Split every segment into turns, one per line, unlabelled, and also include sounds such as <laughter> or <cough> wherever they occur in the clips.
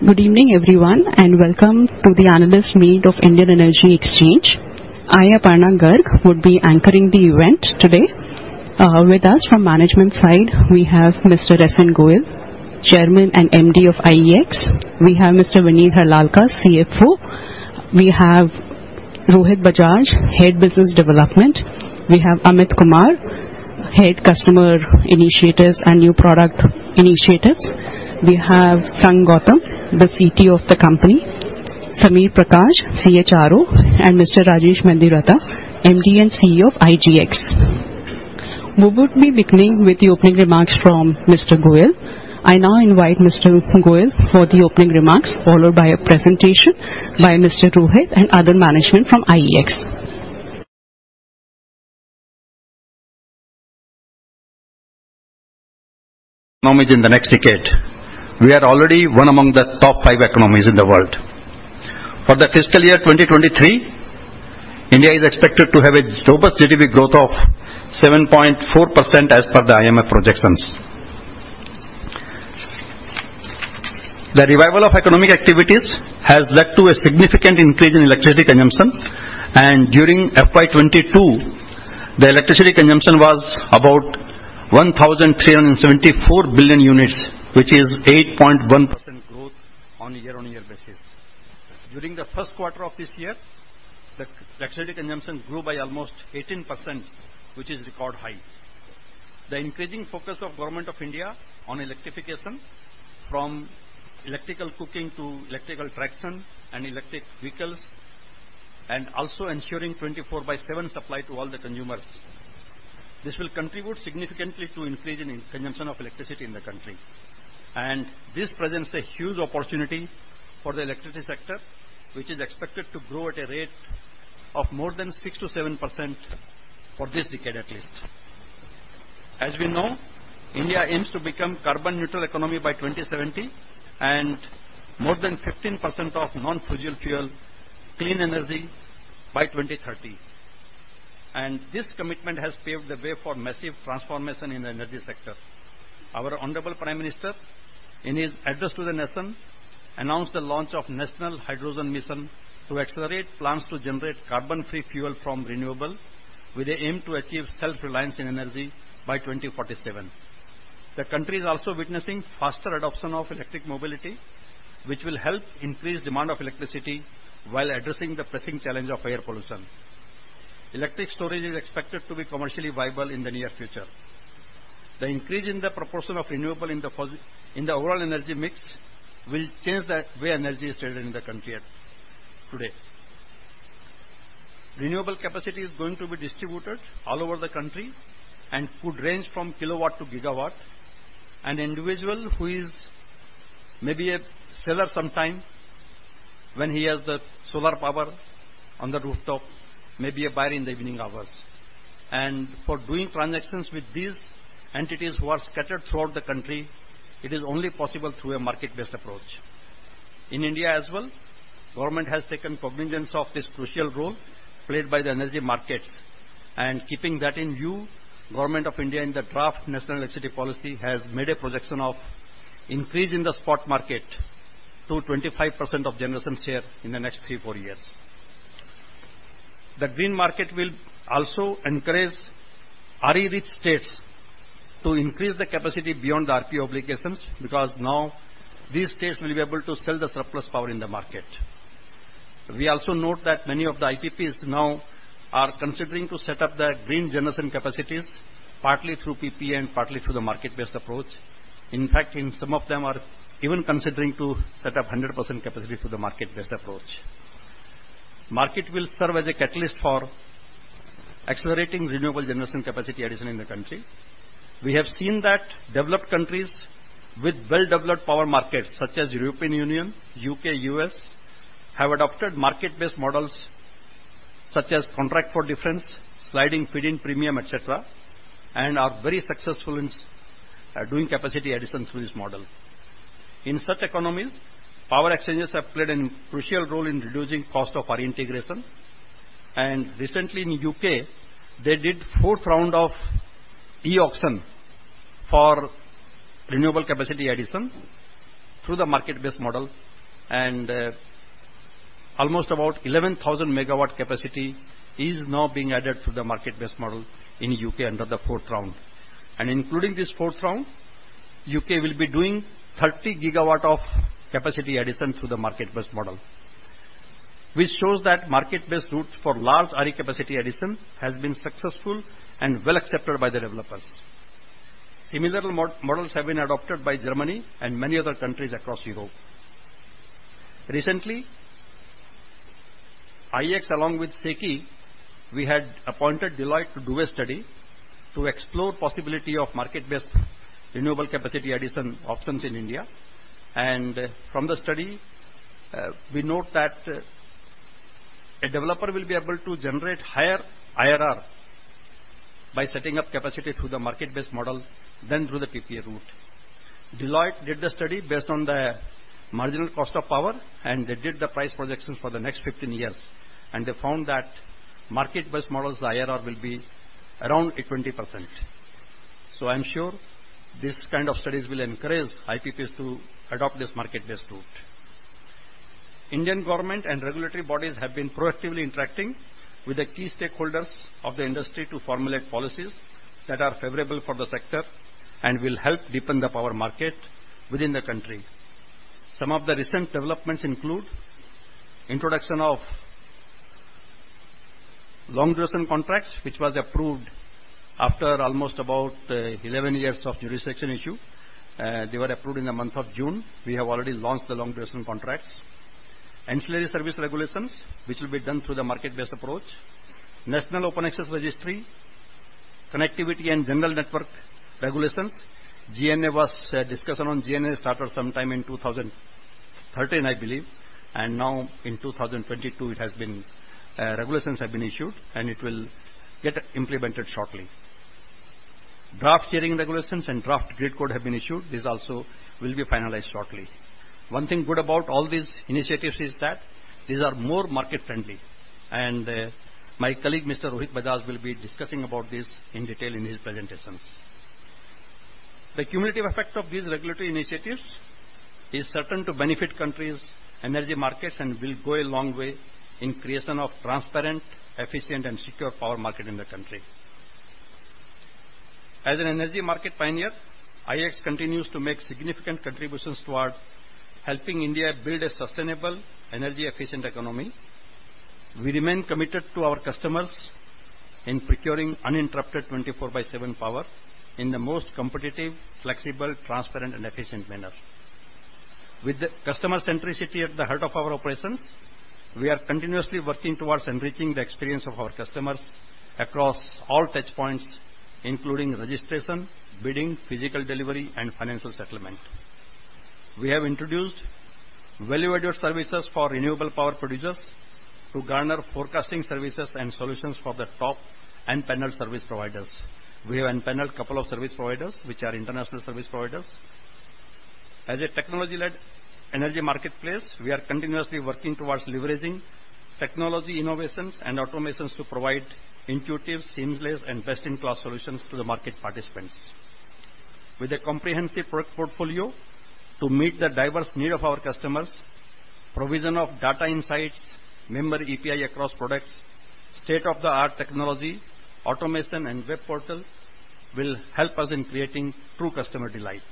KOGood evening, everyone, and welcome to the Analyst Meet of Indian Energy Exchange. I, Aparna Garg, would be anchoring the event today. With us from management side, we have Mr. S.N. Goel, Chairman and MD of IEX. We have Mr. Vineet Harlalka, CFO. We have Rohit Bajaj, Head Business Development. We have Amit Kumar, Head Customer Initiatives and New Product Initiatives. We have Sangh Gautam, the CTO of the company, Samir Prakash, CHRO, and Mr. Rajesh Kumar Mediratta, MD and CEO of IGX. We would be beginning with the opening remarks from Mr. Goel. I now invite Mr. Goel for the opening remarks, followed by a presentation by Mr. Rohit and other management from IEX.
We are already one among the top five economies in the world. For the fiscal year 2023, India is expected to have a robust GDP growth of 7.4% as per the IMF projections. The revival of economic activities has led to a significant increase in electricity consumption and during FY 2022, the electricity consumption was about 1,374 billion units, which is 8.1% growth on a year-on-year basis. During the first quarter of this year, the electricity consumption grew by almost 18%, which is record high. The increasing focus of Government of India on electrification from electrical cooking to electrical traction and electric vehicles, and also ensuring 24/7 supply to all the consumers. This will contribute significantly to increase in consumption of electricity in the country. This presents a huge opportunity for the electricity sector, which is expected to grow at a rate of more than 6%-7% for this decade, at least. As we know, India aims to become carbon-neutral economy by 2070 and more than 15% of non-fossil fuel clean energy by 2030. This commitment has paved the way for massive transformation in the energy sector. Our honorable Prime Minister, in his address to the nation, announced the launch of National Green Hydrogen Mission to accelerate plans to generate carbon-free fuel from renewable, with an aim to achieve self-reliance in energy by 2047. The country is also witnessing faster adoption of electric mobility, which will help increase demand of electricity while addressing the pressing challenge of air pollution. Electric storage is expected to be commercially viable in the near future. The increase in the proportion of renewable in the overall energy mix will change the way energy is traded in the country today. Renewable capacity is going to be distributed all over the country and could range from kilowatt to gigawatt. An individual who is maybe a seller sometime when he has the solar power on the rooftop, may be a buyer in the evening hours. For doing transactions with these entities who are scattered throughout the country, it is only possible through a market-based approach. In India as well, government has taken cognizance of this crucial role played by the energy markets. Keeping that in view, Government of India in the Draft National Electricity Policy has made a projection of increase in the spot market to 25% of generation share in the next three-four years. The green market will also encourage RE-rich states to increase the capacity beyond the RPO obligations, because now these states will be able to sell the surplus power in the market. We also note that many of the IPPs now are considering to set up their green generation capacities, partly through PPA and partly through the market-based approach. In fact, in some of them are even considering to set up 100% capacity through the market-based approach. Market will serve as a catalyst for accelerating renewable generation capacity addition in the country. We have seen that developed countries with well-developed power markets such as European Union, U.K., U.S., have adopted market-based models such as contract for difference, sliding feed-in premium, et cetera, and are very successful in doing capacity addition through this model. In such economies, power exchanges have played a crucial role in reducing cost of RE integration. Recently in U.K., they did fourth round of e-auction for renewable capacity addition through the market-based model. Almost about 11,000 MW capacity is now being added to the market-based model in U.K. under the fourth round. Including this fourth round, U.K. will be doing 30 GW of capacity addition through the market-based model, which shows that market-based route for large RE capacity addition has been successful and well accepted by the developers. Similar models have been adopted by Germany and many other countries across Europe. Recently, IEX along with SECI, we had appointed Deloitte to do a study to explore possibility of market-based renewable capacity addition options in India. From the study, we note that a developer will be able to generate higher IRR by setting up capacity through the market-based model than through the PPA route. Deloitte did the study based on the marginal cost of power, and they did the price projections for the next 1five years. They found that market-based models, the IRR will be around a 20%. I'm sure these kind of studies will encourage IPPs to adopt this market-based route. Indian government and regulatory bodies have been proactively interacting with the key stakeholders of the industry to formulate policies that are favorable for the sector and will help deepen the power market within the country. Some of the recent developments include introduction of long-duration contracts, which was approved after almost about 11 years of jurisdiction issue. They were approved in the month of June. We have already launched the long-duration contracts. Ancillary services regulations, which will be done through the market-based approach. National Open Access Registry, Connectivity and General Network Access Regulations. Discussion on GNA started sometime in 2013, I believe. Now in 2022, regulations have been issued, and it will get implemented shortly. Draft sharing regulations and draft grid code have been issued. This also will be finalized shortly. One thing good about all these initiatives is that these are more market-friendly. My colleague Mr. Rohit Bajaj will be discussing about this in his presentations. The cumulative effect of these regulatory initiatives is certain to benefit country's energy markets and will go a long way in creation of transparent, efficient, and secure power market in the country. As an energy market pioneer, IEX continues to make significant contributions towards helping India build a sustainable, energy-efficient economy. We remain committed to our customers in procuring uninterrupted 24x7 power in the most competitive, flexible, transparent, and efficient manner. With the customer centricity at the heart of our operations, we are continuously working towards enriching the experience of our customers across all touch points, including registration, bidding, physical delivery, and financial settlement. We have introduced value-added services for renewable power producers to garner forecasting services and solutions for the top and paneled service providers. We have empaneled couple of service providers, which are international service providers. As a technology-led energy marketplace, we are continuously working towards leveraging technology innovations and automations to provide intuitive, seamless, and best-in-class solutions to the market participants. With a comprehensive product portfolio to meet the diverse need of our customers, provision of data insights, member API across products, state-of-the-art technology, automation, and web portal will help us in creating true customer delight.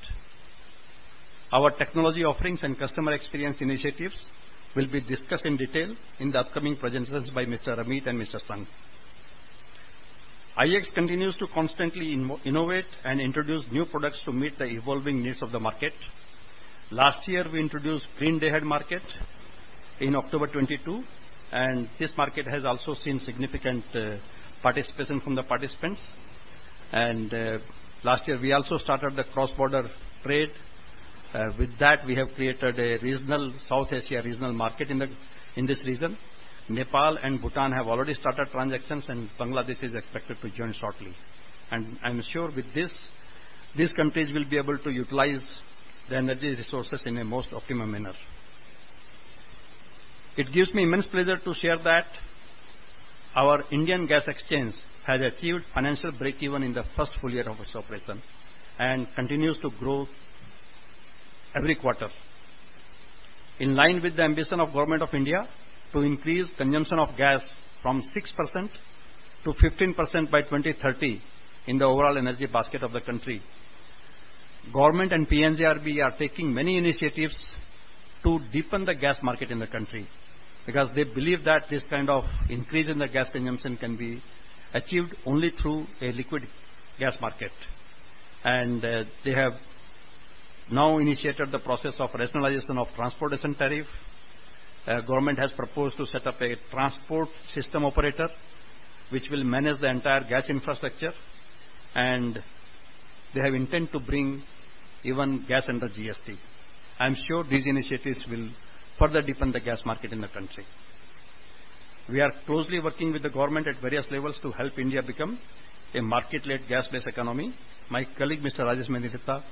Our technology offerings and customer experience initiatives will be discussed in detail in the upcoming presentations by Mr. Amit Kumar and Mr. Sangh Gautam. IEX continues to constantly innovate and introduce new products to meet the evolving needs of the market. Last year, we introduced Green Day-Ahead Market in October 2022, and this market has also seen significant participation from the participants. Last year, we also started the cross-border trade. With that, we have created a regional South Asia regional market in this region. Nepal and Bhutan have already started transactions, and Bangladesh is expected to join shortly. I'm sure with this, these countries will be able to utilize the energy resources in a most optimum manner. It gives me immense pleasure to share that our Indian Gas Exchange has achieved financial break-even in the first full year of its operation and continues to grow every quarter. In line with the ambition of Government of India to increase consumption of gas from 6% to 15% by 2030 in the overall energy basket of the country, government and PNGRB are taking many initiatives to deepen the gas market in the country because they believe that this kind of increase in the gas consumption can be achieved only through a liquid gas market. They have now initiated the process of rationalization of transportation tariff. Government has proposed to set up a transport system operator, which will manage the entire gas infrastructure. They have intent to bring even gas under GST. I'm sure these initiatives will further deepen the gas market in the country. We are closely working with the government at various levels to help India become a market-led gas-based economy. My colleague, Mr. Rajesh K. Mediratta,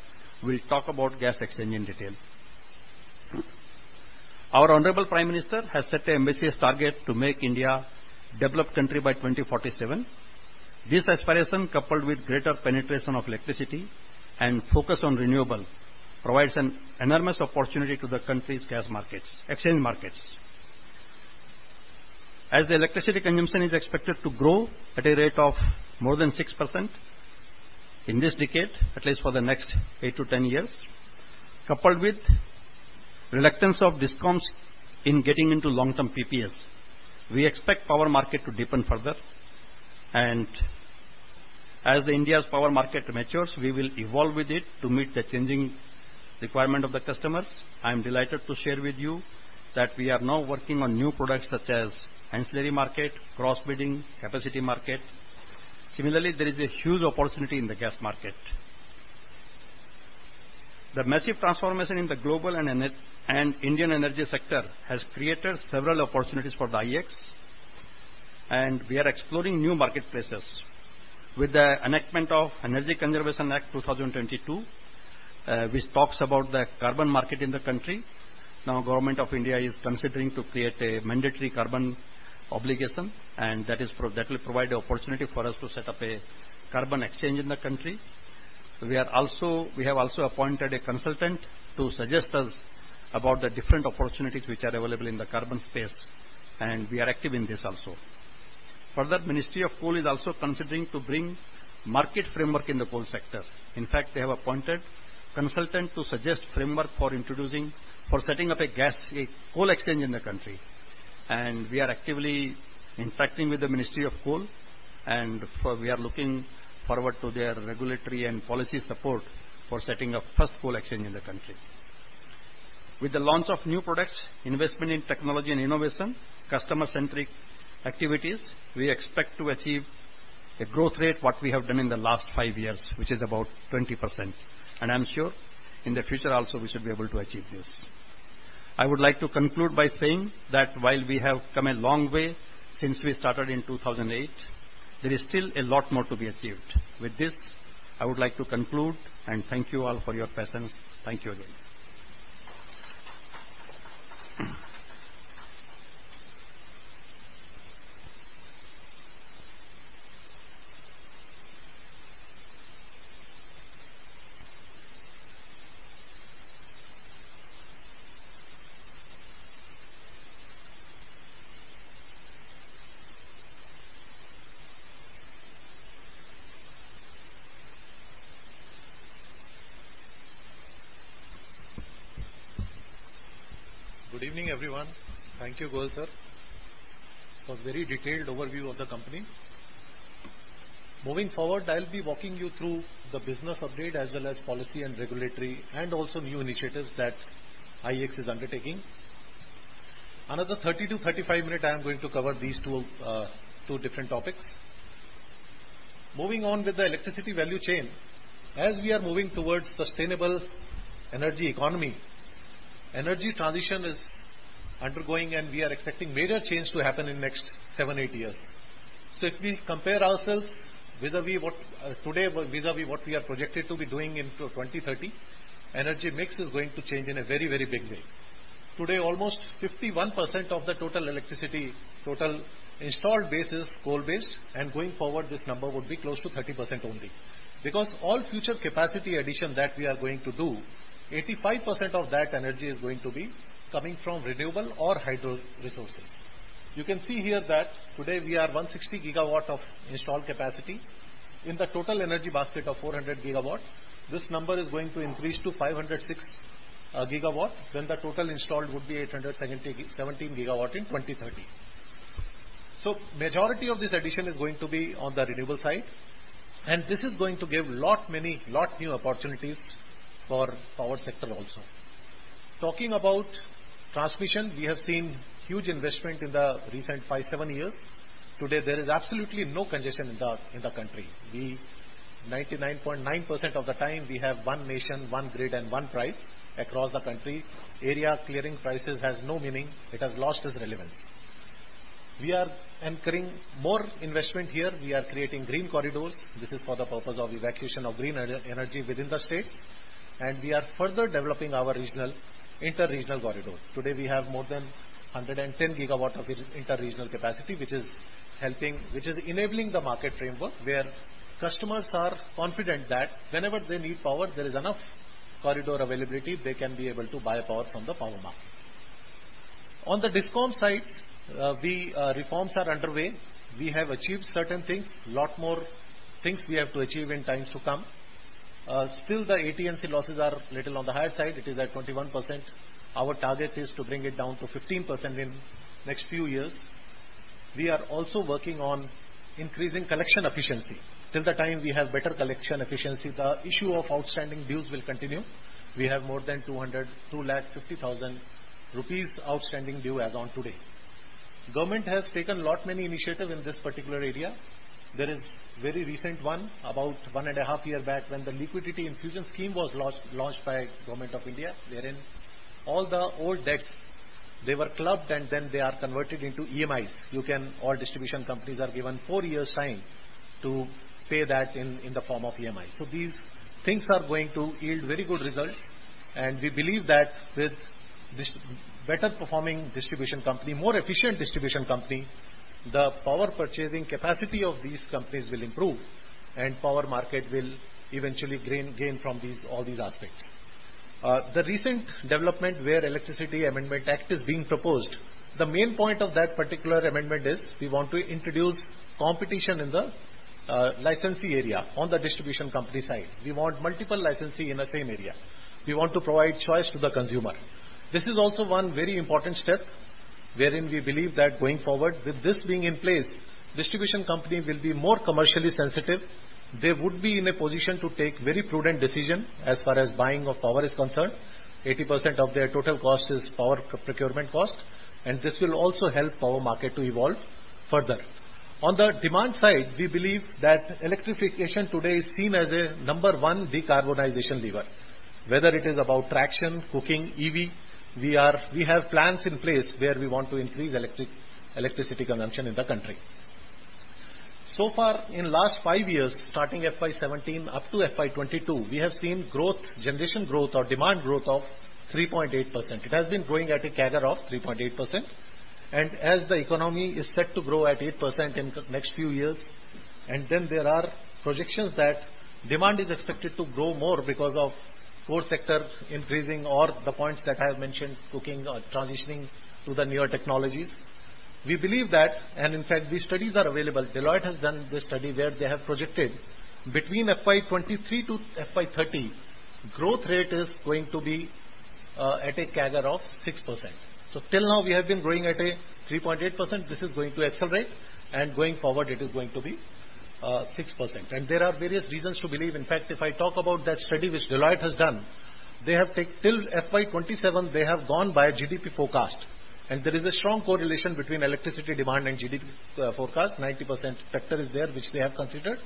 will talk about gas exchange in detail. Our honorable Prime Minister has set an ambitious target to make India developed country by 2047. This aspiration, coupled with greater penetration of electricity and focus on renewable, provides an enormous opportunity to the country's gas markets, exchange markets. As the electricity consumption is expected to grow at a rate of more than 6% in this decade, at least for the next 8 to 10 years, coupled with reluctance of DISCOMs in getting into long-term PPAs, we expect power market to deepen further. As India's power market matures, we will evolve with it to meet the changing requirement of the customers. I'm delighted to share with you that we are now working on new products such as ancillary market, cross-border bidding, capacity market. Similarly, there is a huge opportunity in the gas market. The massive transformation in the global and Indian energy sector has created several opportunities for the IEX, and we are exploring new marketplaces. With the enactment of Energy Conservation Act 2022, which talks about the carbon market in the country, now Government of India is considering to create a mandatory carbon obligation. that will provide the opportunity for us to set up a carbon exchange in the country. We have also appointed a consultant to suggest us about the different opportunities which are available in the carbon space, and we are active in this also. Further, Ministry of Coal is also considering to bring market framework in the coal sector. In fact, they have appointed consultant to suggest framework for introducing, for setting up a coal exchange in the country. We are actively interacting with the Ministry of Coal, and for we are looking forward to their regulatory and policy support for setting up first coal exchange in the country. With the launch of new products, investment in technology and innovation, customer-centric activities, we expect to achieve a growth rate what we have done in the last five years, which is about 20%. I am sure in the future also we should be able to achieve this. I would like to conclude by saying that while we have come a long way since we started in 2008, there is still a lot more to be achieved. With this, I would like to conclude and thank you all for your presence. Thank you again.
Good evening, everyone. Thank you, Goel, sir, for very detailed overview of the company. Moving forward, I'll be walking you through the business update as well as policy and regulatory and also new initiatives that IEX is undertaking. Another 30 to 35 minute, I am going to cover these two different topics. Moving on with the electricity value chain, as we are moving towards sustainable energy economy, energy transition is undergoing, and we are expecting major change to happen in next 7-8 years. If we compare ourselves vis-à-vis what today vis-à-vis what we are projected to be doing in 2030, energy mix is going to change in a very, very big way. Today, almost 51% of the total electricity, total installed base is coal-based, and going forward this number would be close to 30% only. Because all future capacity addition that we are going to do, 85% of that energy is going to be coming from renewable or hydro resources. You can see here that today we are 160 GW of installed capacity. In the total energy basket of 400 GW, this number is going to increase to 506 GW, then the total installed would be 817 GW in 2030. Majority of this addition is going to be on the renewable side, and this is going to give many new opportunities for power sector also. Talking about transmission, we have seen huge investment in the recent 5-7 years. Today, there is absolutely no congestion in the country. We 99.9% of the time we have one nation, one grid and one price across the country. Area clearing prices has no meaning. It has lost its relevance. We are anchoring more investment here. We are creating green corridors. This is for the purpose of evacuation of green energy within the states, and we are further developing our regional, interregional corridors. Today, we have more than 110 GW of interregional capacity, which is helping, which is enabling the market framework where customers are confident that whenever they need power, there is enough corridor availability, they can be able to buy power from the power markets. On the DISCOM side, reforms are underway. We have achieved certain things. Lot more things we have to achieve in times to come. Still the AT&C losses are little on the higher side. It is at 21%. Our target is to bring it down to 15% in next few years. We are also working on increasing collection efficiency. Till the time we have better collection efficiency, the issue of outstanding dues will continue. We have more than 202.5 lakh rupees outstanding due as on today. Government has taken lot many initiatives in this particular area. There is very recent one, about one and a half year back when the liquidity infusion scheme was launched by Government of India, wherein all the old debts, they were clubbed and then they are converted into EMIs. All distribution companies are given four years time to pay that in the form of EMI. These things are going to yield very good results, and we believe that with this better performing distribution company, more efficient distribution company, the power purchasing capacity of these companies will improve and power market will eventually gain from these, all these aspects. The recent development where Electricity (Amendment) Bill, 2022 is being proposed, the main point of that particular amendment is we want to introduce competition in the licensee area on the distribution company side. We want multiple licensee in the same area. We want to provide choice to the consumer. This is also one very important step wherein we believe that going forward with this being in place, distribution company will be more commercially sensitive. They would be in a position to take very prudent decision as far as buying of power is concerned. 80% of their total cost is power procurement cost, and this will also help power market to evolve further. On the demand side, we believe that electrification today is seen as a number one decarbonization lever. Whether it is about traction, cooking, EV, we have plans in place where we want to increase electric, electricity consumption in the country. So far in last five years, starting FY 2017 up to FY 2022, we have seen growth, generation growth or demand growth of 3.8%. It has been growing at a CAGR of 3.8%. As the economy is set to grow at 8% in the next few years, and then there are projections that demand is expected to grow more because of core sector increasing or the points that I have mentioned, cooking or transitioning to the newer technologies. We believe that, and in fact, these studies are available. Deloitte has done this study where they have projected between FY 2023 to FY 2030, growth rate is going to be at a CAGR of 6%. Till now we have been growing at a 3.8%. This is going to accelerate and going forward it is going to be 6%. There are various reasons to believe. In fact, if I talk about that study which Deloitte has done, till FY 2027, they have gone by GDP forecast and there is a strong correlation between electricity demand and GDP forecast. 90% factor is there, which they have considered.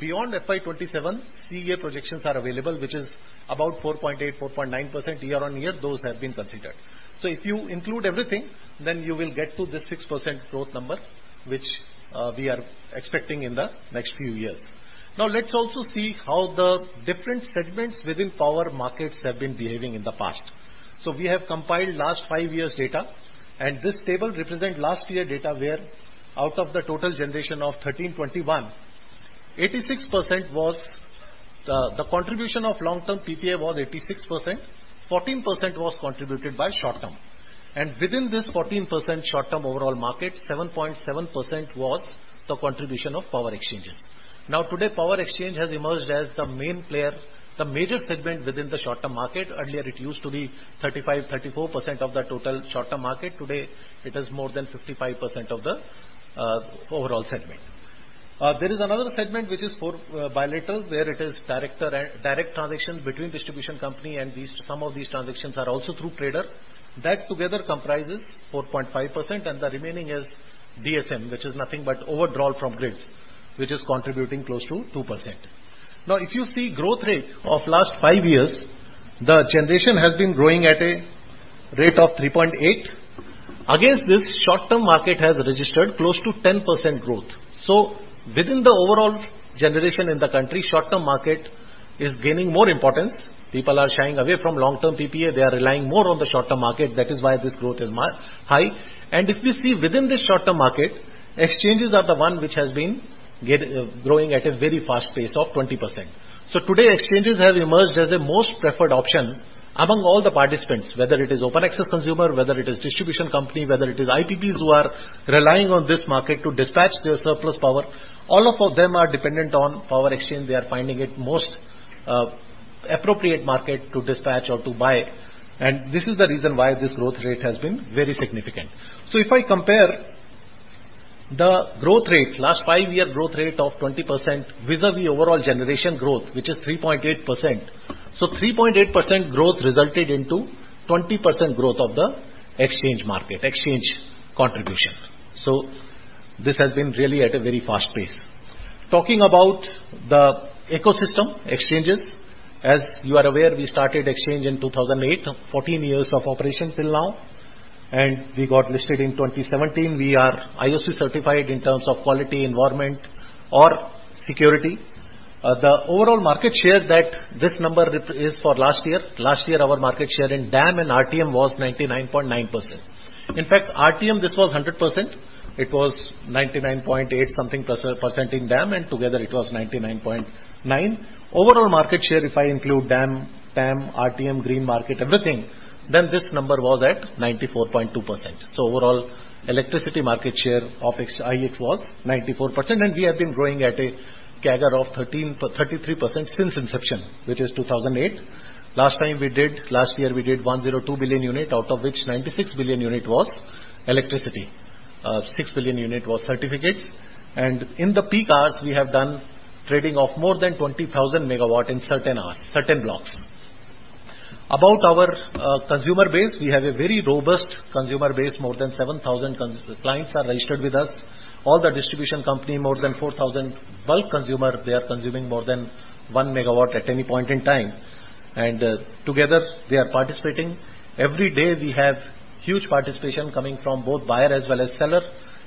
Beyond FY 2027, CEA projections are available, which is about 4.8%-4.9% year-over-year. Those have been considered. If you include everything, then you will get to this 6% growth number, which we are expecting in the next few years. Now let's also see how the different segments within power markets have been behaving in the past. We have compiled last five years data and this table represent last year data where out of the total generation of 1,321, 86% was the contribution of long-term PPA. 14% was contributed by short-term. Within this 14% short-term overall market, 7.7% was the contribution of power exchanges. Now today, power exchange has emerged as the main player, the major segment within the short-term market. Earlier it used to be 34% of the total short-term market. Today it is more than 55% of the overall segment. There is another segment which is for bilateral, where it is direct transactions between distribution company and these, some of these transactions are also through trader. That together comprises 4.5% and the remaining is DSM, which is nothing but overdrawal from grids, which is contributing close to 2%. Now if you see growth rate of last five years, the generation has been growing at a rate of 3.8%. Against this short-term market has registered close to 10% growth. Within the overall generation in the country, short-term market is gaining more importance. People are shying away from long-term PPA. They are relying more on the short-term market. That is why this growth is high. If we see within this short-term market, exchanges are the one which has been growing at a very fast pace of 20%. Today exchanges have emerged as a most preferred option among all the participants, whether it is open access consumer, whether it is distribution company, whether it is IPPs who are relying on this market to dispatch their surplus power. All of them are dependent on power exchange. They are finding it most appropriate market to dispatch or to buy. This is the reason why this growth rate has been very significant. If I compare the growth rate, last five-year growth rate of 20% vis-à-vis overall generation growth, which is 3.8%. Three point eight percent growth resulted into 20% growth of the exchange market, exchange contribution. This has been really at a very fast pace. Talking about the ecosystem exchanges. As you are aware, we started exchange in 2008, 14 years of operation till now, and we got listed in 2017. We are ISO certified in terms of quality, environment or security. The overall market share that this number is for last year. Last year our market share in DAM and RTM was 99.9%. In fact, RTM this was 100%. It was 99.8% something in DAM and together it was 99.9%. Overall market share, if I include DAM, TAM, RTM, green market, everything, then this number was at 94.2%. Overall electricity market share of IEX was 94% and we have been growing at a CAGR of 13.33% since inception, which is 2008. Last year we did 102 billion units, out of which 96 billion units was electricity. 6 billion units was certificates. In the peak hours we have done trading of more than 20,000 MW in certain hours, certain blocks. About our consumer base, we have a very robust consumer base. More than 7,000 clients are registered with us. All the distribution company, more than 4,000 bulk consumer, they are consuming more than 1 MW at any point in time. Together they are participating. Every day we have huge participation coming from both buyer as well as seller.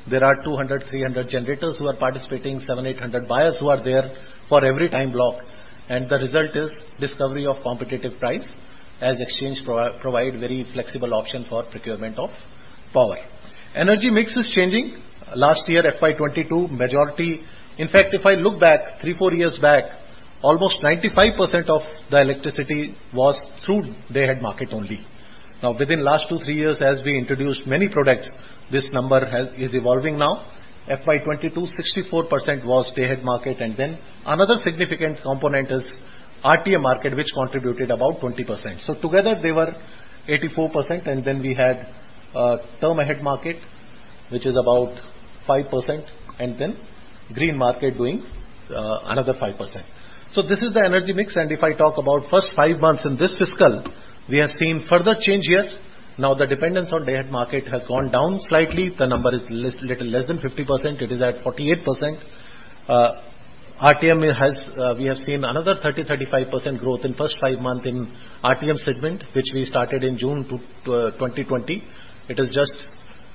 There are 200-300 generators who are participating, 700-800 buyers who are there for every time block. The result is discovery of competitive price as exchange provide very flexible option for procurement of power. Energy mix is changing. Last year, FY 2022, majority. In fact if I look back three-four years back, almost 95% of the electricity was through day-ahead market only. Now within last 2-3 years as we introduced many products, this number has, is evolving now. FY 2022, 64% was day-ahead market. Then another significant component is RTM market, which contributed about 20%. Together they were 84%. We had term-ahead market, which is about 5% and then green market doing another 5%. This is the energy mix. If I talk about first five months in this fiscal, we have seen further change here. Now the dependence on day-ahead market has gone down slightly. The number is less, little less than 50%. It is at 48%. RTM has, we have seen another 35% growth in first five months in RTM segment, which we started in June 2020. It is just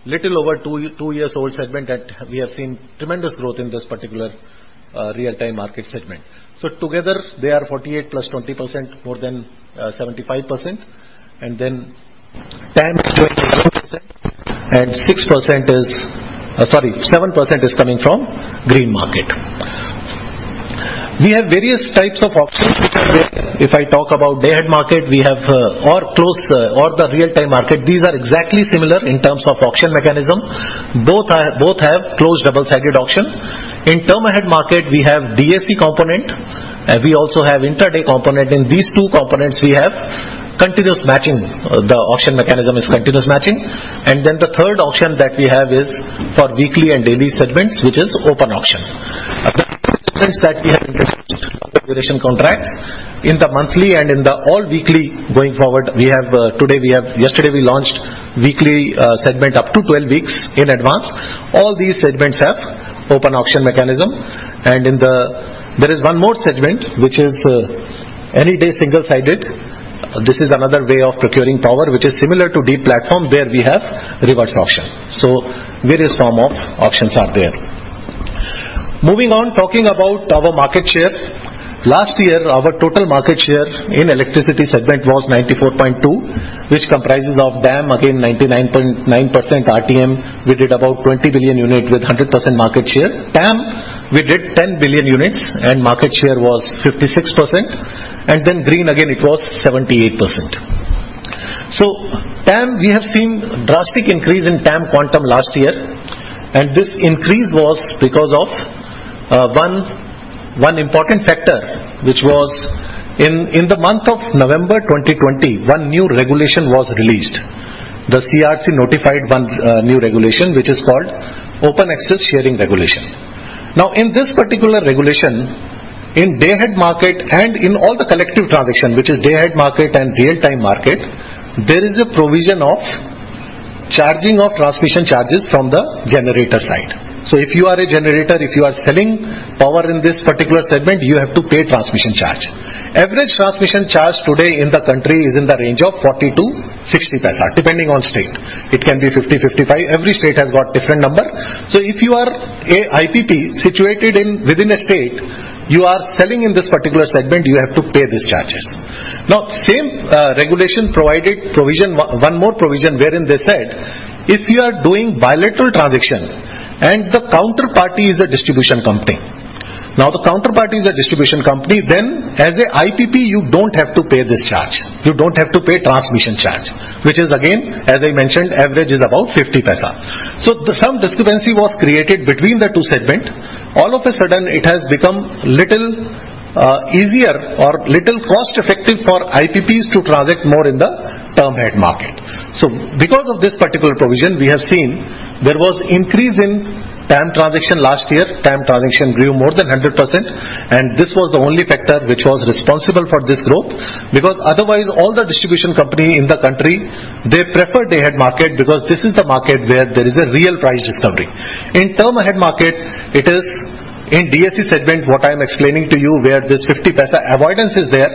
little over two years old segment that we have seen tremendous growth in this particular real-time market segment. Together they are 48% plus 20% more than 75%. Then TAM is 21% and 6% is, sorry, 7% is coming from green market. We have various types of auctions which are there. If I talk about day-ahead market, we have, or close or the real-time market. These are exactly similar in terms of auction mechanism. Both have closed double-sided auction. In Term-Ahead Market, we have DAC component, we also have intra-day component. In these two components, we have continuous matching. The auction mechanism is continuous matching. The third auction that we have is for weekly and daily segments, which is open auction that we have introduced contracts. In the monthly and in the all weekly going forward, we have. Yesterday, we launched weekly segment up to 12 weeks in advance. All these segments have open auction mechanism. There is one more segment, which is any day single-sided. This is another way of procuring power, which is similar to DEEP portal, where we have reverse auction. Various forms of auctions are there. Moving on, talking about our market share. Last year, our total market share in electricity segment was 94.2%, which comprises of DAM, again, 99.9% RTM. We did about 20 billion units with 100% market share. TAM, we did 10 billion units, and market share was 56%. Then green, again, it was 78%. TAM, we have seen drastic increase in TAM quantum last year, and this increase was because of one important factor, which was in the month of November 2020, one new regulation was released. The CERC notified one new regulation, which is called Open Access Sharing Regulation. Now, in this particular regulation, in day-ahead market and in all the collective transaction, which is day-ahead market and real-time market, there is a provision of charging of transmission charges from the generator side. If you are a generator, if you are selling power in this particular segment, you have to pay transmission charge. Average transmission charge today in the country is in the range of 0.40-0.60, depending on state. It can be 50, 55. Every state has got different number. If you are a IPP situated within a state, you are selling in this particular segment, you have to pay these charges. Now, same regulation provided one more provision wherein they said, if you are doing bilateral transaction and the counterparty is a distribution company, then as a IPP, you don't have to pay this charge. You don't have to pay transmission charge, which is again, as I mentioned, average is about 0.50. Some discrepancy was created between the two segments. All of a sudden, it has become little easier or little cost-effective for IPPs to transact more in the term-ahead market. Because of this particular provision, we have seen there was increase in TAM transaction last year. TAM transaction grew more than 100%, and this was the only factor which was responsible for this growth. Because otherwise, all the distribution company in the country, they prefer day-ahead market because this is the market where there is a real price discovery. In term-ahead market, it is in DAC segment, what I am explaining to you, where this 0.50 avoidance is there.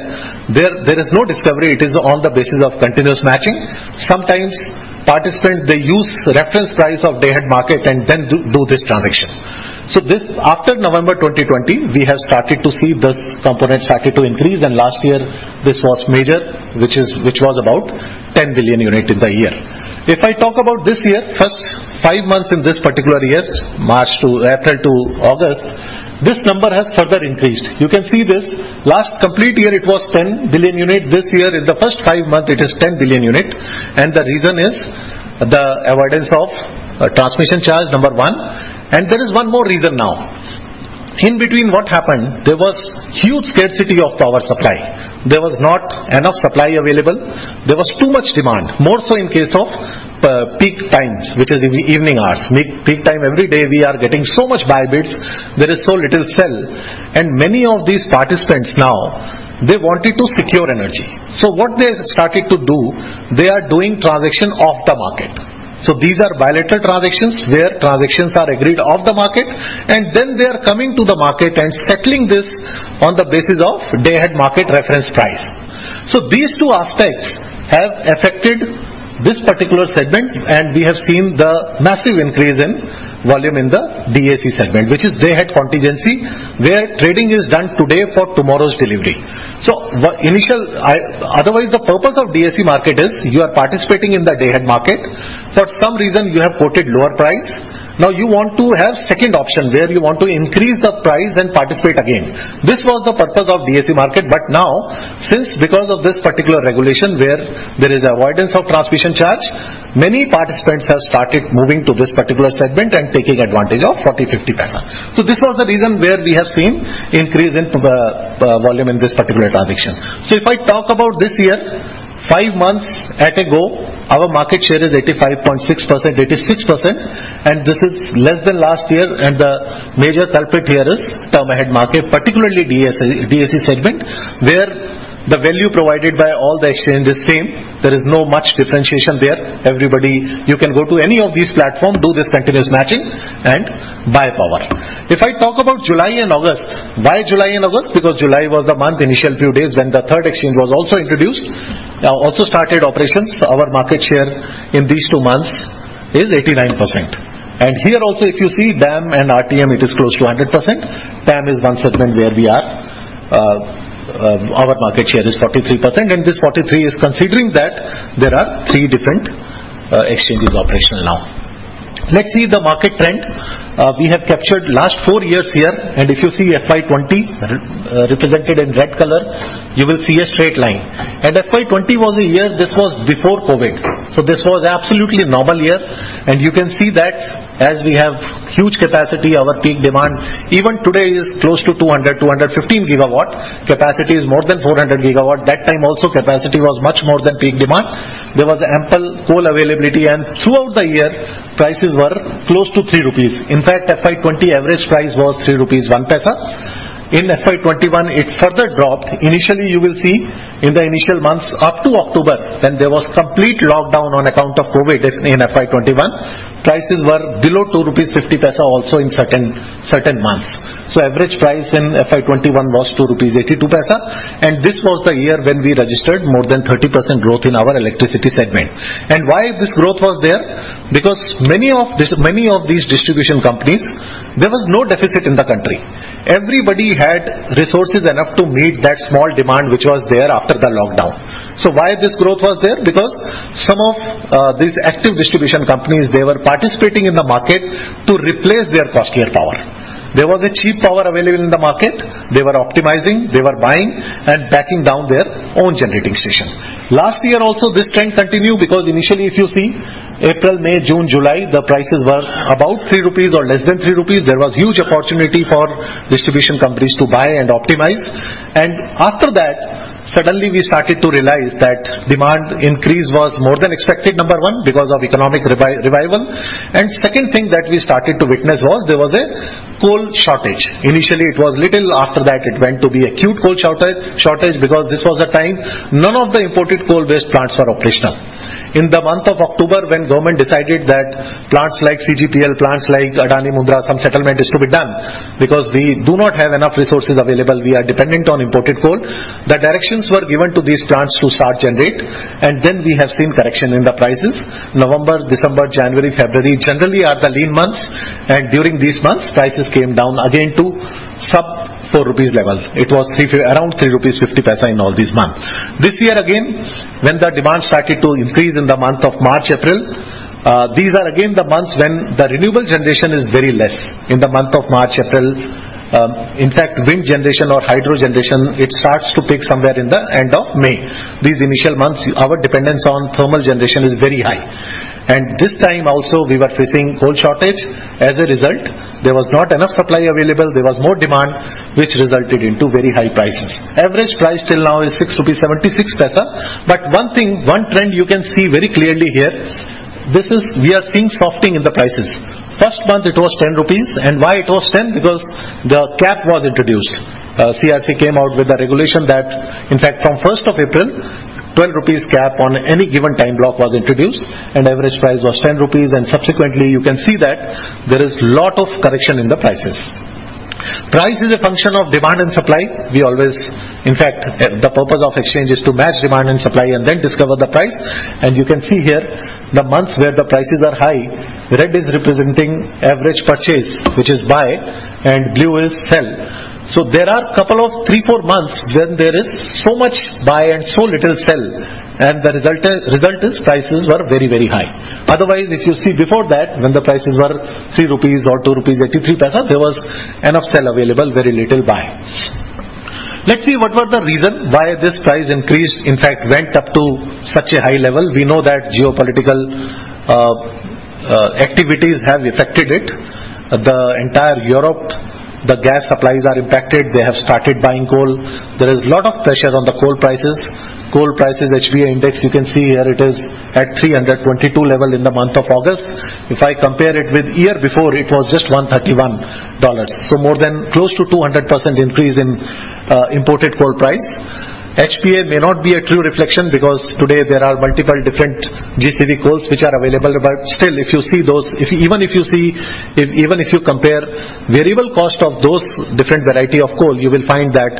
There is no discovery. It is on the basis of continuous matching. Sometimes participants, they use reference price of day-ahead market and then do this transaction. This, after November 2020, we have started to see this component started to increase. Last year this was major, which was about 10 billion units in the year. If I talk about this year, first five months in this particular year, March to April to August, this number has further increased. You can see this. Last complete year it was 10 billion units. This year in the first five months it is 10 billion units. The reason is the avoidance of transmission charge, number one. There is one more reason now. In between, what happened, there was huge scarcity of power supply. There was not enough supply available. There was too much demand. More so in case of peak times, which is in the evening hours. Mid-peak time every day, we are getting so much buy bids. There is so little sell. Many of these participants now, they wanted to secure energy. What they started to do, they are doing transaction off the market. These are bilateral transactions where transactions are agreed off the market, and then they are coming to the market and settling this on the basis of day-ahead market reference price. These two aspects have affected this particular segment, and we have seen the massive increase in volume in the DAC segment, which is day-ahead contingency, where trading is done today for tomorrow's delivery. Otherwise, the purpose of DAC market is you are participating in the day-ahead market. For some reason, you have quoted lower price. Now you want to have second option where you want to increase the price and participate again. This was the purpose of DAC market. Now, since because of this particular regulation where there is avoidance of transmission charge, many participants have started moving to this particular segment and taking advantage of 40-50 paisa. This was the reason where we have seen increase in the volume in this particular transaction. If I talk about this year, five months ago, our market share is 85.6%, 86%, and this is less than last year and the major culprit here is term ahead market, particularly DAC segment, where the value provided by all the exchange is same. There is no much differentiation there. Everybody, you can go to any of these platform, do this continuous matching and buy power. If I talk about July and August. Why July and August? Because July was the month, initial few days, when the third exchange was also introduced, also started operations. Our market share in these two months is 89%. Here also if you see DAM and RTM, it is close to 100%. TAM is one segment where we are, our market share is 43%, and this 43% is considering that there are three different exchanges operational now. Let's see the market trend. We have captured last four years here, and if you see FY 2020, represented in red color, you will see a straight line. FY 2020 was a year this was before COVID, so this was absolutely a normal year. You can see that as we have huge capacity, our peak demand even today is close to 215 GW. Capacity is more than 400 GW. That time also, capacity was much more than peak demand. There was ample coal availability, and throughout the year prices were close to 3 rupees. In fact, FY 2020 average price was 3.01 rupees. In FY 2021, it further dropped. Initially, you will see in the initial months up to October, when there was complete lockdown on account of COVID in FY 2021, prices were below 2.50 also in certain months. Average price in FY 2021 was 2.82, and this was the year when we registered more than 30% growth in our electricity segment. Why this growth was there? Because many of these distribution companies, there was no deficit in the country. Everybody had resources enough to meet that small demand which was there after the lockdown. Why this growth was there? Because some of these active distribution companies, they were participating in the market to replace their costlier power. There was a cheap power available in the market. They were optimizing, they were buying and backing down their own generating station. Last year also, this trend continued because initially, if you see April, May, June, July, the prices were about 3 rupees or less than 3 rupees. There was huge opportunity for distribution companies to buy and optimize. After that, suddenly we started to realize that demand increase was more than expected, number one, because of economic revival. Second thing that we started to witness was there was a coal shortage. Initially, it was little. After that it went to be acute coal shortage because this was the time none of the imported coal-based plants were operational. In the month of October, when government decided that plants like CGPL, plants like Adani Mundra, some settlement is to be done because we do not have enough resources available, we are dependent on imported coal. The directions were given to these plants to start generate and then we have seen correction in the prices. November, December, January, February generally are the lean months and during these months prices came down again to sub-4 INR level. It was around 3.50 rupees in all these months. This year again, when the demand started to increase in the month of March, April, these are again the months when the renewable generation is very less in the month of March, April. In fact, wind generation or hydro generation, it starts to pick somewhere in the end of May. These initial months, our dependence on thermal generation is very high. This time also we were facing coal shortage. As a result, there was not enough supply available. There was more demand which resulted into very high prices. Average price till now is 6.76 rupees. One thing, one trend you can see very clearly here, this is we are seeing softening in the prices. First month it was 10 rupees. Why it was ten? Because the cap was introduced. CERC came out with a regulation that in fact from first of April, 12 rupees cap on any given time block was introduced and average price was 10 rupees. Subsequently, you can see that there is lot of correction in the prices. Price is a function of demand and supply. We always In fact, the purpose of exchange is to match demand and supply and then discover the price. You can see here the months where the prices are high. Red is representing average purchase, which is buy and blue is sell. There are couple of three, four months when there is so much buy and so little sell and the result is prices were very, very high. Otherwise, if you see before that when the prices were 3 rupees or 2.83 rupees there was enough sell available, very little buy. Let's see what were the reason why this price increased, in fact went up to such a high level. We know that geopolitical activities have affected it. The entire Europe, the gas supplies are impacted. They have started buying coal. There is lot of pressure on the coal prices. Coal prices HBA index you can see here it is at 322 level in the month of August. If I compare it with year before it was just $131. More than close to 200% increase in imported coal price. HBA may not be a true reflection because today there are multiple different GCV coals which are available but still if you see those, even if you compare variable cost of those different variety of coal you will find that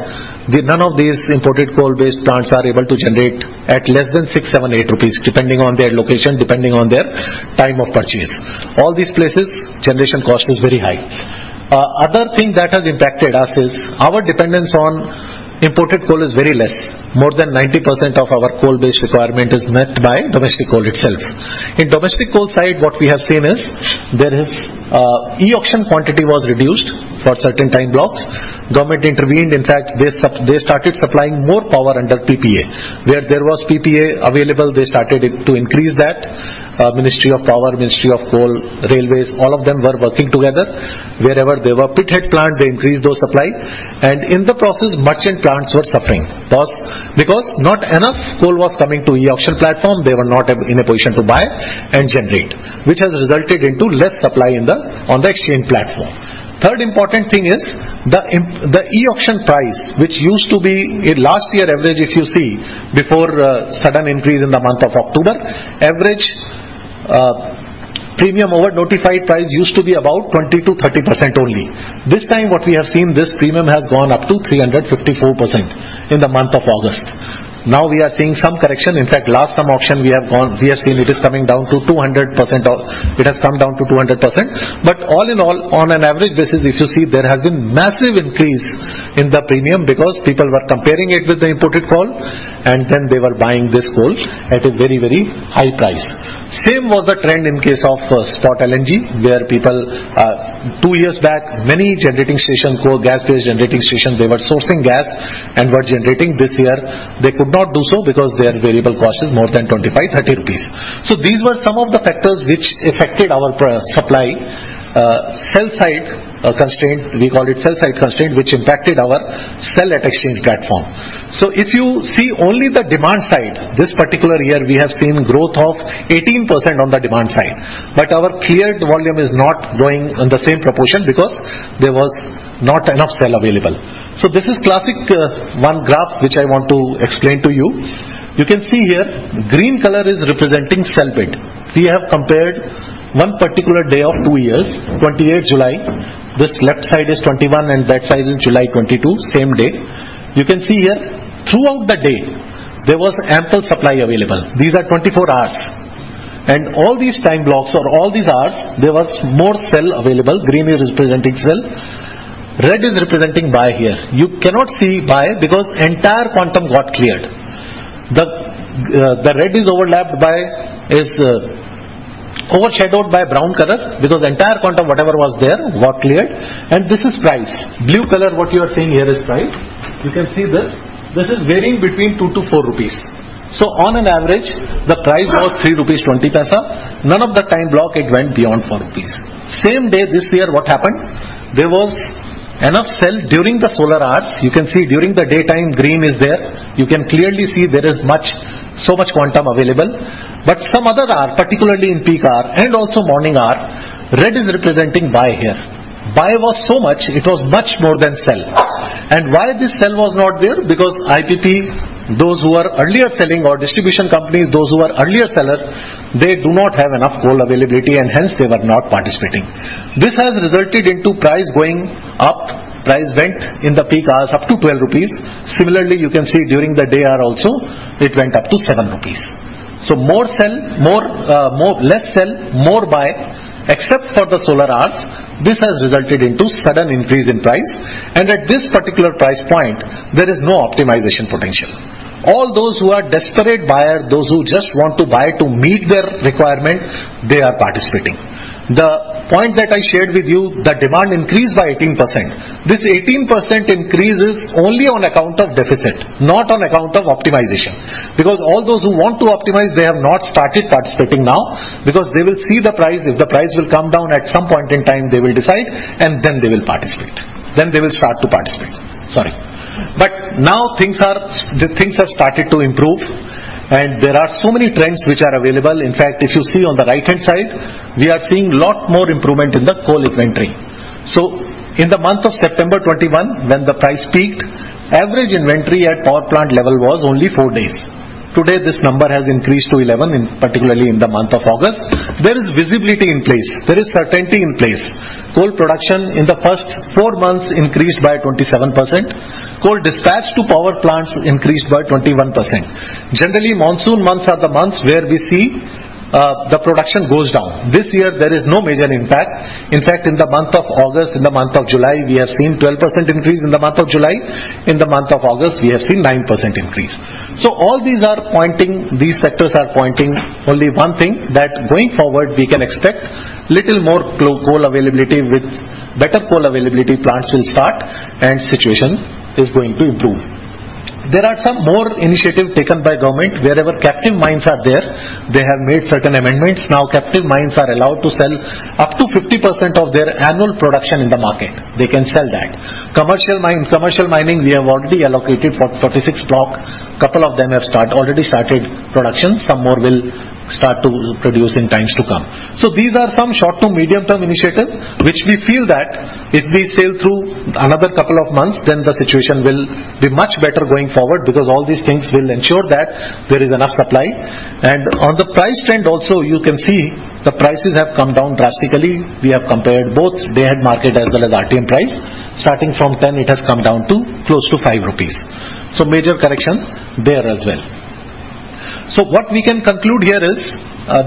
none of these imported coal-based plants are able to generate at less than 6 rupees, 7 rupees, 8 rupees depending on their location, depending on their time of purchase. All these plants generation cost is very high. Other thing that has impacted us is our dependence on imported coal is very less. More than 90% of our coal-based requirement is met by domestic coal itself. In domestic coal side what we have seen is there is e-auction quantity was reduced for certain time blocks. Government intervened. In fact, they started supplying more power under PPA. Where there was PPA available they started it to increase that. Ministry of Power, Ministry of Coal, Railways, all of them were working together. Wherever there were pit head plant they increased those supply and in the process merchant plants were suffering because not enough coal was coming to e-auction platform. They were not in a position to buy and generate which has resulted into less supply on the exchange platform. Third important thing is the e-auction price which used to be, last year average if you see before sudden increase in the month of October, average premium over notified price used to be about 20%-30% only. This time what we have seen, this premium has gone up to 354% in the month of August. Now we are seeing some correction. In fact, last time auction we have seen it is coming down to 200% off. It has come down to 200%. All in all, on an average basis, if you see there has been massive increase in the premium because people were comparing it with the imported coal and then they were buying this coal at a very, very high price. Same was the trend in case of spot LNG, where people two years back, many generating station, coal gas-based generating station, they were sourcing gas and were generating. This year they could not do so because their variable cost is more than 25-30 rupees. These were some of the factors which affected our supply, sell side constraint, we call it sell side constraint, which impacted our sell at exchange platform. If you see only the demand side, this particular year we have seen growth of 18% on the demand side, but our cleared volume is not growing in the same proportion because there was not enough sell available. This is classic one graph which I want to explain to you. You can see here green color is representing sell bid. We have compared one particular day of two years, 28th July. This left side is 2021 and right side is July 2022, same day. You can see here throughout the day there was ample supply available. These are 24 hours. All these time blocks or all these hours there was more sell available. Green is representing sell. Red is representing buy here. You cannot see buy because entire quantum got cleared. The red is overshadowed by brown color because entire quantum, whatever was there, got cleared. This is price. Blue color, what you are seeing here is price. You can see this. This is varying between 2-4 rupees. So on an average, the price was 3.20 rupees. None of the time block it went beyond 4 rupees. Same day this year, what happened? There was enough sell during the solar hours. You can see during the daytime green is there. You can clearly see there is much, so much quantum available. Some other hour, particularly in peak hour and also morning hour, red is representing buy here. Buy was so much, it was much more than sell. Why this sell was not there? Because IPP, those who are earlier selling or distribution companies, those who are earlier seller, they do not have enough coal availability and hence they were not participating. This has resulted into price going up. Price went in the peak hours up to 12 rupees. Similarly, you can see during the day hour also, it went up to INR 7. Less sell, more buy, except for the solar hours. This has resulted into sudden increase in price. At this particular price point, there is no optimization potential. All those who are desperate buyer, those who just want to buy to meet their requirement, they are participating. The point that I shared with you, the demand increased by 18%. This 18% increase is only on account of deficit, not on account of optimization. Because all those who want to optimize, they have not started participating now because they will see the price. If the price will come down at some point in time, they will decide and then they will participate. They will start to participate. Sorry. Now things have started to improve and there are so many trends which are available. In fact, if you see on the right-hand side, we are seeing lot more improvement in the coal inventory. In the month of September 2021, when the price peaked, average inventory at power plant level was only 4 days. Today, this number has increased to 11, particularly in the month of August. There is visibility in place. There is certainty in place. Coal production in the first 4 months increased by 27%. Coal dispatch to power plants increased by 21%. Generally, monsoon months are the months where we see the production goes down. This year there is no major impact. In fact, in the month of August, in the month of July, we have seen 12% increase in the month of July. In the month of August, we have seen 9% increase. All these are pointing. These sectors are pointing only one thing, that going forward, we can expect little more coal availability. With better coal availability, plants will start and situation is going to improve. There are some more initiatives taken by government. Wherever captive mines are there, they have made certain amendments. Now captive mines are allowed to sell up to 50% of their annual production in the market. They can sell that. Commercial mine, commercial mining, we have already allocated for 36 blocks. A couple of them have already started production. Some more will start to produce in times to come. These are some short to medium term initiatives, which we feel that if we sail through another couple of months, then the situation will be much better going forward because all these things will ensure that there is enough supply. On the price trend also you can see the prices have come down drastically. We have compared both day ahead market as well as RTM price. Starting from 10 it has come down to close to 5 rupees. Major correction there as well. What we can conclude here is,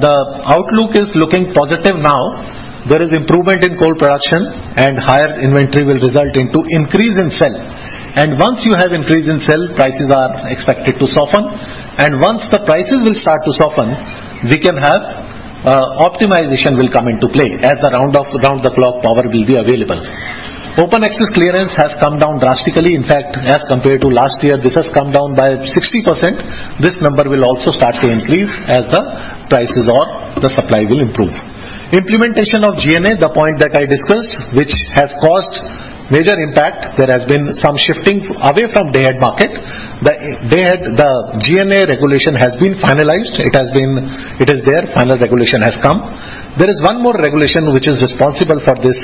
the outlook is looking positive now. There is improvement in coal production and higher inventory will result into increase in supply. Once you have increase in supply, prices are expected to soften. Once the prices will start to soften, we can have, optimization will come into play as the round-the-clock power will be available. Open access clearance has come down drastically. In fact, as compared to last year, this has come down by 60%. This number will also start to increase as the prices or the supply will improve. Implementation of GNA, the point that I discussed, which has caused major impact. There has been some shifting away from day-ahead market. The day-ahead, the GNA regulation has been finalized. It is there. Final regulation has come. There is one more regulation which is responsible for this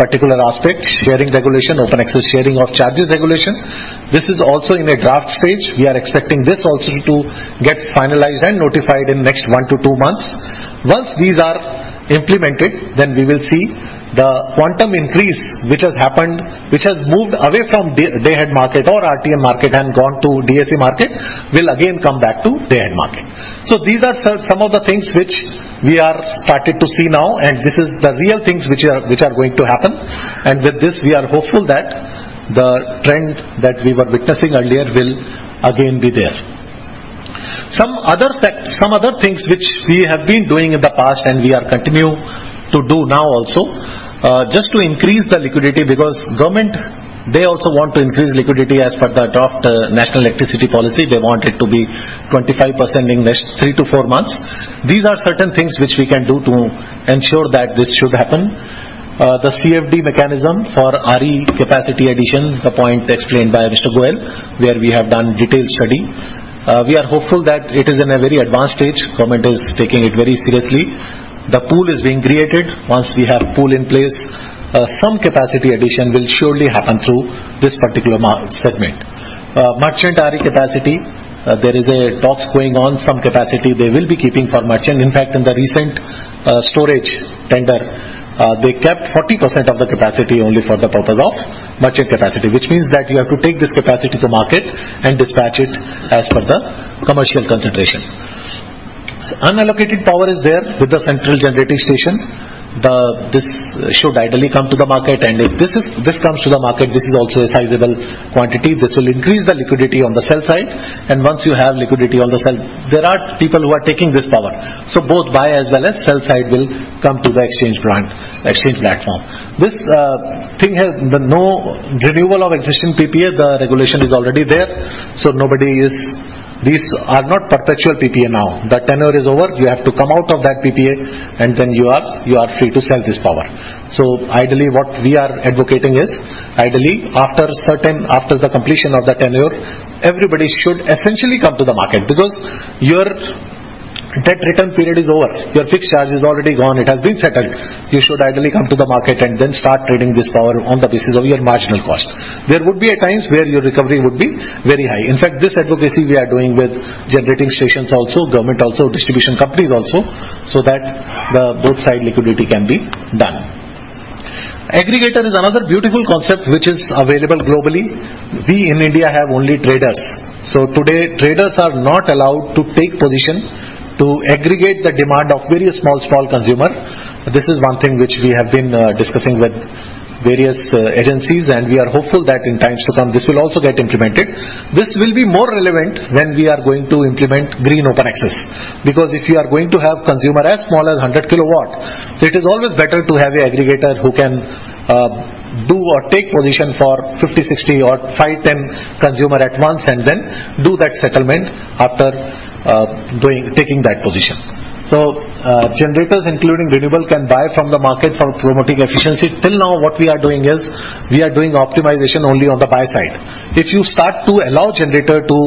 particular aspect, sharing regulation, open access sharing of charges regulation. This is also in a draft stage. We are expecting this also to get finalized and notified in next 1-two months. Once these are implemented, then we will see the quantum increase, which has happened, which has moved away from day-ahead market or RTM market and gone to DAC market will again come back to day-ahead market. These are some of the things which we are started to see now, and this is the real things which are going to happen. With this, we are hopeful that the trend that we were witnessing earlier will again be there. Some other tech Some other things which we have been doing in the past and we continue to do now also, just to increase the liquidity because government, they also want to increase liquidity as per the adopted National Electricity Policy, they want it to be 25% in next 3-4 months. These are certain things which we can do to ensure that this should happen. The CFD mechanism for RE capacity addition, the point explained by S.N. Goel, where we have done detailed study. We are hopeful that it is in a very advanced stage. Government is taking it very seriously. The pool is being created. Once we have pool in place, some capacity addition will surely happen through this particular market segment. Merchant RE capacity, there are talks going on. Some capacity they will be keeping for merchant. In fact, in the recent storage tender, they kept 40% of the capacity only for the purpose of merchant capacity, which means that you have to take this capacity to market and dispatch it as per the commercial consideration. Unallocated power is there with the central generating station. This should ideally come to the market, and if this comes to the market, this is also a sizable quantity. This will increase the liquidity on the sell side. Once you have liquidity on the sell, there are people who are taking this power. Both buy as well as sell side will come to the exchange brand, exchange platform. This thing has the no renewal of existing PPA. The regulation is already there, so nobody is. These are not perpetual PPA now. The tenure is over. You have to come out of that PPA, and then you are free to sell this power. Ideally, what we are advocating is, ideally, after the completion of the tenure, everybody should essentially come to the market because your debt return period is over. Your fixed charge is already gone. It has been settled. You should ideally come to the market and then start trading this power on the basis of your marginal cost. There would be times where your recovery would be very high. In fact, this advocacy we are doing with generating stations also, government also, distribution companies also, so that the both side liquidity can be done. Aggregator is another beautiful concept which is available globally. We in India have only traders. Today, traders are not allowed to take position to aggregate the demand of various small consumer. This is one thing which we have been discussing with various agencies, and we are hopeful that in times to come, this will also get implemented. This will be more relevant when we are going to implement green open access. Because if you are going to have a consumer as small as 100 kW, it is always better to have an aggregator who can do or take position for 50, 60 or 5-10 consumers at once and then do that settlement after doing taking that position. Generators, including renewable, can buy from the market for promoting efficiency. Till now, what we are doing is we are doing optimization only on the buy side. If you start to allow generator to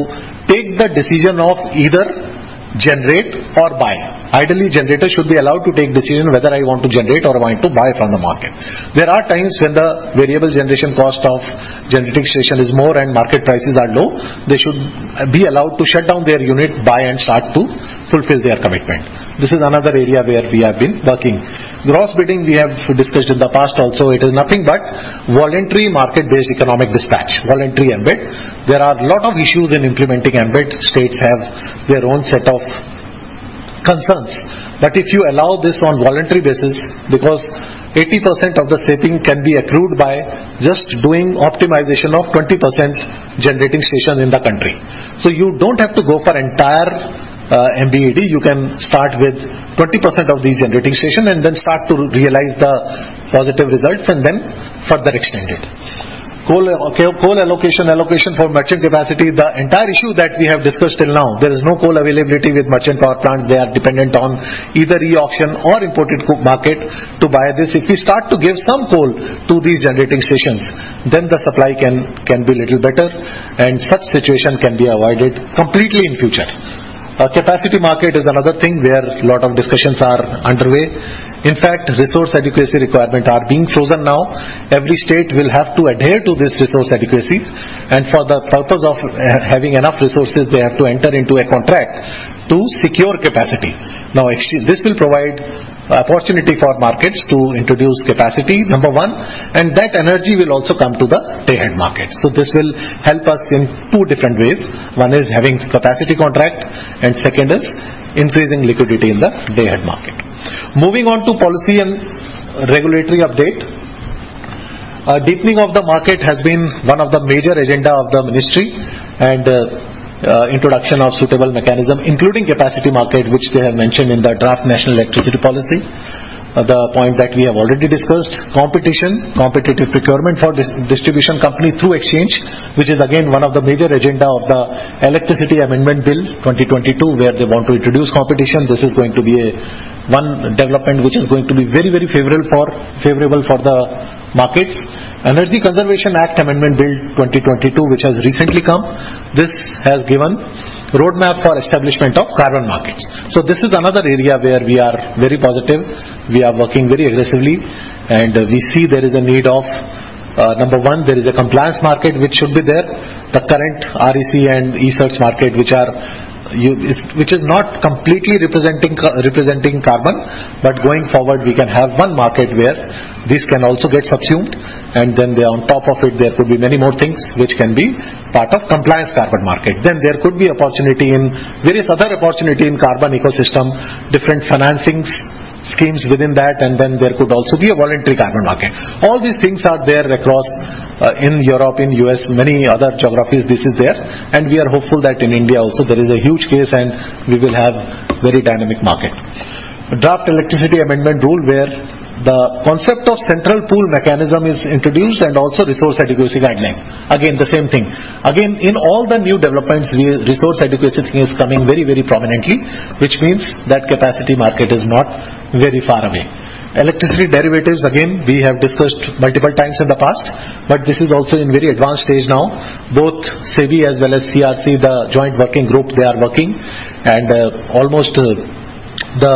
take the decision of either generate or buy, ideally, generator should be allowed to take decision whether I want to generate or I want to buy from the market. There are times when the variable generation cost of generating station is more and market prices are low. They should be allowed to shut down their unit, buy, and start to fulfill their commitment. This is another area where we have been working. Gross bidding we have discussed in the past also. It is nothing but voluntary Market-Based Economic Dispatch, voluntary MBED. There are a lot of issues in implementing MBED. States have their own set of concerns. If you allow this on voluntary basis, because 80% of the saving can be accrued by just doing optimization of 20% generating station in the country. You don't have to go for entire MBED, you can start with 20% of these generating station and then start to realize the positive results and then further extend it. Coal allocation for merchant capacity, the entire issue that we have discussed till now, there is no coal availability with merchant power plants. They are dependent on either re-auction or imported coal market to buy this. If we start to give some coal to these generating stations, then the supply can be little better and such situation can be avoided completely in future. A capacity market is another thing where a lot of discussions are underway. In fact, resource adequacy requirements are being frozen now. Every state will have to adhere to this resource adequacy. For the purpose of having enough resources, they have to enter into a contract to secure capacity. Now, exchange, this will provide opportunity for markets to introduce capacity, number one, and that energy will also come to the day-ahead market. This will help us in two different ways. One is having capacity contract and second is increasing liquidity in the day-ahead market. Moving on to policy and regulatory update. Deepening of the market has been one of the major agenda of the ministry and, introduction of suitable mechanism, including capacity market, which they have mentioned in the Draft National Electricity Policy. The point that we have already discussed, competition, competitive procurement for distribution company through exchange, which is again one of the major agenda of the Electricity (Amendment) Bill, 2022, where they want to introduce competition. This is going to be, one development which is going to be very favorable for the markets. Energy Conservation (Amendment) Bill, 2022, which has recently come, this has given roadmap for establishment of carbon markets. This is another area where we are very positive. We are working very aggressively, and we see there is a need of number one, there is a compliance market which should be there. The current REC and ESCert market, which is not completely representing carbon, but going forward, we can have one market where this can also get subsumed and then they on top of it, there could be many more things which can be part of compliance carbon market. There could be opportunity in various other opportunity in carbon ecosystem, different financings, schemes within that, and then there could also be a voluntary carbon market. All these things are there across, in Europe, in U.S., many other geographies, this is there. We are hopeful that in India also there is a huge case and we will have very dynamic market. Draft Electricity (Amendment) Rules, where the concept of central pool mechanism is introduced and also resource adequacy guideline. Again, the same thing. Again, in all the new developments, resource adequacy thing is coming very, very prominently, which means that capacity market is not very far away. Electricity derivatives, again, we have discussed multiple times in the past, but this is also in very advanced stage now, both SEBI as well as CERC, the Joint Working Group, they are working. Almost the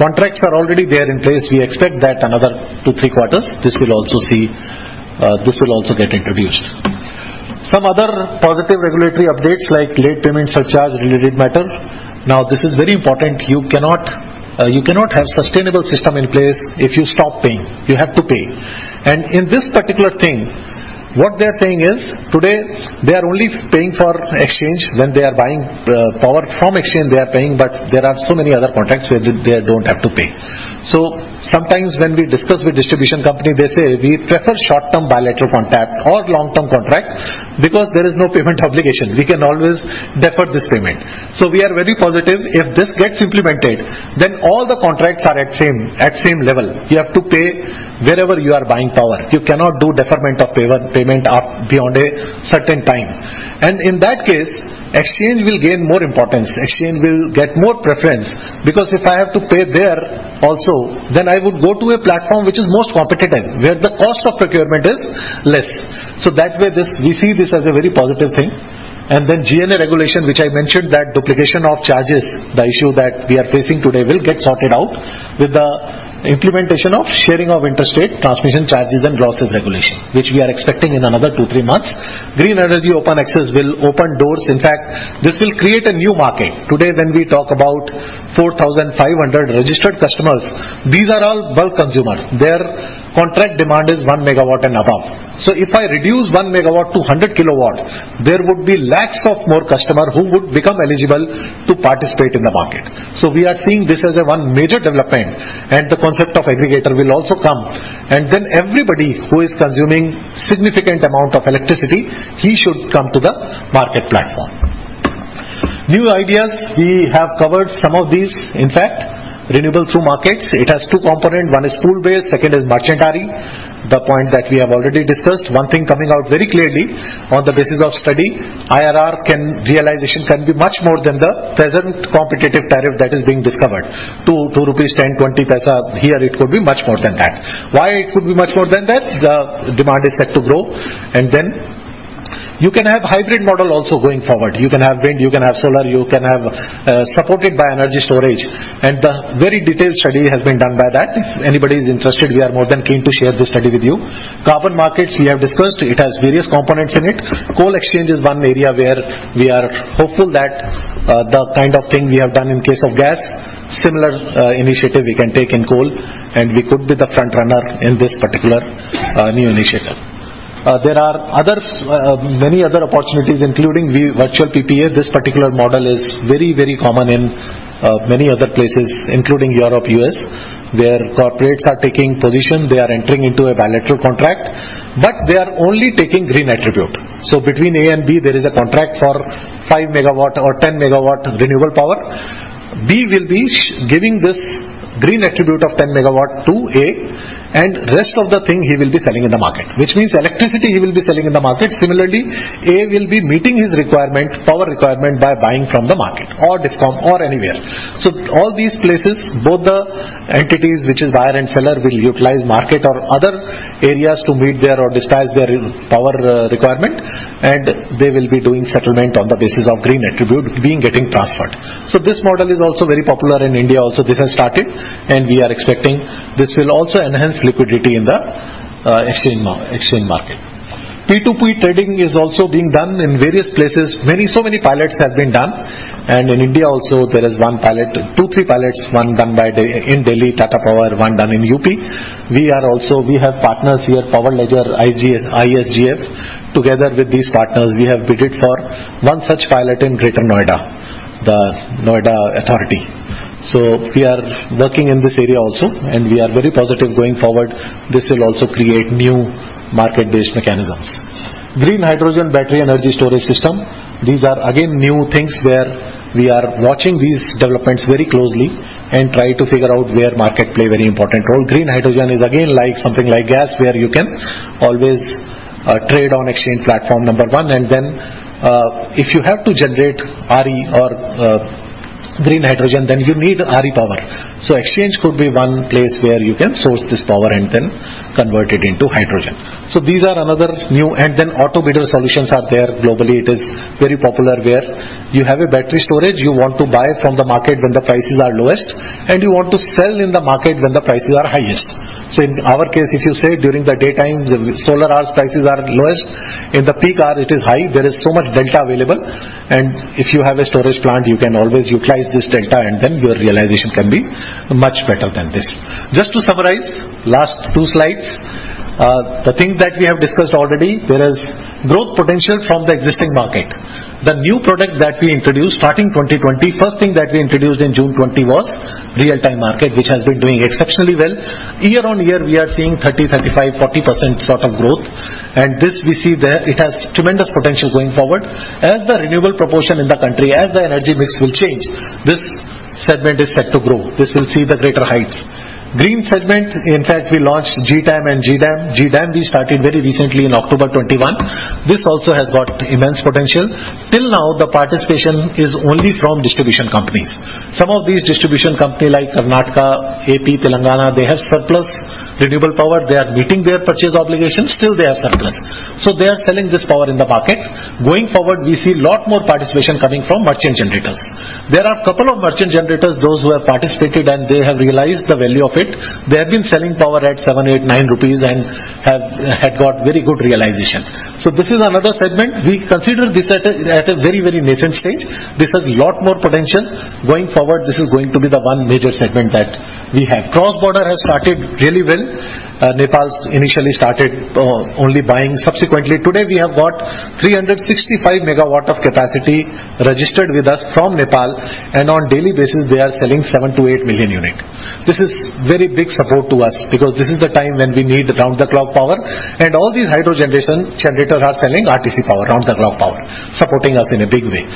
contracts are already there in place. We expect that another two, three quarters, this will also get introduced. Some other positive regulatory updates like late payment surcharge related matter. Now, this is very important. You cannot have sustainable system in place if you stop paying. You have to pay. In this particular thing, what they are saying is today they are only paying for exchange. When they are buying power from exchange, they are paying, but there are so many other contracts where they don't have to pay. Sometimes when we discuss with distribution company, they say, "We prefer short-term bilateral contract or long-term contract because there is no payment obligation. We can always defer this payment." We are very positive. If this gets implemented, all the contracts are at same level. You have to pay wherever you are buying power. You cannot do deferment of payment beyond a certain time. In that case, exchange will gain more importance. Exchange will get more preference because if I have to pay there also, then I would go to a platform which is most competitive, where the cost of procurement is less. That way, this, we see this as a very positive thing. Then GNA regulation, which I mentioned, that duplication of charges, the issue that we are facing today, will get sorted out with the implementation of sharing of interstate transmission charges and losses regulation, which we are expecting in another two, three months. Green Energy Open Access will open doors. In fact, this will create a new market. Today, when we talk about 4,500 registered customers, these are all bulk consumers. Their contract demand is 1 megawatt and above. If I reduce 1 megawatt to 100 kilowatts, there would be lakhs of more customers who would become eligible to participate in the market. We are seeing this as a major development and the concept of aggregator will also come. Everybody who is consuming significant amount of electricity should come to the market platform. New ideas, we have covered some of these. In fact, renewables through markets, it has two components. One is pool-based, second is merchant. The point that we have already discussed, one thing coming out very clearly on the basis of study, IRR realization can be much more than the present competitive tariff that is being discovered. 2.10-2.20 rupees. Here it could be much more than that. Why it could be much more than that? The demand is set to grow. You can have hybrid model also going forward. You can have wind, you can have solar, you can have supported by energy storage. The very detailed study has been done by that. If anybody is interested, we are more than keen to share this study with you. Carbon markets, we have discussed. It has various components in it. Coal exchange is one area where we are hopeful that, the kind of thing we have done in case of gas, similar, initiative we can take in coal, and we could be the front runner in this particular, new initiative. There are other, many other opportunities, including virtual PPA. This particular model is very, very common in, many other places, including Europe, U.S., where corporates are taking position. They are entering into a bilateral contract, but they are only taking green attribute. Between A and B, there is a contract for 5 MW or 10 MW renewable power. B will be giving this green attribute of 10 MW to A, and rest of the thing he will be selling in the market, which means electricity he will be selling in the market. Similarly, A will be meeting his requirement, power requirement by buying from the market or DISCOM or anywhere. All these places, both the entities, which is buyer and seller, will utilize market or other areas to meet their or dispatch their power requirement, and they will be doing settlement on the basis of green attribute being getting transferred. This model is also very popular in India. Also, this has started and we are expecting this will also enhance liquidity in the exchange market. P2P trading is also being done in various places. Many so many pilots have been done. In India also there is 1 pilot, 2, 3 pilots, one done in Delhi, Tata Power, one done in UP. We also have partners here, Powerledger, IGS, ISGF. Together with these partners, we have bid for one such pilot in Greater Noida Authority. We are working in this area also and we are very positive going forward. This will also create new market-based mechanisms. Green hydrogen battery energy storage system. These are again new things where we are watching these developments very closely and try to figure out where market play very important role. Green hydrogen is again like something like gas, where you can always trade on exchange platform, number one. Then if you have to generate RE or Green hydrogen, then you need RE power. Exchange could be one place where you can source this power and then convert it into hydrogen. Auto bidder solutions are there. Globally, it is very popular where you have a battery storage, you want to buy from the market when the prices are lowest, and you want to sell in the market when the prices are highest. In our case, if you say during the daytime, the solar hours prices are lowest. In the peak hour it is high. There is so much delta available. If you have a storage plant, you can always utilize this delta and then your realization can be much better than this. Just to summarize, last two slides. The thing that we have discussed already, there is growth potential from the existing market. The new product that we introduced starting 2020, first thing that we introduced in June 2020 was Real-Time Market, which has been doing exceptionally well. Year on year, we are seeing 30, 35, 40% sort of growth. This we see there. It has tremendous potential going forward. As the renewable proportion in the country, as the energy mix will change, this segment is set to grow. This will see the greater heights. Green segment, in fact, we launched GTAM and GDAM. GDAM we started very recently in October 2021. This also has got immense potential. Till now, the participation is only from distribution companies. Some of these distribution company like Karnataka, AP, Telangana, they have surplus renewable power. They are meeting their purchase obligations. Still they have surplus. They are selling this power in the market. Going forward, we see a lot more participation coming from merchant generators. There are a couple of merchant generators, those who have participated, and they have realized the value of it. They have been selling power at 7 rupees, 8 rupees, 9 rupees and have got very good realization. This is another segment. We consider this at a very nascent stage. This has lot more potential. Going forward, this is going to be the one major segment that we have. Cross-border has started really well. Nepal initially started only buying subsequently. Today, we have got 365 MW of capacity registered with us from Nepal, and on daily basis they are selling 7 to 8 million units. This is very big support to us because this is the time when we need around the clock power and all these hydro generation generators are selling RTM power, around the clock power, supporting us in a big way.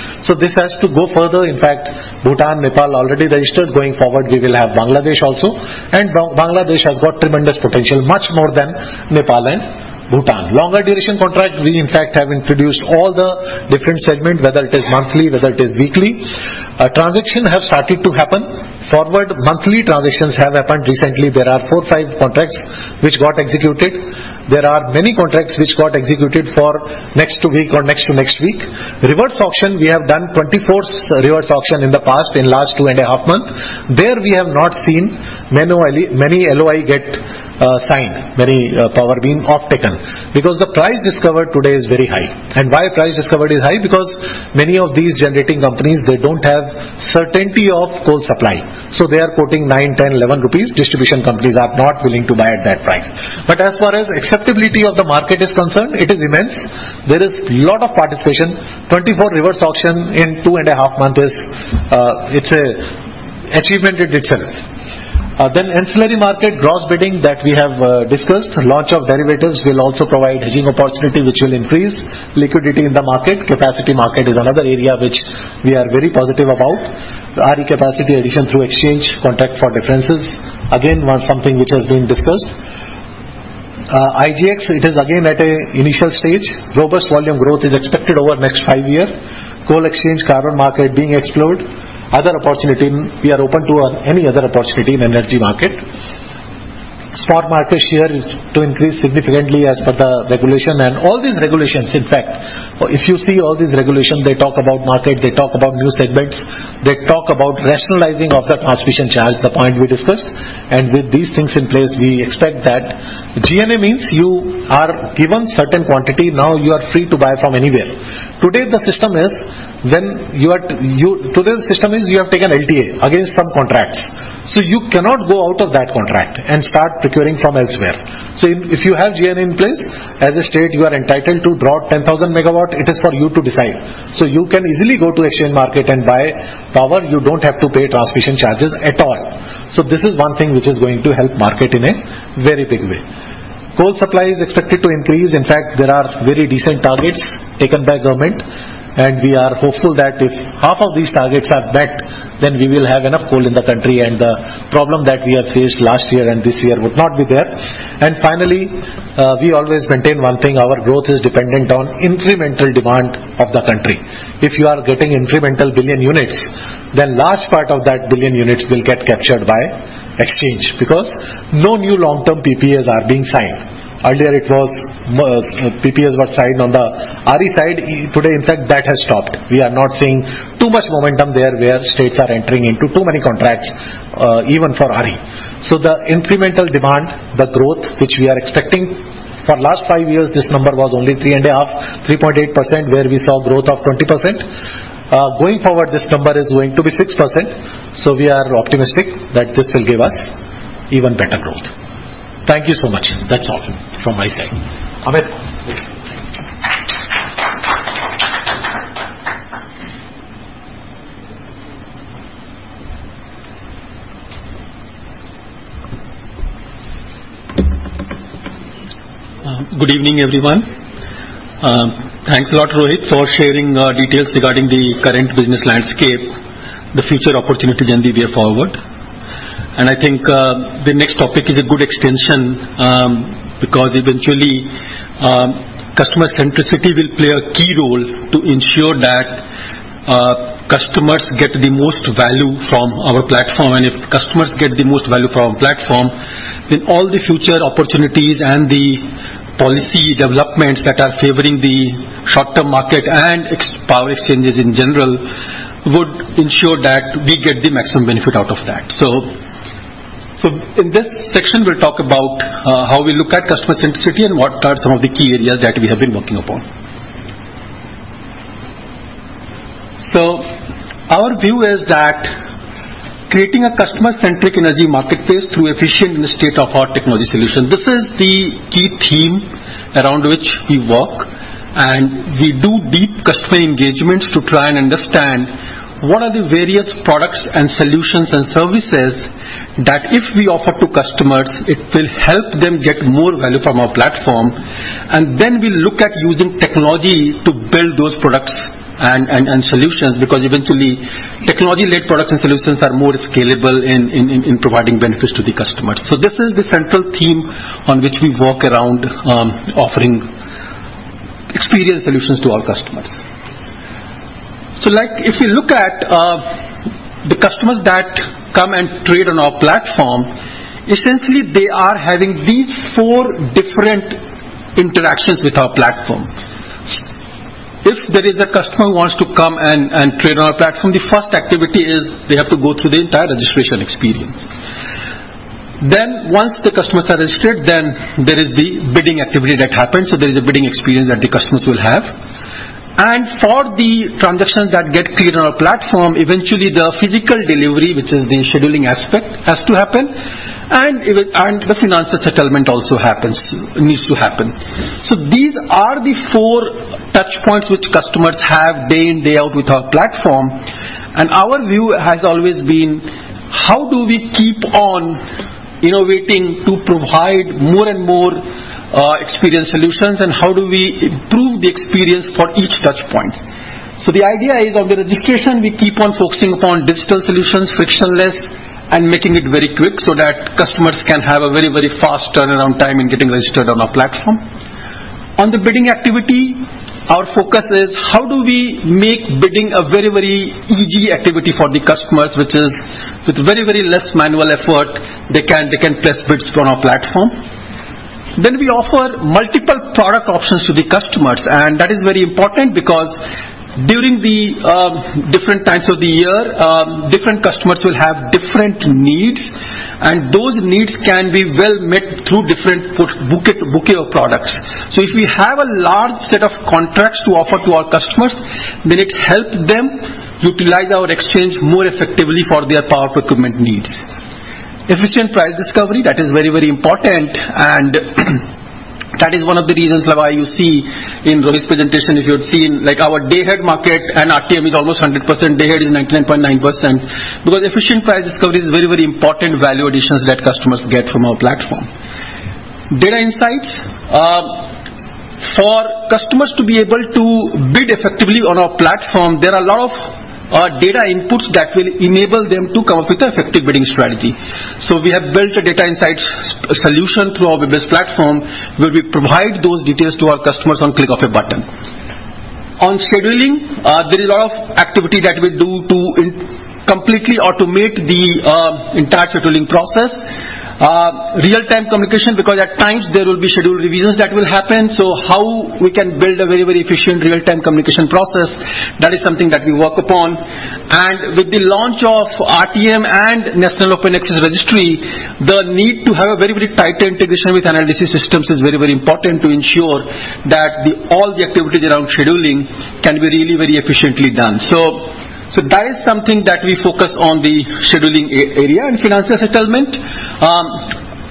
This has to go further. In fact, Bhutan, Nepal already registered. Going forward, we will have Bangladesh also. Bangladesh has got tremendous potential, much more than Nepal and Bhutan. Longer duration contract, we in fact have introduced all the different segment, whether it is monthly, whether it is weekly. Transactions have started to happen. Forward monthly transactions have happened recently. There are four, five contracts which got executed. There are many contracts which got executed for next two week or next to next week. Reverse auction, we have done 24 reverse auction in the past, in last two and a half month. We have not seen many LOI get signed, many power being off-taken because the price discovered today is very high. Why price discovered is high? Because many of these generating companies, they don't have certainty of coal supply. They are quoting 9, 10, 11 rupees. Distribution companies are not willing to buy at that price. As far as acceptability of the market is concerned, it is immense. There is a lot of participation. 24 reverse auctions in two and a half months is an achievement in itself. Ancillary market, gross bidding that we have discussed. Launch of derivatives will also provide hedging opportunity, which will increase liquidity in the market. Capacity market is another area which we are very positive about. RE capacity addition through exchange, contract for difference, again, was something which was being discussed. IGX, it is again at an initial stage. Robust volume growth is expected over next five year. Coal exchange, carbon market being explored. Other opportunity, we are open to any other opportunity in energy market. Spot market share is to increase significantly as per the regulation. All these regulations, in fact, if you see all these regulations, they talk about market, they talk about new segments, they talk about rationalizing of the transmission charge, the point we discussed. With these things in place, we expect that GNA means you are given certain quantity. Now you are free to buy from anywhere. Today, the system is you have taken LTA against some contracts. So you cannot go out of that contract and start procuring from elsewhere. If you have GNA in place, as a state, you are entitled to draw 10,000 MW. It is for you to decide. You can easily go to exchange market and buy power. You don't have to pay transmission charges at all. This is one thing which is going to help market in a very big way. Coal supply is expected to increase. In fact, there are very decent targets taken by government, and we are hopeful that if half of these targets are met, then we will have enough coal in the country and the problem that we have faced last year and this year would not be there. Finally, we always maintain one thing, our growth is dependent on incremental demand of the country. If you are getting incremental billion units, then large part of that billion units will get captured by exchange because no new long-term PPAs are being signed. Earlier it was SPPAs were signed on the RE side. Today, in fact, that has stopped. We are not seeing too much momentum there where states are entering into too many contracts, even for RE. The incremental demand, the growth which we are expecting, for last five years, this number was only 3.5, 3.8%, where we saw growth of 20%. Going forward, this number is going to be 6%. We are optimistic that this will give us even better growth. Thank you so much. That's all from my side. Amit Kumar.
Good evening, everyone. Thanks a lot, Rohit, for sharing details regarding the current business landscape, the future opportunity can be way forward. I think the next topic is a good extension, because eventually, customer centricity will play a key role to ensure that, customers get the most value from our platform. If customers get the most value from our platform, then all the future opportunities and the policy developments that are favoring the short-term market and IEX power exchanges in general would ensure that we get the maximum benefit out of that. In this section, we'll talk about, how we look at customer centricity and what are some of the key areas that we have been working upon. Our view is that creating a customer-centric energy marketplace through efficient and state-of-the-art technology solution. This is the key theme around which we work, and we do deep customer engagements to try and understand what are the various products and solutions and services that if we offer to customers, it will help them get more value from our platform. We look at using technology to build those products and solutions, because eventually technology-led products and solutions are more scalable in providing benefits to the customers. This is the central theme on which we work around offering experience solutions to our customers. Like if you look at the customers that come and trade on our platform, essentially they are having these four different interactions with our platform. If there is a customer who wants to come and trade on our platform, the first activity is they have to go through the entire registration experience. Once the customers are registered, then there is the bidding activity that happens. There is a bidding experience that the customers will have. For the transactions that get cleared on our platform, eventually the physical delivery, which is the scheduling aspect, has to happen and the financial settlement also needs to happen. These are the four touch points which customers have day in, day out with our platform. Our view has always been how do we keep on innovating to provide more and more experience solutions and how do we improve the experience for each touch point. The idea is on the registration, we keep on focusing upon digital solutions, frictionless and making it very quick so that customers can have a very, very fast turnaround time in getting registered on our platform. On the bidding activity, our focus is how do we make bidding a very, very easy activity for the customers, which is with very, very less manual effort they can place bids on our platform. We offer multiple product options to the customers. That is very important because during the different times of the year, different customers will have different needs, and those needs can be well met through different product bouquet of products. If we have a large set of contracts to offer to our customers, then it help them utilize our exchange more effectively for their power procurement needs. Efficient price discovery, that is very, very important, and that is one of the reasons why you see in Rohit's presentation, if you have seen like our day-ahead market and RTM is almost 100%, day-ahead is 99.9%, because efficient price discovery is very, very important value additions that customers get from our platform. Data insights. For customers to be able to bid effectively on our platform, there are a lot of data inputs that will enable them to come up with an effective bidding strategy. We have built a data insights solution through our web-based platform, where we provide those details to our customers on click of a button. On scheduling, there is a lot of activity that we do to completely automate the entire scheduling process. Real-time communication, because at times there will be schedule revisions that will happen. How we can build a very, very efficient real-time communication process, that is something that we work upon. With the launch of RTM and National Open Access Registry, the need to have a very, very tighter integration with analysis systems is very, very important to ensure that all the activities around scheduling can be really very efficiently done. That is something that we focus on the scheduling area and financial settlement.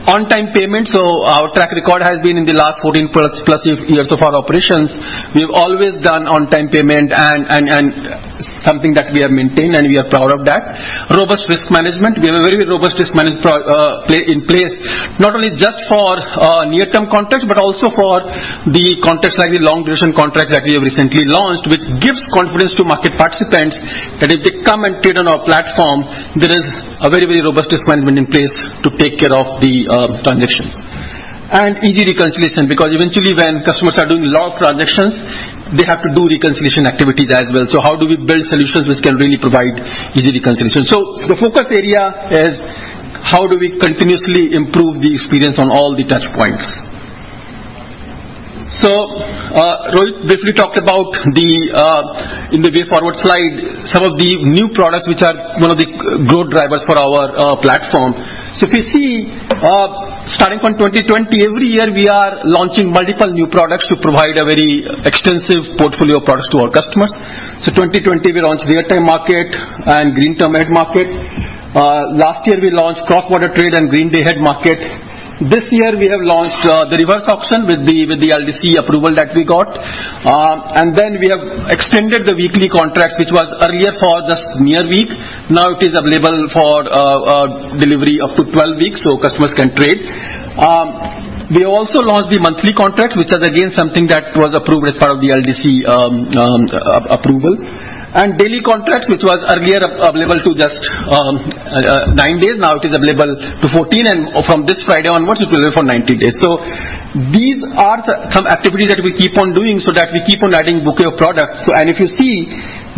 On-time payment. Our track record has been in the last 14+ years of our operations, we've always done on-time payment and something that we have maintained and we are proud of that. Robust risk management. We have a very robust risk management plan in place, not only just for near term contracts, but also for the contracts like the long duration contracts that we have recently launched, which gives confidence to market participants that if they come and trade on our platform, there is a very, very robust risk management in place to take care of the transactions. Easy reconciliation, because eventually when customers are doing lot of transactions, they have to do reconciliation activities as well. How do we build solutions which can really provide easy reconciliation? The focus area is how do we continuously improve the experience on all the touch points. Rohit briefly talked about, in the way forward slide, some of the new products which are one of the growth drivers for our platform. If you see, starting from 2020, every year we are launching multiple new products to provide a very extensive portfolio of products to our customers. 2020 we launched Real-Time Market and Green Term-Ahead Market. Last year we launched cross-border trade and Green Day-Ahead Market. This year we have launched the reverse auction with the LDC approval that we got. We have extended the weekly contracts, which was earlier for just near week. Now it is available for delivery up to 12 weeks, so customers can trade. We also launched the monthly contracts, which is again something that was approved as part of the LDC approval. Daily contracts, which was earlier available to just nine days, now it is available to 14. From this Friday onwards, it will be available for 19 days. These are some activities that we keep on doing so that we keep on adding bouquet of products. If you see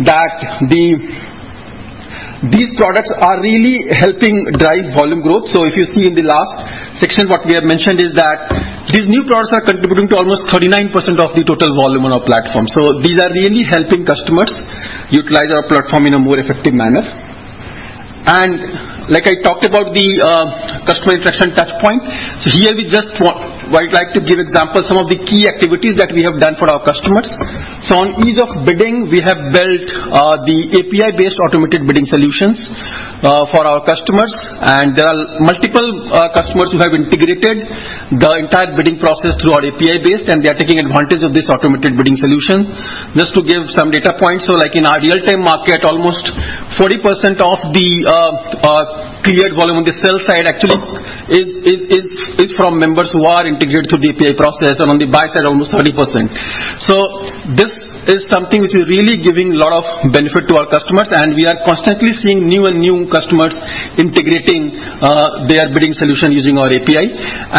that these products are really helping drive volume growth. If you see in the last section, what we have mentioned is that these new products are contributing to almost 39% of the total volume on our platform. These are really helping customers utilize our platform in a more effective manner. Like I talked about the customer interaction touch point. Here we would like to give examples, some of the key activities that we have done for our customers. On ease of bidding, we have built the API-based automated bidding solutions for our customers. There are multiple customers who have integrated the entire bidding process through our API-based, and they are taking advantage of this automated bidding solution. Just to give some data points. Like in our Real-Time Market, almost 40% of the cleared volume on the sell side actually is from members who are integrated through the API process and on the buy side, almost 30%. This is something which is really giving a lot of benefit to our customers, and we are constantly seeing new and new customers integrating their bidding solution using our API.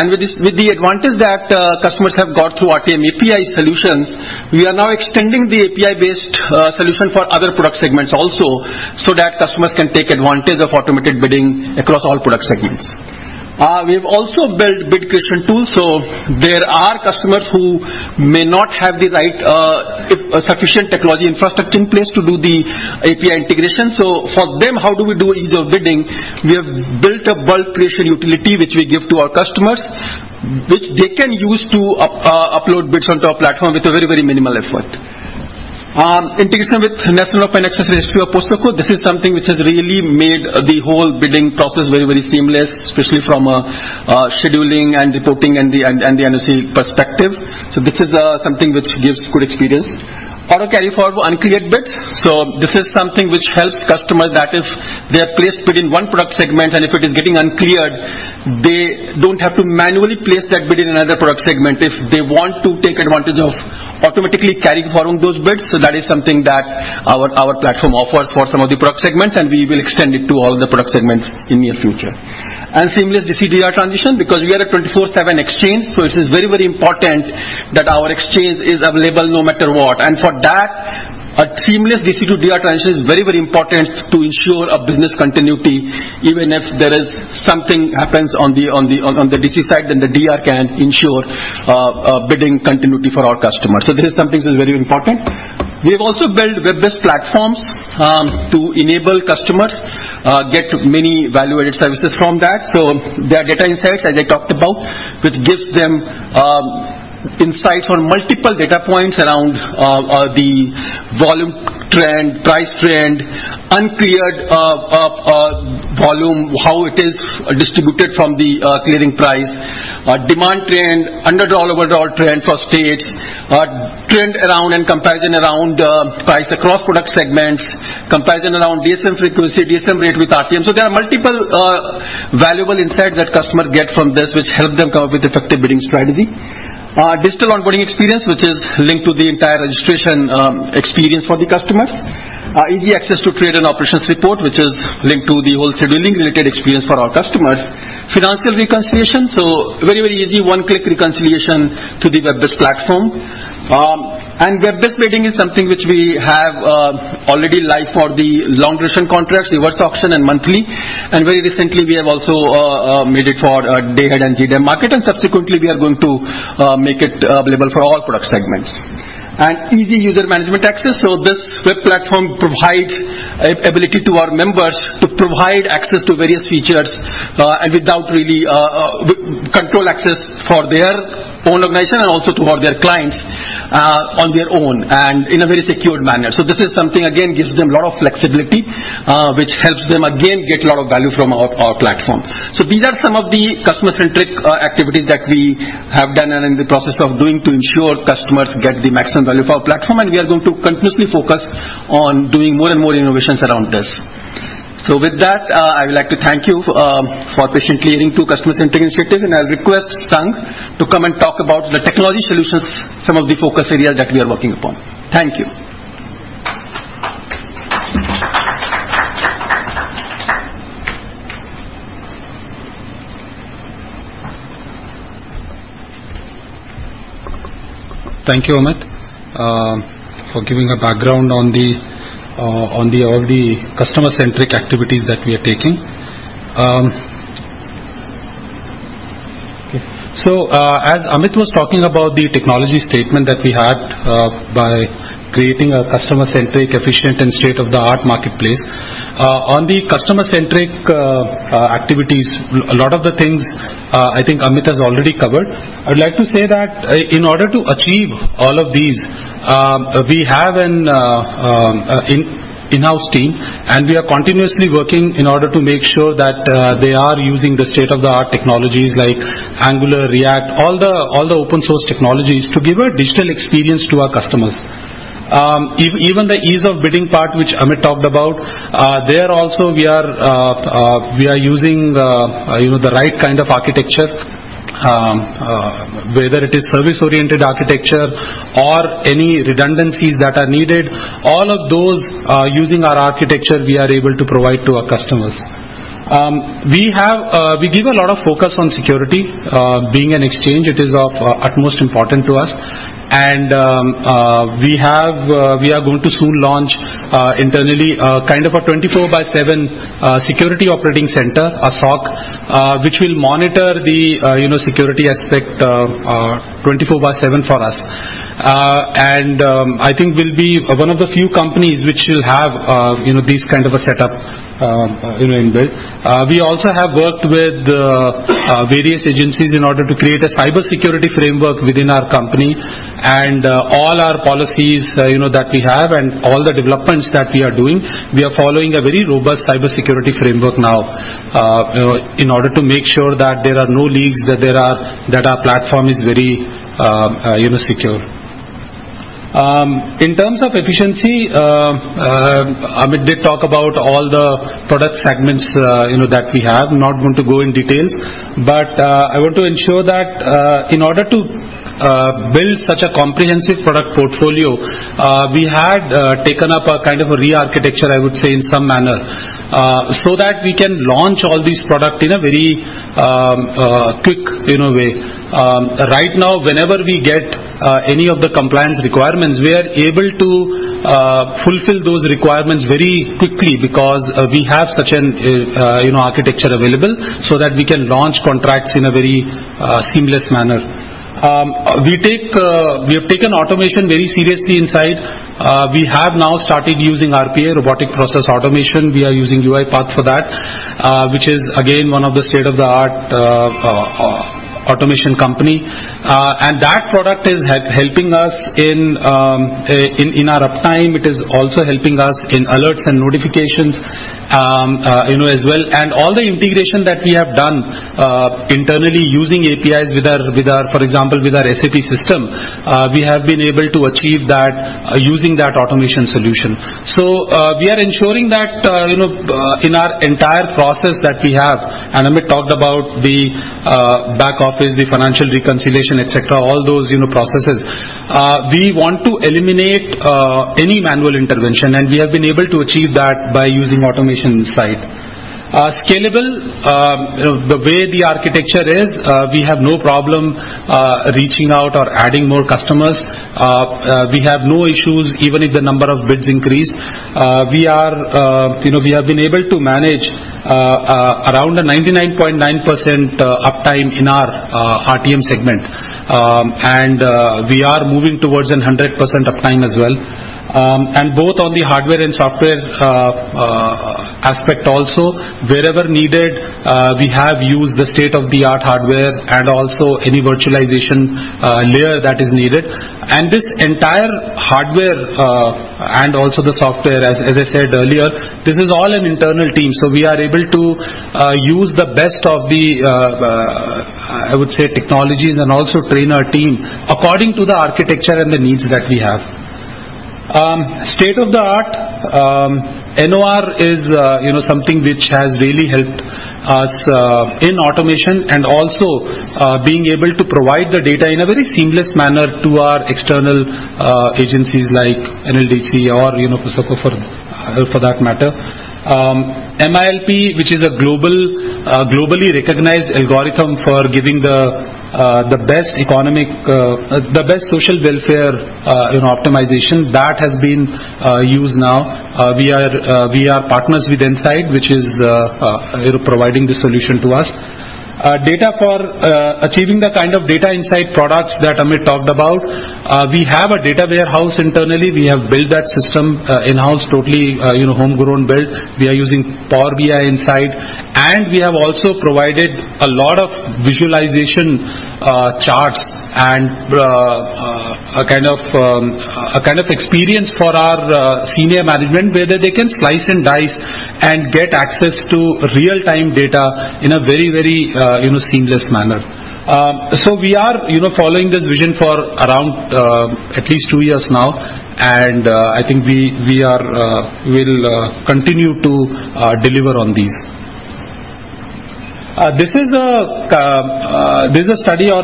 With this, with the advantage that customers have got through RTM API solutions, we are now extending the API-based solution for other product segments also, so that customers can take advantage of automated bidding across all product segments. We have also built bid creation tools. There are customers who may not have the right sufficient technology infrastructure in place to do the API integration. For them, how do we do ease of bidding? We have built a bulk creation utility which we give to our customers, which they can use to upload bids onto our platform with a very, very minimal effort. Integration with National Open Access Registry or POSOCO. This is something which has really made the whole bidding process very, very seamless, especially from a scheduling and reporting and the NLDC perspective. This is something which gives good experience. Auto carry forward uncleared bids. This is something which helps customers that if they have placed bid in one product segment and if it is getting uncleared, they don't have to manually place that bid in another product segment if they want to take advantage of automatically carrying forward those bids. That is something that our platform offers for some of the product segments, and we will extend it to all the product segments in near future. Seamless DC to DR transition because we are a 24/7 exchange, so it is very, very important that our exchange is available no matter what. For that, a seamless DC to DR transition is very, very important to ensure a business continuity. Even if there is something happens on the DC side, then the DR can ensure bidding continuity for our customers. This is something which is very important. We have also built web-based platforms to enable customers get many value-added services from that. There are data insights, as I talked about, which gives them insights on multiple data points around the volume trend, price trend, uncleared volume, how it is distributed from the clearing price, demand trend, underdraw, overdraw trend for states, trend around and comparison around price across product segments, comparison around DSM frequency, DSM rate with RTM. There are multiple valuable insights that customer get from this, which help them come up with effective bidding strategy. Digital onboarding experience, which is linked to the entire registration experience for the customers. Easy access to trade and operations report, which is linked to the whole scheduling related experience for our customers. Financial reconciliation. Very, very easy one-click reconciliation through the web-based platform. Web-based bidding is something which we have already live for the long duration contracts, reverse auction and monthly. Very recently we have also made it for day-ahead and GTAM market, and subsequently we are going to make it available for all product segments. Easy user management access. This web platform provides ability to our members to provide access to various features, and without really having to control access for their own organization and also toward their clients, on their own and in a very secure manner. This is something again gives them a lot of flexibility, which helps them again get a lot of value from our platform. These are some of the customer-centric activities that we have done and in the process of doing to ensure customers get the maximum value for our platform. We are going to continuously focus on doing more and more innovations around this. With that, I would like to thank you for patiently listening to the customer-centric initiative. I request Sunny to come and talk about the technology solutions, some of the focus areas that we are working upon. Thank you.
Thank you, Amit, for giving a background on the already customer-centric activities that we are taking. As Amit was talking about the technology statement that we had by creating a customer-centric, efficient and state-of-the-art marketplace. On the customer-centric activities, a lot of the things, I think Amit has already covered. I would like to say that in order to achieve all of these, we have an in-house team, and we are continuously working in order to make sure that they are using the state-of-the-art technologies like Angular, React, all the open source technologies to give a digital experience to our customers. Even the ease of bidding part which Amit talked about, there also we are using, you know, the right kind of architecture. Whether it is service-oriented architecture or any redundancies that are needed, all of those, using our architecture, we are able to provide to our customers. We give a lot of focus on security. Being an exchange, it is of utmost importance to us. We are going to soon launch internally kind of a 24 by 7 security operating center, a SOC, which will monitor the, you know, security aspect, 24 by 7 for us. I think we'll be one of the few companies which will have, you know, this kind of a setup, you know, in build. We also have worked with various agencies in order to create a cybersecurity framework within our company and all our policies, you know, that we have and all the developments that we are doing. We are following a very robust cybersecurity framework now, you know, in order to make sure that there are no leaks, that our platform is very, you know, secure. In terms of efficiency, Amit did talk about all the product segments, you know, that we have. I'm not going to go into details, but I want to ensure that in order to build such a comprehensive product portfolio, we had taken up a kind of a re-architecture, I would say, in some manner, so that we can launch all these products in a very quick, you know, way. Right now, whenever we get any of the compliance requirements, we are able to fulfill those requirements very quickly because we have such an architecture available so that we can launch contracts in a very seamless manner. We have taken automation very seriously inside. We have now started using RPA, robotic process automation. We are using UiPath for that, which is again one of the state-of-the-art automation company. That product is helping us in our uptime. It is also helping us in alerts and notifications, you know, as well. All the integration that we have done internally using APIs with our, for example, with our SAP system, we have been able to achieve that using that automation solution. We are ensuring that in our entire process that we have, and Amit talked about the back office, the financial reconciliation, et cetera, all those processes, we want to eliminate any manual intervention, and we have been able to achieve that by using automation inside. Scalable. You know, the way the architecture is, we have no problem reaching out or adding more customers. We have no issues even if the number of bids increase. We are, you know, we have been able to manage around a 99.9% uptime in our RTM segment. We are moving towards 100% uptime as well. Both on the hardware and software aspect also, wherever needed, we have used the state-of-the-art hardware and also any virtualization layer that is needed. This entire hardware and also the software, as I said earlier, this is all an internal team, so we are able to use the best of the, I would say, technologies and also train our team according to the architecture and the needs that we have. State-of-the-art. NOAR is, you know, something which has really helped us in automation and also being able to provide the data in a very seamless manner to our external agencies like NLDC or, you know, POSOCO for that matter. MILP, which is a globally recognized algorithm for giving the best economic social welfare, you know, optimization, that has been used now. We are partners with Inside, which is, you know, providing the solution to us. Data for achieving the kind of data insight products that Amit talked about. We have a data warehouse internally. We have built that system in-house, totally, you know, homegrown built. We are using Power BI inside, and we have also provided a lot of visualization, charts and, a kind of experience for our senior management, whether they can slice and dice and get access to real-time data in a very, very, you know, seamless manner. We are, you know, following this vision for around, at least two years now, and, I think we will continue to deliver on these. This is a study or,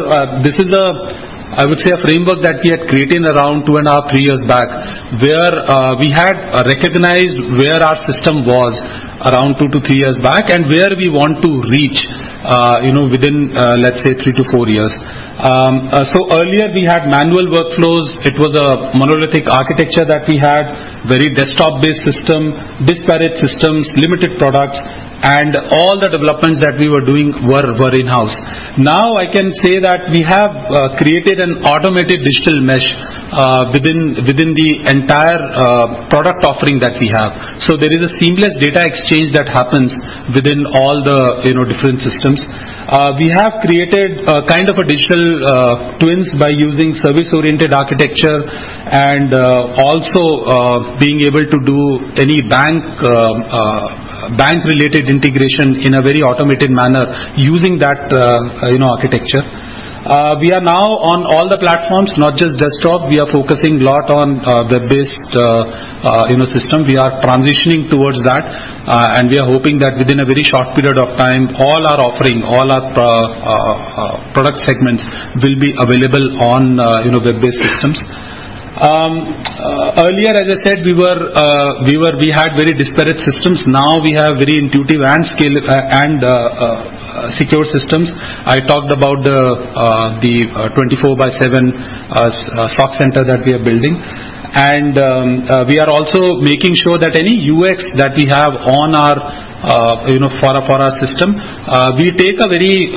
I would say, a framework that we had created around 2.5-3 years back, where we had recognized where our system was around 2-3 years back and where we want to reach, you know, within, let's say three-four years. Earlier we had manual workflows. It was a monolithic architecture that we had, very desktop-based system, disparate systems, limited products, and all the developments that we were doing were in-house. Now, I can say that we have created an automated digital mesh within the entire product offering that we have. There is a seamless data exchange that happens within all the, you know, different systems. We have created a kind of a digital twins by using service-oriented architecture and also being able to do any bank-related integration in a very automated manner using that, you know, architecture. We are now on all the platforms, not just desktop. We are focusing a lot on web-based, you know, system. We are transitioning towards that, and we are hoping that within a very short period of time, all our product segments will be available on, you know, web-based systems. Earlier, as I said, we had very disparate systems. Now we have very intuitive and scalable and secure systems. I talked about the 24/7 support center that we are building. We are also making sure that any UX that we have on our, you know, for our system, we take a very,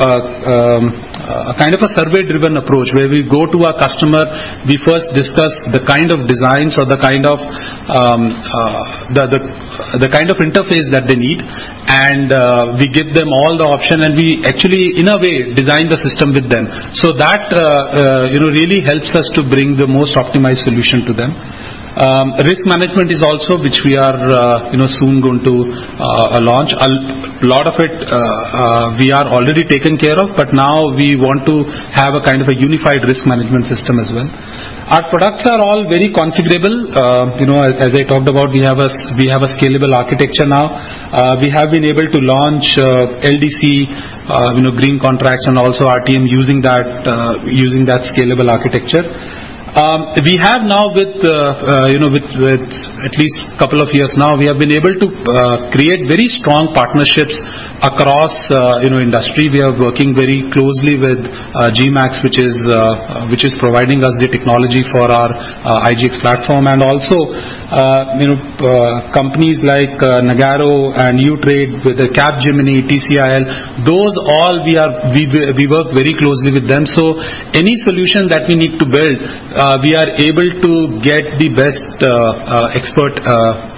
kind of a survey-driven approach, where we go to our customer, we first discuss the kind of designs or the kind of interface that they need, and we give them all the option, and we actually, in a way, design the system with them. That really helps us to bring the most optimized solution to them. Risk management is also which we are soon going to launch. A lot of it, we are already taken care of, but now we want to have a kind of a unified risk management system as well. Our products are all very configurable. You know, as I talked about, we have a scalable architecture now. We have been able to launch LDC, you know, green contracts and also RTM using that scalable architecture. We have now with you know with at least a couple of years now, we have been able to create very strong partnerships across you know industry. We are working very closely with GMEX, which is providing us the technology for our IGX platform and also you know companies like Nagarro and uTrade with Capgemini, TCIL. All those we work very closely with them. Any solution that we need to build, we are able to get the best, expert,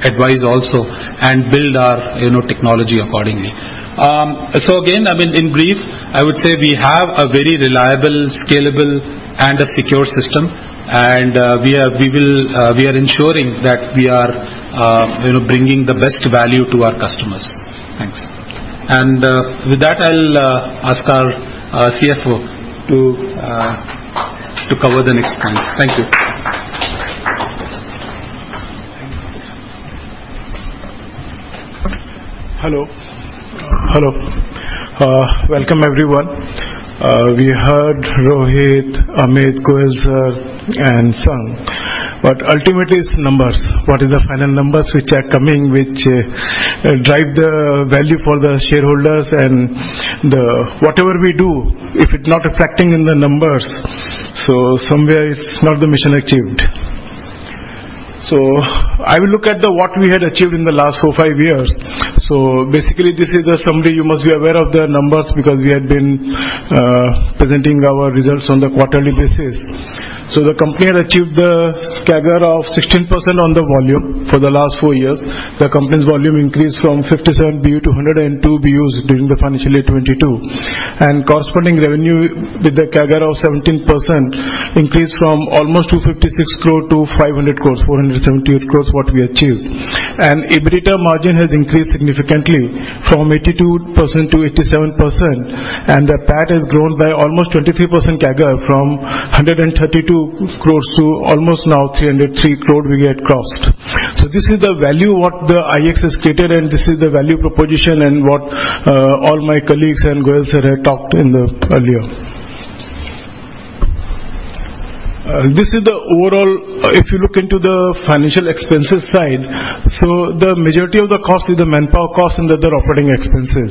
advice also and build our, you know, technology accordingly. Again, I mean, in brief, I would say we have a very reliable, scalable and a secure system. We are ensuring that we are, you know, bringing the best value to our customers. Thanks. With that, I'll ask our CFO to cover the next points. Thank you.
Hello. Welcome, everyone. We heard Rohit, Amit, Goel sir and Sangh. Ultimately it's numbers. What is the final numbers which are coming, which drive the value for the shareholders and the whatever we do, if it's not reflecting in the numbers, somewhere it's not the mission achieved. I will look at the what we had achieved in the last four, five years. Basically, this is a summary. You must be aware of the numbers because we had been presenting our results on the quarterly basis. The company had achieved the CAGR of 16% on the volume for the last four years. The company's volume increased from 57 BU to 102 BUs during the financial year 2022. Corresponding revenue with the CAGR of 17% increased from almost 256 crore to 500 crore, 478 crore what we achieved. EBITDA margin has increased significantly from 82% to 87%, and the PAT has grown by almost 23% CAGR from 132 crore to almost 303 crore we had crossed. This is the value what the IEX has created, and this is the value proposition and what all my colleagues and Goel sir had talked in the earlier. This is the overall if you look into the financial expenses side. The majority of the cost is the manpower cost and the other operating expenses.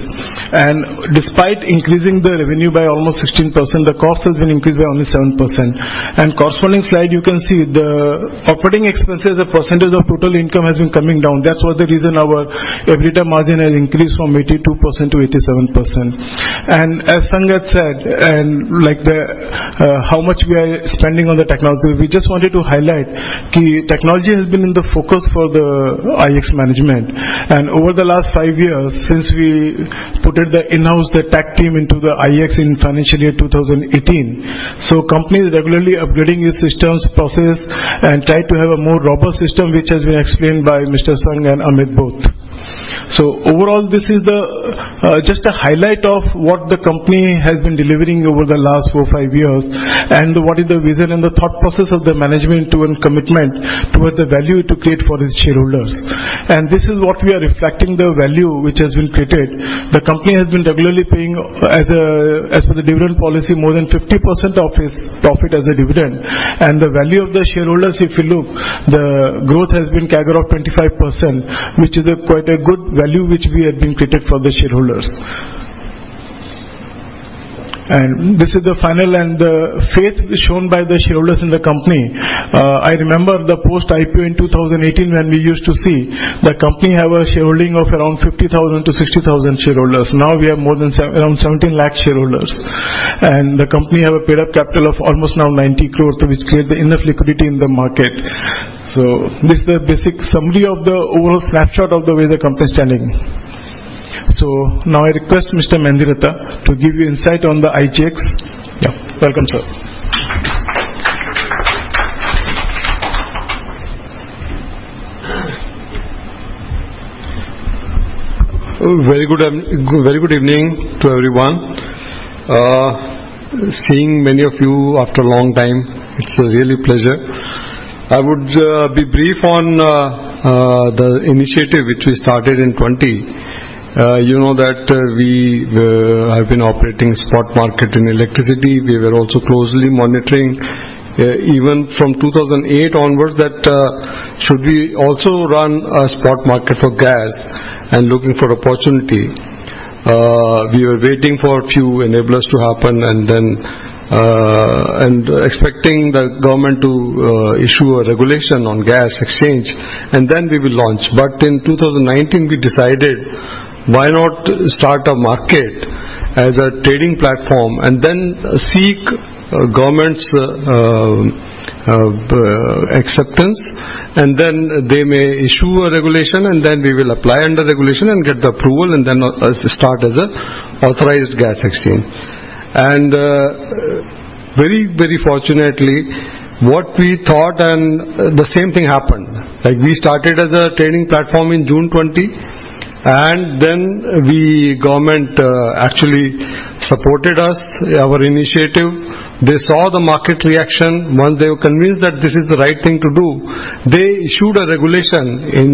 Despite increasing the revenue by almost 16%, the cost has been increased by only 7%. Corresponding slide, you can see the operating expenses, the percentage of total income has been coming down. That's what the reason our EBITDA margin has increased from 82% to 87%. As Sangh had said, how much we are spending on the technology, we just wanted to highlight technology has been in the focus for the IEX management. Over the last five years, since we put in the in-house tech team into the IEX in financial year 2018. Company is regularly upgrading its systems, processes, and tries to have a more robust system, which has been explained by Mr. Sangh and Amit both. Overall, this is just a highlight of what the company has been delivering over the last 4, five years and what is the vision and the thought process of the management to, and commitment towards the value to create for its shareholders. This is what we are reflecting the value which has been created. The company has been regularly paying as per the dividend policy, more than 50% of its profit as a dividend. The value of the shareholders, if you look, the growth has been CAGR of 25%, which is quite a good value which we have been created for the shareholders. This is the final and the faith shown by the shareholders in the company. I remember the post-IPO in 2018 when we used to see the company have a shareholding of around 50,000-60,000 shareholders. Now we have more than around 17 lakh shareholders. The company have a paid-up capital of almost now 90 crores, which create the enough liquidity in the market. This is the basic summary of the overall snapshot of the way the company is standing. Now I request Mr. Mediratta to give you insight on the IGX. Yeah. Welcome, sir.
Very good evening to everyone. Seeing many of you after a long time, it's really a pleasure. I would be brief on the initiative which we started in 2020. You know that we have been operating spot market in electricity. We were also closely monitoring, even from 2008 onwards, that should we also run a spot market for gas and looking for opportunity. We were waiting for a few enablers to happen and then expecting the government to issue a regulation on gas exchange, and then we will launch. In 2019, we decided why not start a market as a trading platform and then seek government's acceptance, and then they may issue a regulation, and then we will apply under regulation and get the approval and then start as an authorized gas exchange. Very fortunately, what we thought and the same thing happened. Like, we started as a trading platform in June 2020, and then government actually supported us, our initiative. They saw the market reaction. Once they were convinced that this is the right thing to do, they issued a regulation in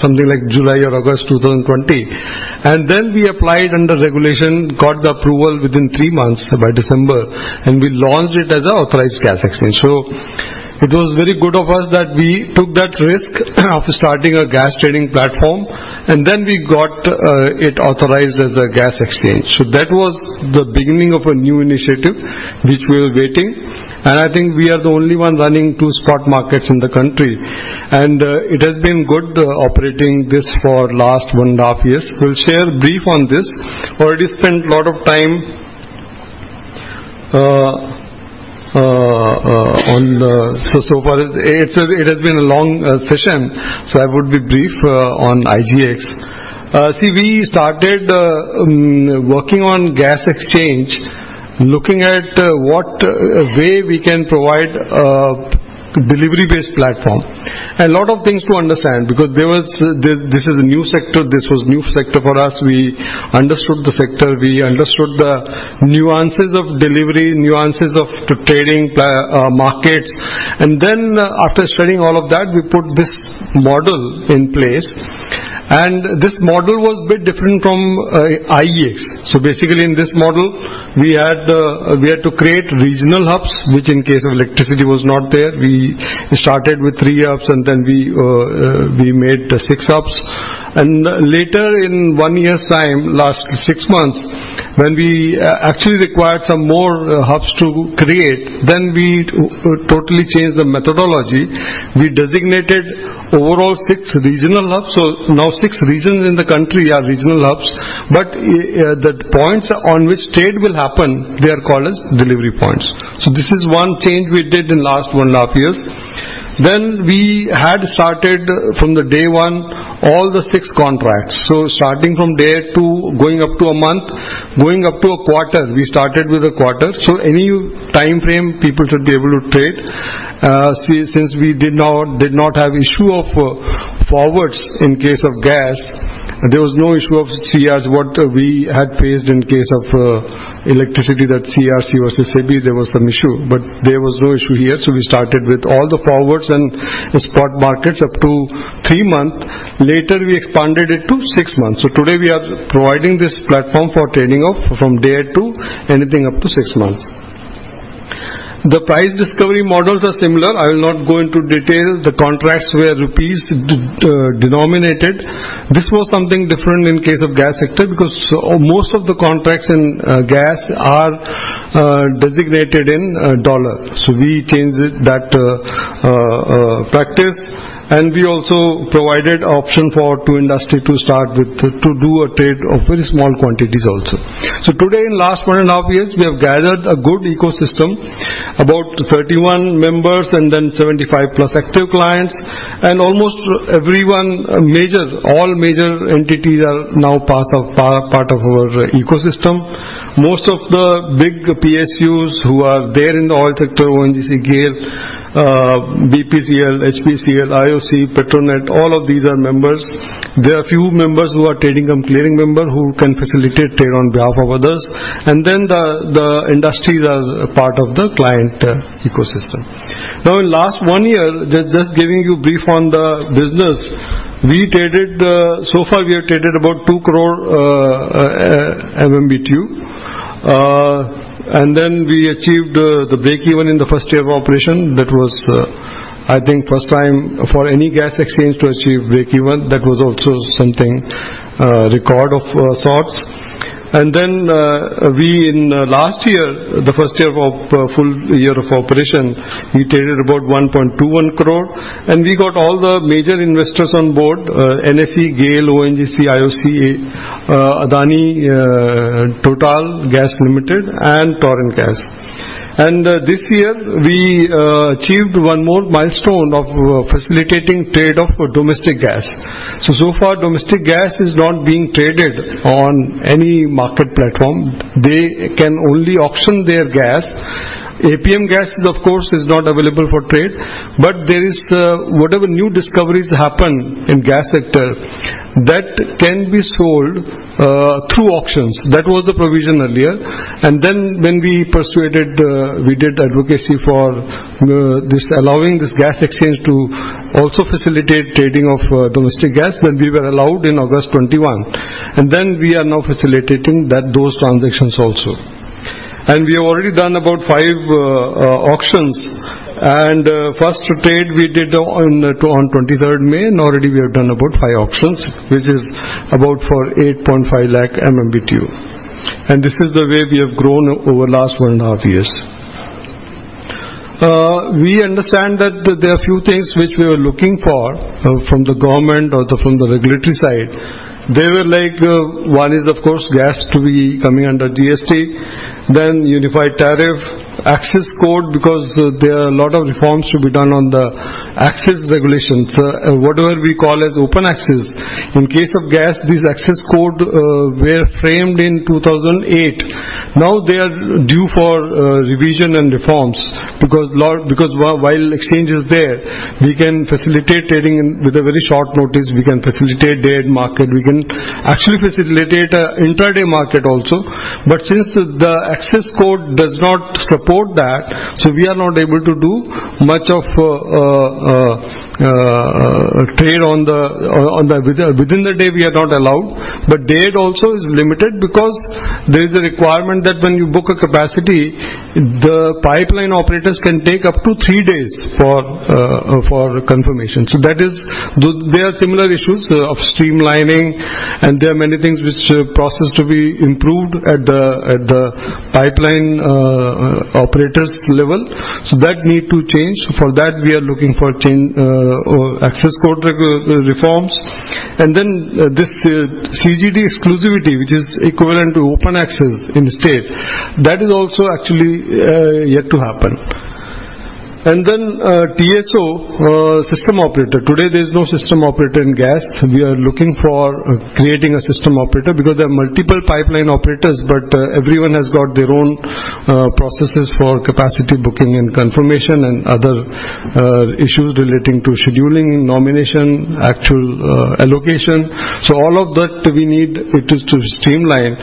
something like July or August 2020. We applied under regulation, got the approval within three months, by December, and we launched it as an authorized gas exchange. It was very good of us that we took that risk of starting a gas trading platform, and then we got it authorized as a gas exchange. That was the beginning of a new initiative which we were waiting. I think we are the only one running two spot markets in the country. It has been good operating this for last 1.five years. We'll share brief on this. Already spent a lot of time on the. So far it has been a long session, so I would be brief on IGX. See, we started working on gas exchange, looking at what way we can provide a delivery-based platform. A lot of things to understand because this is a new sector. This was new sector for us. We understood the sector. We understood the nuances of delivery, nuances of trading markets. After studying all of that, we put this model in place. This model was a bit different from IEX. Basically in this model, we had to create regional hubs, which in case of electricity was not there. We started with three hubs, then we made six hubs. Later in one year's time, last six months, when we actually required some more hubs to create, then we totally changed the methodology. We designated overall six regional hubs. Now six regions in the country are regional hubs. But the points on which trade will happen, they are called as delivery points. This is one change we did in last one and a half years. We had started from day one all the six contracts. Starting from day two, going up to a month, going up to a quarter, we started with a quarter. Any timeframe people should be able to trade. See, since we did not have issue of forwards in case of gas, there was no issue of CERC's what we had faced in case of electricity, that CERC versus SEBI, there was some issue, but there was no issue here. We started with all the forwards and spot markets up to three months. Later, we expanded it to six months. Today we are providing this platform for trading of from day two, anything up to six months. The price discovery models are similar. I will not go into detail. The contracts were rupees denominated. This was something different in case of gas sector because most of the contracts in gas are designated in dollar. We changed that practice, and we also provided option for the industry to start with to do a trade of very small quantities also. Today, in last 1.five years, we have gathered a good ecosystem, about 31 members and then 75+ active clients. Almost every major, all major entities are now part of part of our ecosystem. Most of the big PSUs who are there in the oil sector, ONGC, GAIL, BPCL, HPCL, IOC, Petronet, all of these are members. There are few members who are trading and clearing members who can facilitate trade on behalf of others. Then the industries are part of the client ecosystem. Now in last one year, just giving you brief on the business, we traded, so far we have traded about 2 crore MMBtu. We achieved the breakeven in the first year of operation. That was, I think first time for any gas exchange to achieve breakeven. That was also something, record of sorts. We in last year, the first year of full year of operation, we traded about 1.21 crore, and we got all the major investors on board, NSE, GAIL, ONGC, IOC, Adani Total Gas Limited, and Torrent Gas. This year, we achieved one more milestone of facilitating trade of domestic gas. So far, domestic gas is not being traded on any market platform. They can only auction their gas. APM gas is of course not available for trade, but there is whatever new discoveries happen in gas sector that can be sold through auctions. That was the provision earlier. When we persuaded, we did advocacy for allowing this gas exchange to also facilitate trading of domestic gas when we were allowed in August 2021. We are now facilitating those transactions also. We have already done about five auctions, and first trade we did on twenty-third May, and already we have done about five auctions, which is about 48.5 lakh MMBtu. This is the way we have grown over the last one and a half years. We understand that there are few things which we were looking for from the government or the regulatory side. They were like, one is of course gas to be coming under GST, then unified tariff, access code, because there are a lot of reforms to be done on the access regulations, whatever we call as open access. In case of gas, these access code were framed in 2008. Now they are due for revision and reforms because while exchange is there, we can facilitate trading in with a very short notice, we can facilitate day market, we can actually facilitate a intraday market also. Since the access code does not support that, we are not able to do much of trade on the within the day we are not allowed. Day also is limited because there is a requirement that when you book a capacity, the pipeline operators can take up to three days for confirmation. That is there are similar issues of streamlining, and there are many things which process to be improved at the pipeline operator's level. That need to change. For that, we are looking for change or access code reforms. Then this CGD exclusivity, which is equivalent to open access in state. That is also actually yet to happen. Then TSO system operator. Today, there is no system operator in gas. We are looking for creating a system operator because there are multiple pipeline operators, but everyone has got their own processes for capacity booking and confirmation and other issues relating to scheduling, nomination, actual allocation. All of that we need it is to streamline.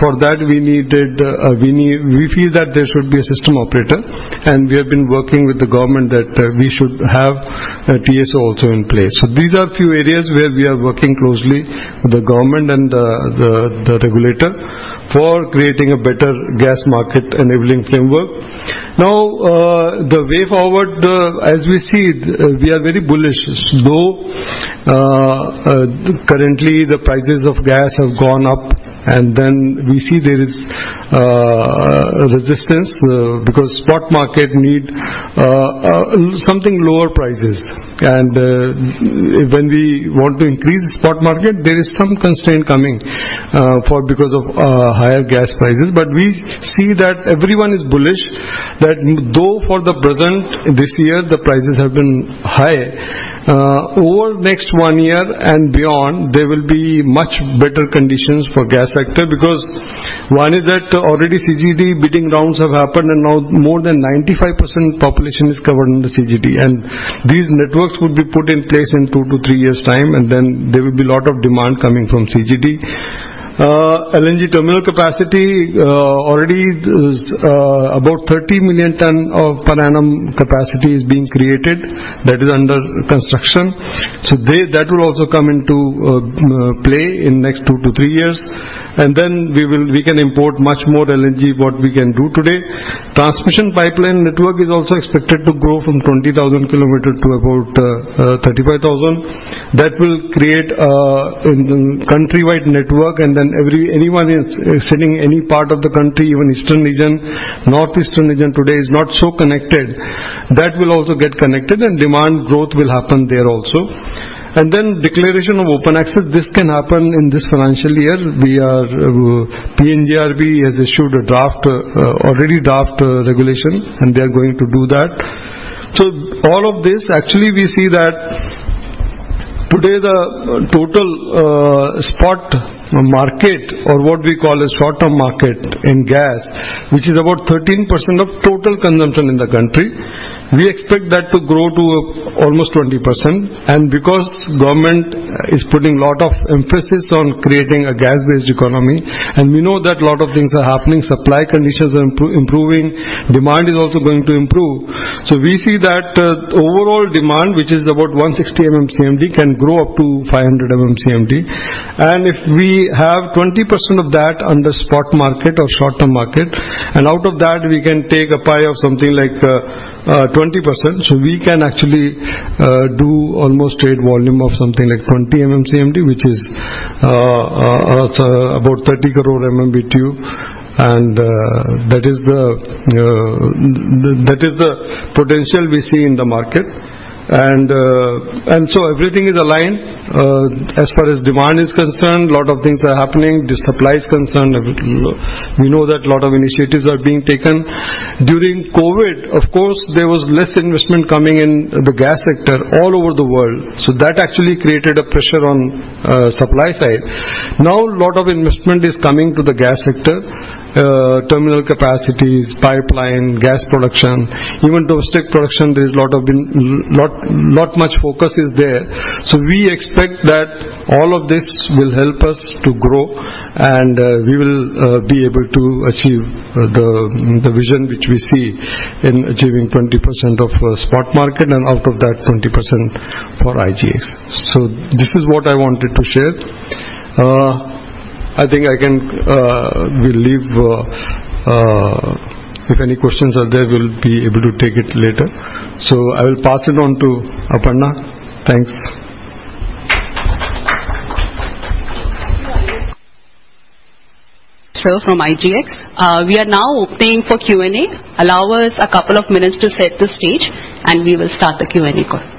For that we needed, we feel that there should be a system operator, and we have been working with the government that we should have a TSO also in place. These are a few areas where we are working closely with the government and the regulator for creating a better gas market enabling framework. Now, the way forward, as we see it, we are very bullish. Though currently the prices of gas have gone up and then we see there is resistance because spot market need something lower prices. When we want to increase the spot market, there is some constraint coming because of higher gas prices. We see that everyone is bullish that though for the present this year the prices have been high over next one year and beyond there will be much better conditions for gas sector. Because one is that already CGD bidding rounds have happened and now more than 95% population is covered in the CGD. These networks would be put in place in two to three years' time, and then there will be lot of demand coming from CGD. LNG terminal capacity already is about 30 million tons per annum capacity is being created. That is under construction. They, that will also come into play in next 2 to 3 years. We can import much more LNG than we can do today. Transmission pipeline network is also expected to grow from 20,000 km to about 35,000 km. That will create countrywide network and then anyone is sitting any part of the country, even eastern region. Northeastern region today is not so connected. That will also get connected and demand growth will happen there also. Declaration of open access, this can happen in this financial year. We are, PNGRB has issued a draft regulation already, and they are going to do that. All of this, actually, we see that today the total spot market or what we call a short-term market in gas, which is about 13% of total consumption in the country, we expect that to grow to almost 20%. Because government is putting lot of emphasis on creating a gas-based economy, and we know that a lot of things are happening, supply conditions are improving, demand is also going to improve. We see that overall demand, which is about 160 MMCMD, can grow up to 500 MMCMD. If we have 20% of that under spot market or short-term market, and out of that we can take a pie of something like 20%, so we can actually do almost trade volume of something like 20 MMCMD, which is about 30 crore MMBtu, and that is the potential we see in the market. Everything is aligned. As far as demand is concerned, a lot of things are happening. As far as the supply is concerned, we know that a lot of initiatives are being taken. During COVID, of course, there was less investment coming in the gas sector all over the world. That actually created a pressure on supply side. Now a lot of investment is coming to the gas sector, terminal capacities, pipeline, gas production, even domestic production. There is a lot of focus there. We expect that all of this will help us to grow and we will be able to achieve the vision which we see in achieving 20% of spot market and out of that 20% for IEX. This is what I wanted to share. I think I will leave. If any questions are there, we'll be able to take it later. I will pass it on to Aparna. Thanks.
From IEX. We are now opening for Q&A. Allow us a couple of minutes to set the stage and we will start the Q&A call.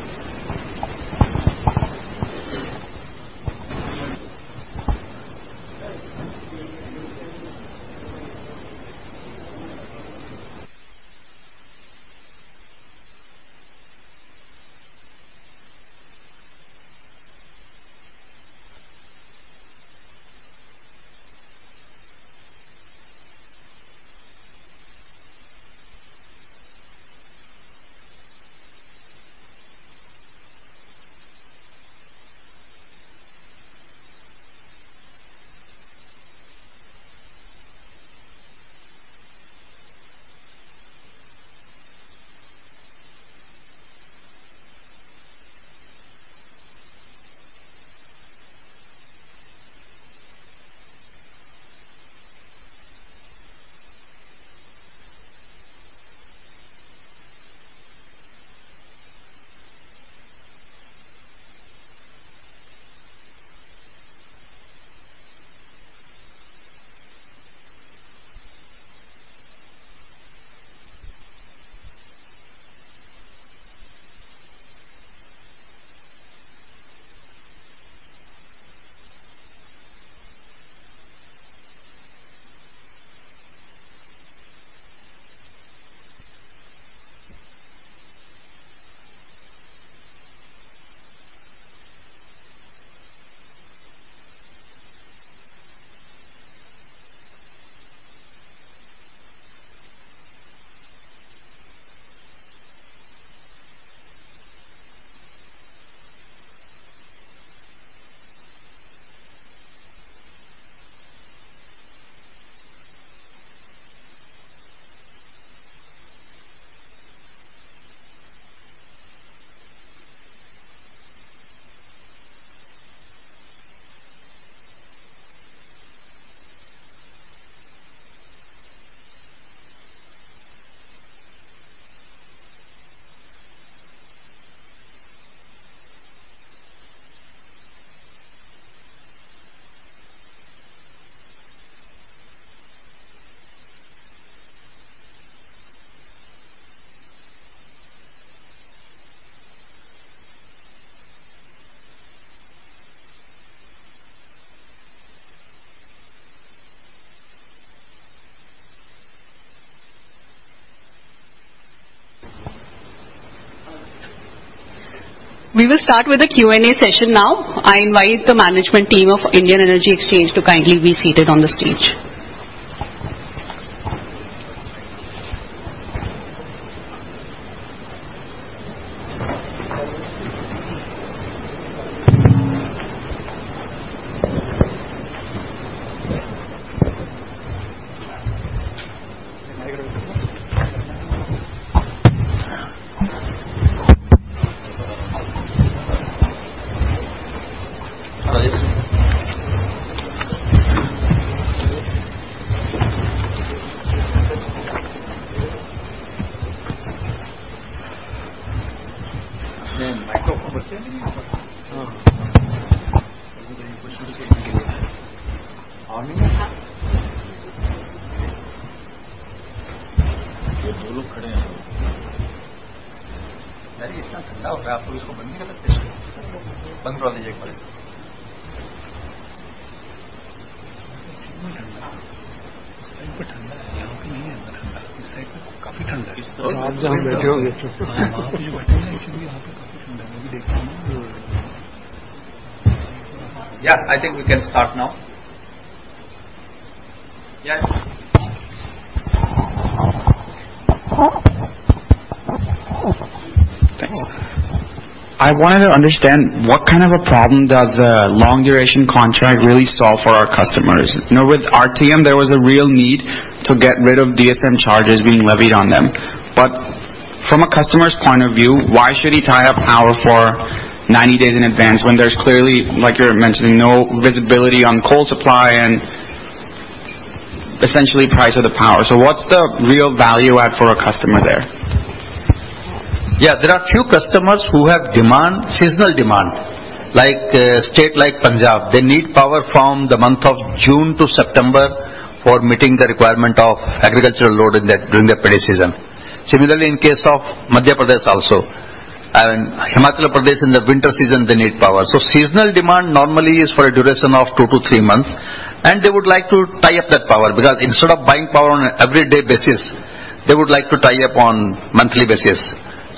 We will start with the Q&A session now. I invite the management team of Indian Energy Exchange to kindly be seated on the stage.
Yeah, I think we can start now. Yeah.
Thanks. I wanted to understand what kind of a problem does the long duration contract really solve for our customers? You know, with RTM, there was a real need to get rid of DSM charges being levied on them. But from a customer's point of view, why should he tie up power for 90 days in advance when there's clearly, like you're mentioning, no visibility on coal supply and essentially price of the power? What's the real value add for a customer there?
Yeah. There are few customers who have demand, seasonal demand, like a state like Punjab. They need power from the month of June to September for meeting the requirement of agricultural load during the paddy season. Similarly in case of Madhya Pradesh also and Himachal Pradesh in the winter season they need power. Seasonal demand normally is for a duration of two-three months, and they would like to tie up that power because instead of buying power on an everyday basis, they would like to tie up on monthly basis.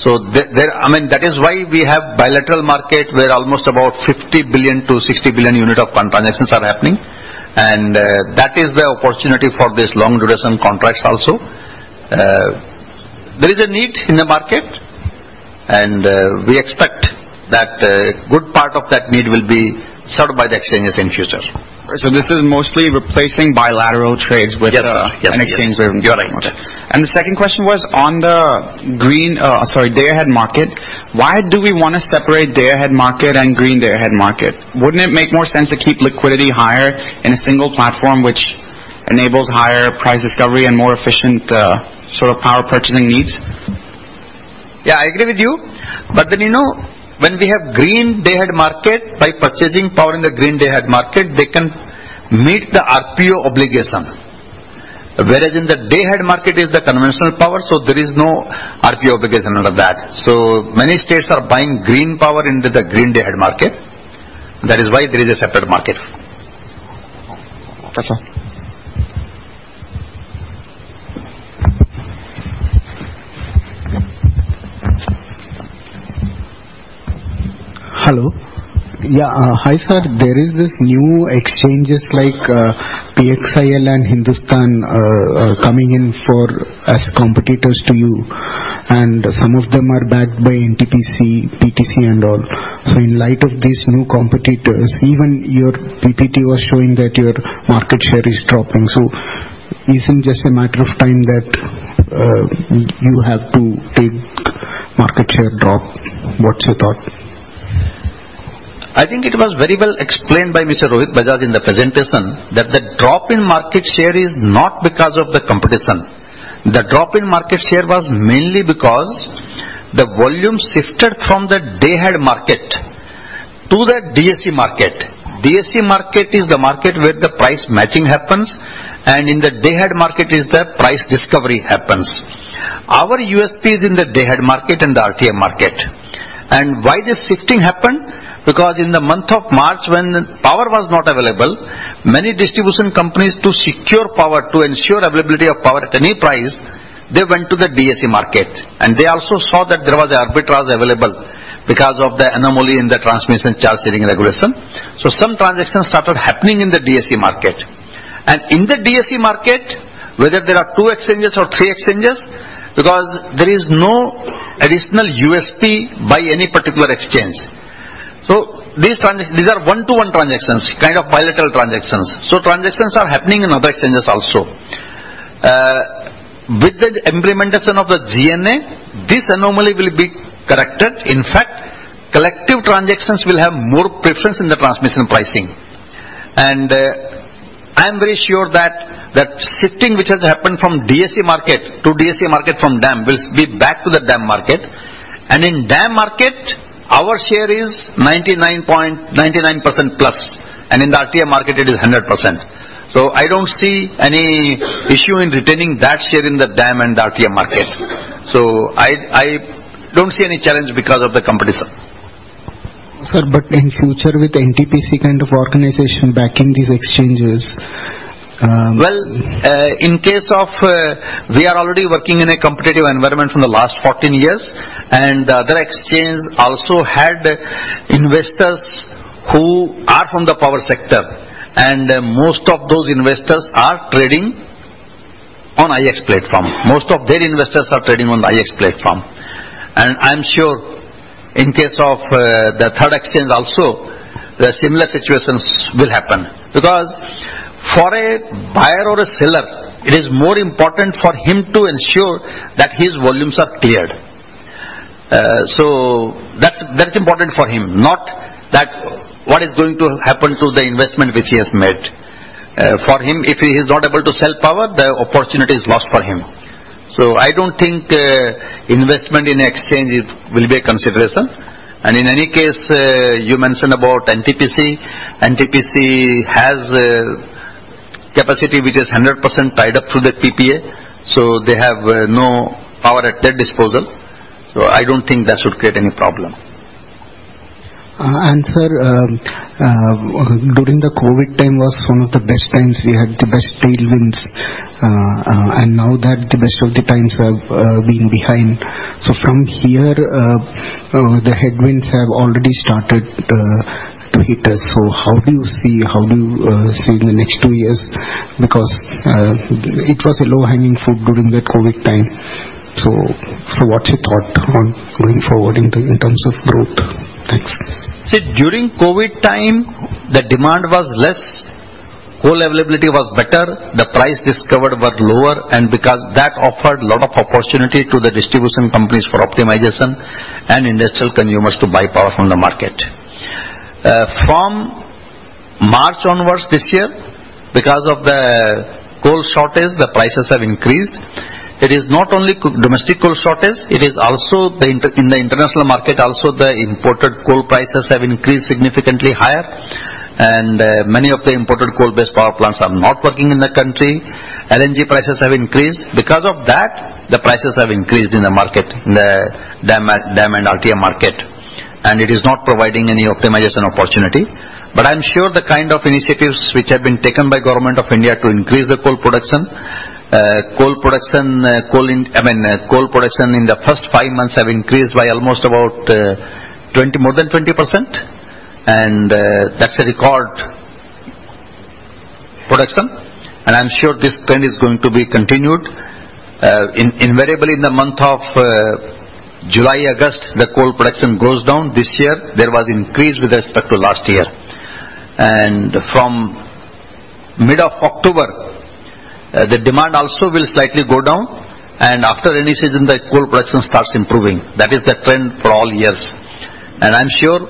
The I mean, that is why we have bilateral market where almost about 50 billion-60 billion units of transactions are happening, and that is the opportunity for this long duration contracts also. There is a need in the market, and we expect that a good part of that need will be served by the exchanges in future.
This is mostly replacing bilateral trades with a-
Yes.
an exchange.
You're right.
The second question was on the Green Day-Ahead Market. Why do we wanna separate day-ahead market and Green Day-Ahead Market? Wouldn't it make more sense to keep liquidity higher in a single platform which enables higher price discovery and more efficient sort of power purchasing needs?
Yeah, I agree with you. You know, when we have Green Day-Ahead Market, by purchasing power in the Green Day-Ahead Market, they can meet the RPO obligation. Whereas in the Day-Ahead Market is the conventional power, so there is no RPO obligation out of that. Many states are buying green power into the Green Day-Ahead Market. That is why there is a separate market.
That's all.
Hello. Yeah. Hi, sir. There is this new exchanges like PXIL and Hindustan Power Exchange coming in as competitors to you, and some of them are backed by NTPC, PTC, and all. In light of these new competitors, even your PPT was showing that your market share is dropping. Isn't just a matter of time that you have to take market share drop? What's your thought?
I think it was very well explained by Mr. Rohit Bajaj in the presentation that the drop in market share is not because of the competition. The drop in market share was mainly because the volume shifted from the Day-Ahead Market to the DAC market. DAC market is the market where the price matching happens, and in the Day-Ahead Market is the price discovery happens. Our USP is in the Day-Ahead Market and the RTM market. Why this shifting happened? Because in the month of March, when power was not available, many distribution companies to secure power, to ensure availability of power at any price, they went to the DAC market. They also saw that there was arbitrage available because of the anomaly in the transmission charge sharing regulation. Some transactions started happening in the DAC market. In the DAC market, whether there are two exchanges or three exchanges, because there is no additional USP by any particular exchange. These are one-to-one transactions, kind of bilateral transactions. Transactions are happening in other exchanges also. With the implementation of the GNA, this anomaly will be corrected. In fact, collective transactions will have more preference in the transmission pricing. I am very sure that that shifting which has happened from DAM to DAC market will be back to the DAM market. In DAM market, our share is 99% plus, and in the RTM market it is 100%. I don't see any issue in retaining that share in the DAM and RTM market. I don't see any challenge because of the competition.
Sir, in future, with NTPC kind of organization backing these exchanges.
In case of... We are already working in a competitive environment from the last 14 years, and the other exchange also had investors who are from the power sector. Most of those investors are trading on IEX platform. Most of their investors are trading on the IEX platform. I'm sure in case of the third exchange also, the similar situations will happen. Because for a buyer or a seller, it is more important for him to ensure that his volumes are cleared. That is important for him, not that what is going to happen to the investment which he has made. For him, if he's not able to sell power, the opportunity is lost for him. I don't think investment in exchange will be a consideration. In any case, you mentioned about NTPC. NTPC has capacity which is 100% tied up through the PPA, so they have no power at their disposal. I don't think that should create any problem.
Sir, during the COVID time was one of the best times. We had the best tailwinds. Now that the best of the times have been behind. From here, the headwinds have already started to hit us. How do you see in the next two years? Because it was a low-hanging fruit during that COVID time. What's your thought on going forward in terms of growth? Thanks.
See, during COVID time, the demand was less, coal availability was better, the prices discovered were lower, and because that offered a lot of opportunity to the distribution companies for optimization and industrial consumers to buy power from the market. From March onwards this year, because of the coal shortage, the prices have increased. It is not only domestic coal shortage, it is also the international market. In the international market also, the imported coal prices have increased significantly higher. Many of the imported coal-based power plants are not working in the country. LNG prices have increased. Because of that, the prices have increased in the market, in the DAM and RTM market. It is not providing any optimization opportunity. I'm sure the kind of initiatives which have been taken by Government of India to increase the coal production. Coal production, I mean, in the first five months have increased by almost about more than 20%. That's a record. Production. I'm sure this trend is going to be continued. Invariably in the month of July, August, the coal production goes down. This year there was increase with respect to last year. From mid of October, the demand also will slightly go down and after rainy season the coal production starts improving. That is the trend for all years. I'm sure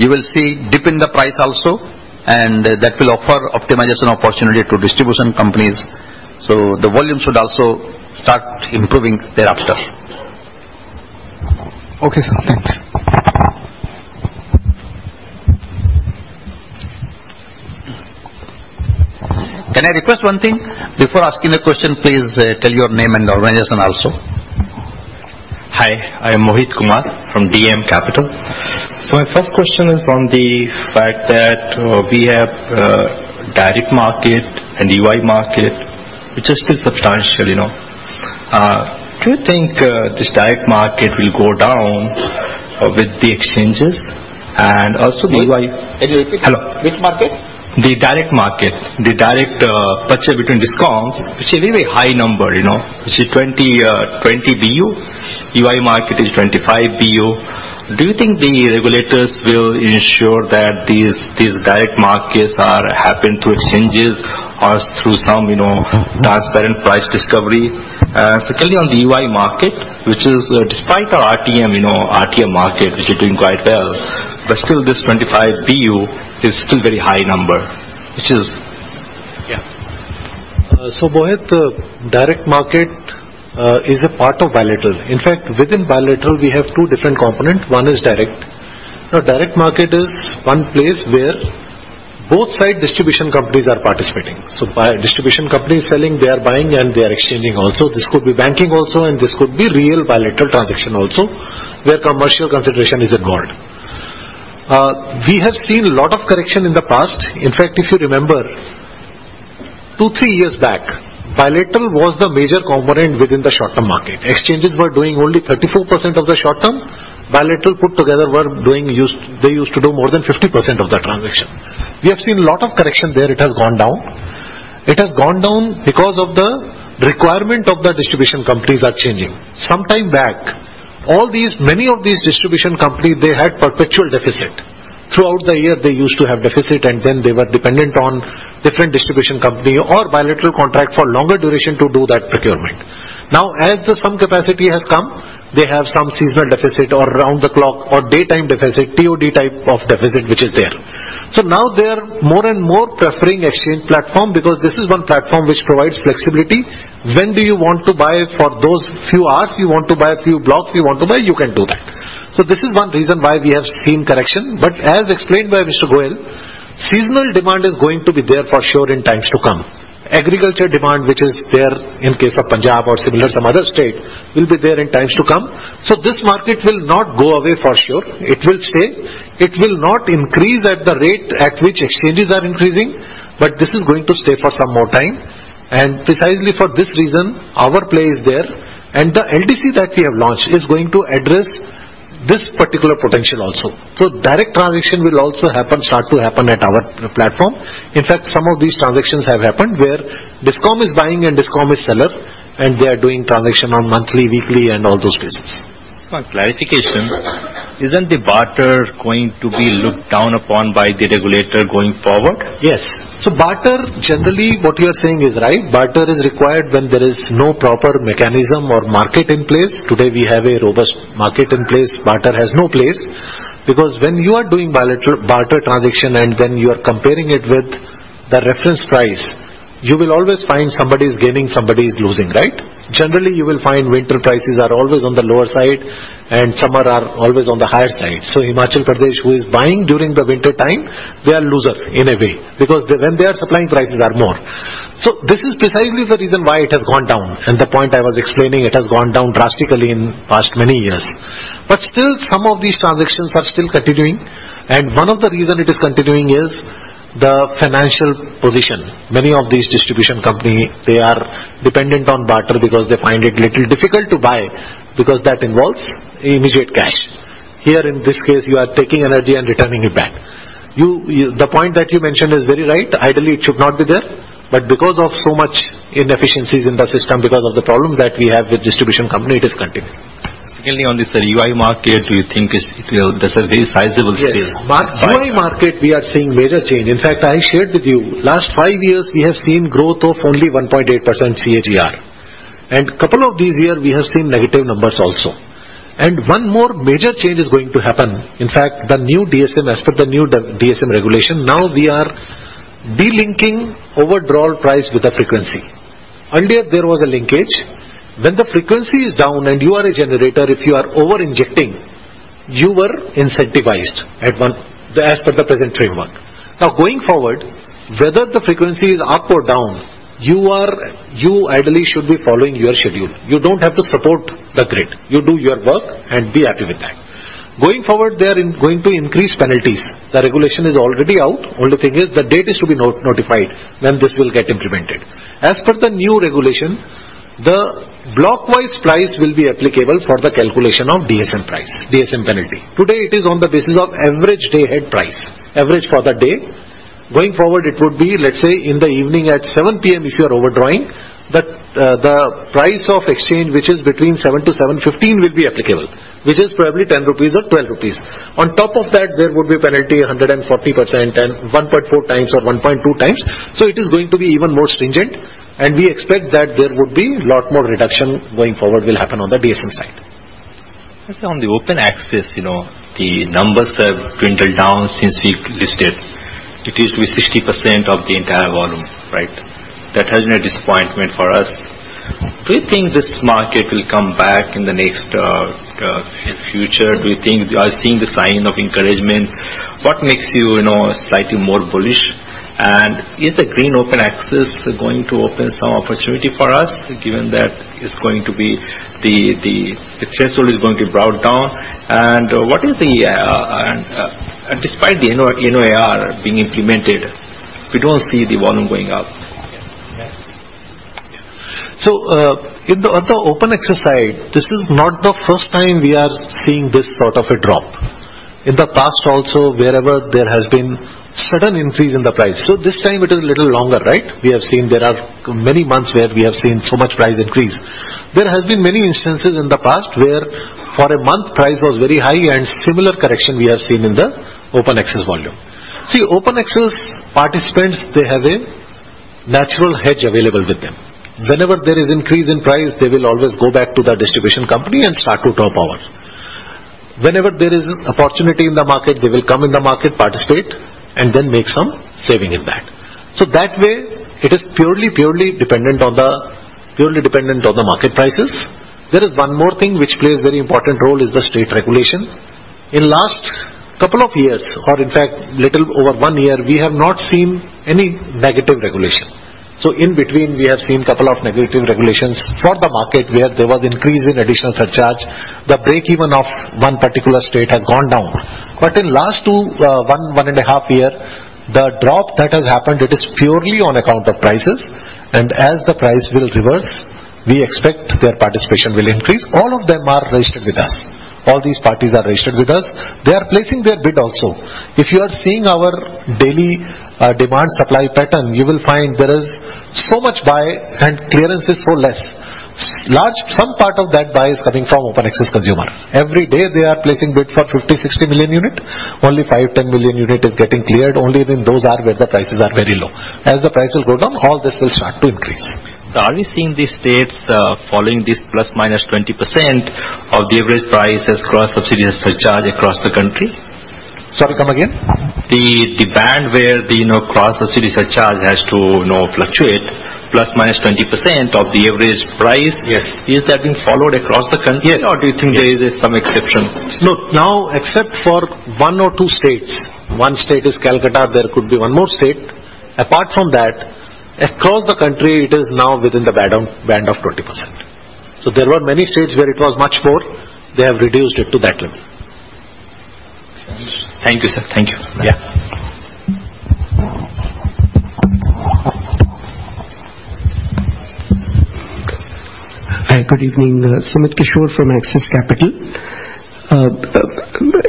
you will see dip in the price also, and that will offer optimization opportunity to distribution companies. The volume should also start improving thereafter.
Okay, sir. Thanks.
Can I request one thing? Before asking a question, please, tell your name and organization also.
Hi, I am Mohit Kumar from DAM Capital. My first question is on the fact that we have direct market and UI market, which is still substantial, you know. Do you think this direct market will go down with the exchanges? And also the UI-
Can you repeat?
Hello.
Which market?
The direct market. The direct purchase between DISCOMs, which is a very high number, you know. Which is 20 BU. UI market is 25 BU. Do you think the regulators will ensure that these direct markets are happen through exchanges or through some, you know, transparent price discovery? Secondly on the UI market, which is despite our RTM, you know, RTM market, which is doing quite well, but still this 25 BU is still very high number, which is.
Mohit, direct market is a part of bilateral. In fact, within bilateral we have two different component. One is direct. Now, direct market is one place where both side distribution companies are participating. Distribution companies selling, they are buying and they are exchanging also. This could be banking also, and this could be real bilateral transaction also, where commercial consideration is involved. We have seen lot of correction in the past. In fact, if you remember two, three years back, bilateral was the major component within the short-term market. Exchanges were doing only 34% of the short-term. Bilateral put together were doing they used to do more than 50% of the transaction. We have seen lot of correction there. It has gone down. It has gone down because of the requirement of the distribution companies are changing. Sometime back, all these, many of these distribution companies, they had perpetual deficit. Throughout the year they used to have deficit and then they were dependent on different distribution company or bilateral contract for longer duration to do that procurement. As some capacity has come, they have some seasonal deficit or around the clock or daytime deficit, TOD type of deficit, which is there. They are more and more preferring exchange platform because this is one platform which provides flexibility. When do you want to buy for those few hours, you want to buy a few blocks, you can do that. This is one reason why we have seen correction. As explained by Mr. S.N. Goel, seasonal demand is going to be there for sure in times to come. Agriculture demand, which is there in case of Punjab or similar some other state, will be there in times to come. This market will not go away for sure. It will stay. It will not increase at the rate at which exchanges are increasing, but this is going to stay for some more time. Precisely for this reason our play is there and the LDC that we have launched is going to address this particular potential also. Direct transaction will also happen, start to happen at our platform. In fact, some of these transactions have happened where DISCOM is buying and DISCOM is seller and they are doing transaction on monthly, weekly and all those basis.
Just one clarification. Isn't the barter going to be looked down upon by the regulator going forward?
Yes. Barter, generally what you are saying is right. Barter is required when there is no proper mechanism or market in place. Today we have a robust market in place. Barter has no place because when you are doing bilateral barter transaction and then you are comparing it with the reference price, you will always find somebody is gaining, somebody is losing, right? Generally you will find winter prices are always on the lower side and summer are always on the higher side. Himachal Pradesh who is buying during the wintertime, they are loser in a way because they, when they are supplying prices are more. This is precisely the reason why it has gone down and the point I was explaining it has gone down drastically in past many years. Still some of these transactions are still continuing and one of the reason it is continuing is the financial position. Many of these distribution company, they are dependent on barter because they find it little difficult to buy because that involves immediate cash. Here in this case you are taking energy and returning it back. The point that you mentioned is very right. Ideally it should not be there, but because of so much inefficiencies in the system because of the problem that we have with distribution company, it is continuing.
Secondly, on this, the UI market, do you think is, you know, that's a very sizable share.
Yes. UI market we are seeing major change. In fact, I shared with you last five years we have seen growth of only 1.8% CAGR. Couple of these years we have seen negative numbers also. One more major change is going to happen. In fact, the new DSM, as per the new D-DSM regulation, now we are delinking overdrawl price with the frequency. Earlier there was a linkage. When the frequency is down and you are a generator, if you are over injecting, you were incentivized at one, as per the present framework. Now going forward, whether the frequency is up or down, you are, you ideally should be following your schedule. You don't have to support the grid. You do your work and be happy with that. Going forward, they are in, going to increase penalties. The regulation is already out. Only thing is the date is to be notified when this will get implemented. As per the new regulation, the block-wise price will be applicable for the calculation of DSM price, DSM penalty. Today, it is on the basis of average day-ahead price, average for the day. Going forward, it would be, let's say, in the evening at 7:00 P.M. if you are overdrawing, the price of exchange which is between 7:00 P.M. to 7:15 P.M. will be applicable, which is probably 10 rupees or 12 rupees. On top of that, there would be a penalty 140% and 1.4 times or 1.2 times. It is going to be even more stringent, and we expect that there would be lot more reduction going forward will happen on the DSM side.
Sir, on the open access, you know, the numbers have dwindled down since we listed. It used to be 60% of the entire volume, right? That has been a disappointment for us. Do you think this market will come back in future? Do you think? Are you seeing the signs of encouragement? What makes you know, slightly more bullish? Is the green open access going to open some opportunity for us, given that it's going to be the threshold is going to be brought down and what do you think, despite the NOAR being implemented, we don't see the volume going up.
On the open access side, this is not the first time we are seeing this sort of a drop. In the past also, wherever there has been sudden increase in the price. This time it is a little longer, right? We have seen there are many months where we have seen so much price increase. There have been many instances in the past where for a month price was very high and similar correction we have seen in the open access volume. See, open access participants, they have a natural hedge available with them. Whenever there is increase in price, they will always go back to the distribution company and start to draw power. Whenever there is this opportunity in the market, they will come in the market, participate, and then make some saving in that. That way, it is purely dependent on the market prices. There is one more thing which plays very important role is the state regulation. In last couple of years, or in fact little over one year, we have not seen any negative regulation. In between, we have seen couple of negative regulations for the market where there was increase in additional surcharge. The break-even of one particular state has gone down. In last two, one and a half year, the drop that has happened, it is purely on account of prices. As the price will reverse, we expect their participation will increase. All of them are registered with us. All these parties are registered with us. They are placing their bid also. If you are seeing our daily demand supply pattern, you will find there is so much buy and clearance is so less. Some part of that buy is coming from open access consumer. Every day, they are placing bid for 50, 60 million unit. Only 5, 10 million unit is getting cleared, only when those are where the prices are very low. As the price will go down, all this will start to increase.
Are we seeing these states following this ±20% of the average price as cross-subsidy surcharge across the country?
Sorry, come again.
The band where, you know, the cross-subsidy surcharge has to, you know, fluctuate ±20% of the average price.
Yes.
Is that being followed across the country?
Yes.
Do you think there is some exception?
Look, now except for one or two states, one state is Calcutta, there could be one more state. Apart from that, across the country, it is now within the band of 20%. There were many states where it was much more. They have reduced it to that level.
Thank you, sir. Thank you.
Yeah.
Hi, good evening. Sumit Kishore from Axis Capital.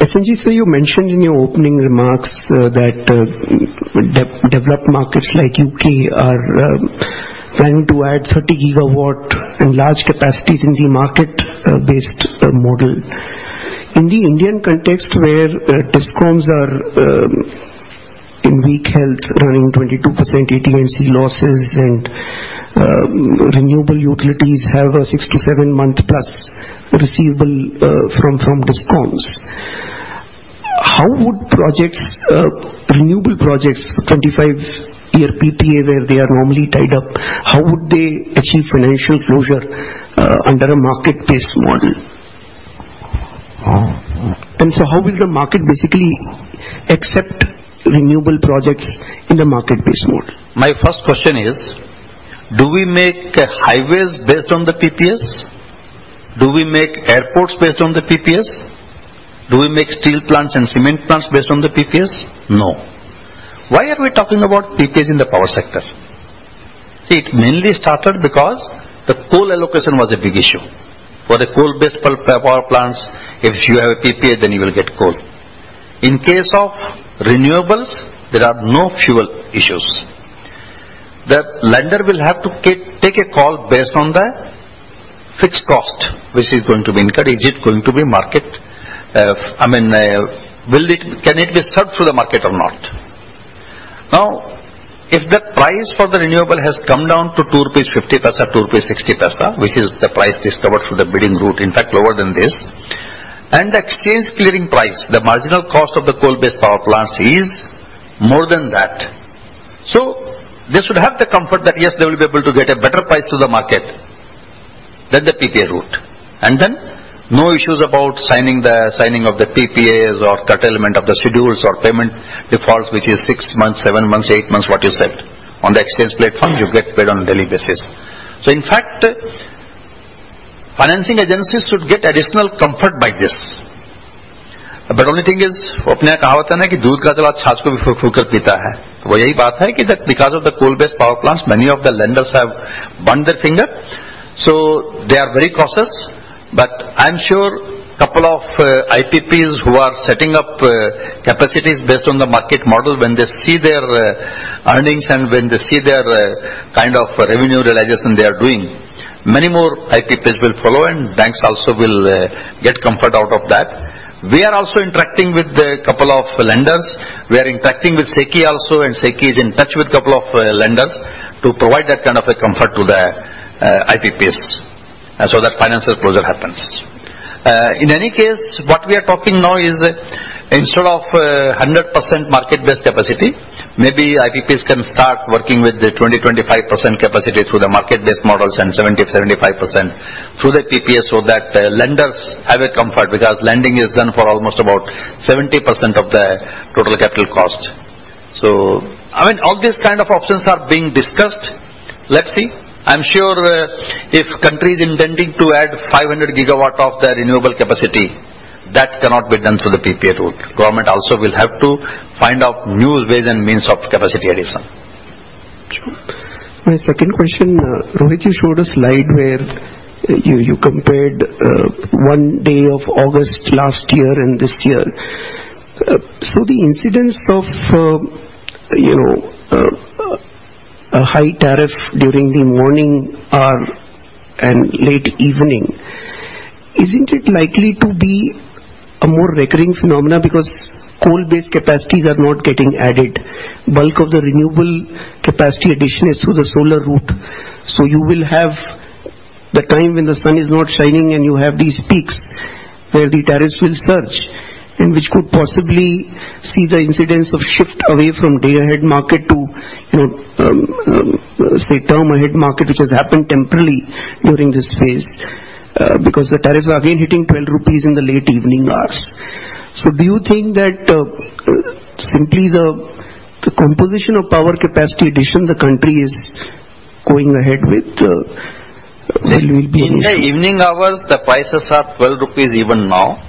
S.N. Goel sir, you mentioned in your opening remarks that developed markets like U.K. are planning to add 30 gigawatt in large capacities in the market-based model. In the Indian context where DISCOMs are in weak health running 22% AT&C losses and renewable utilities have a 6- to 7-month-plus receivable from DISCOMs. How would projects, renewable projects, 25-year PPA, where they are normally tied up, how would they achieve financial closure under a market-based model? How will the market basically accept renewable projects in the market-based model?
My first question is, do we make highways based on the PPAs? Do we make airports based on the PPAs? Do we make steel plants and cement plants based on the PPAs? No. Why are we talking about PPAs in the power sector? See, it mainly started because the coal allocation was a big issue. For the coal-based power plants, if you have a PPA, then you will get coal. In case of renewables, there are no fuel issues. The lender will have to take a call based on the fixed cost, which is going to be incurred. Is it going to be market? I mean, can it be served through the market or not? Now, if the price for the renewable has come down to 2.50 rupees, 2.60 rupees, which is the price discovered through the bidding route, in fact lower than this, and the exchange clearing price, the marginal cost of the coal-based power plants is more than that. They should have the comfort that, yes, they will be able to get a better price through the market than the PPA route. No issues about signing of the PPAs or curtailment of the schedules or payment defaults, which is six months, 7 months, 8 months, what you said. On the exchange platform, you get paid on a daily basis. In fact-
Financing agencies should get additional comfort by this. Only thing is, because of the coal-based power plants, many of the lenders have burned their fingers. They are very cautious. I'm sure couple of IPPs who are setting up capacities based on the market model, when they see their earnings and when they see their kind of revenue realization they are doing, many more IPPs will follow, and banks also will get comfort out of that. We are also interacting with a couple of lenders. We are interacting with SECI also, and SECI is in touch with a couple of lenders to provide that kind of a comfort to the IPPs, so that financial closure happens. In any case, what we are talking now is instead of 100% market-based capacity, maybe IPPs can start working with the 20-25% capacity through the market-based models and 70-75% through the PPA so that lenders have a comfort because lending is done for almost about 70% of the total capital cost. I mean, all these kind of options are being discussed. Let's see. I'm sure if country is intending to add 500 GW of their renewable capacity, that cannot be done through the PPA route. Government also will have to find out new ways and means of capacity addition.
Sure. My second question, Rohit, you showed a slide where you compared one day of August last year and this year. So the incidence of, you know, a high tariff during the morning hour and late evening, isn't it likely to be a more recurring phenomenon because coal-based capacities are not getting added? Bulk of the renewable capacity addition is through the solar route. You will have the time when the sun is not shining and you have these peaks where the tariffs will surge, and which could possibly see the incidence of shift away from day-ahead market to, you know, say, term ahead market, which has happened temporarily during this phase, because the tariffs are again hitting 12 rupees in the late evening hours. Do you think that simply the composition of power capacity addition that the country is going ahead with there will be any?
In the evening hours, the prices are 12 rupees even now.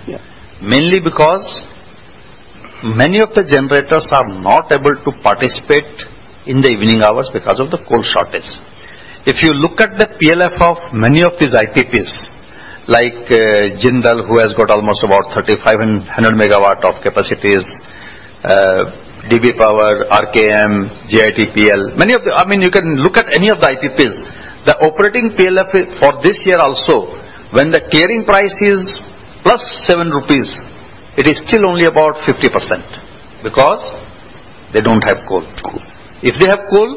Yeah.
Mainly because many of the generators are not able to participate in the evening hours because of the coal shortage. If you look at the PLF of many of these IPPs, like, Jindal, who has got almost about 3,500 MW of capacity, DB Power, RKM, JITPL, many of the I mean, you can look at any of the IPPs. The operating PLF for this year also, when the clearing price is +7 rupees, it is still only about 50% because they don't have coal. If they have coal,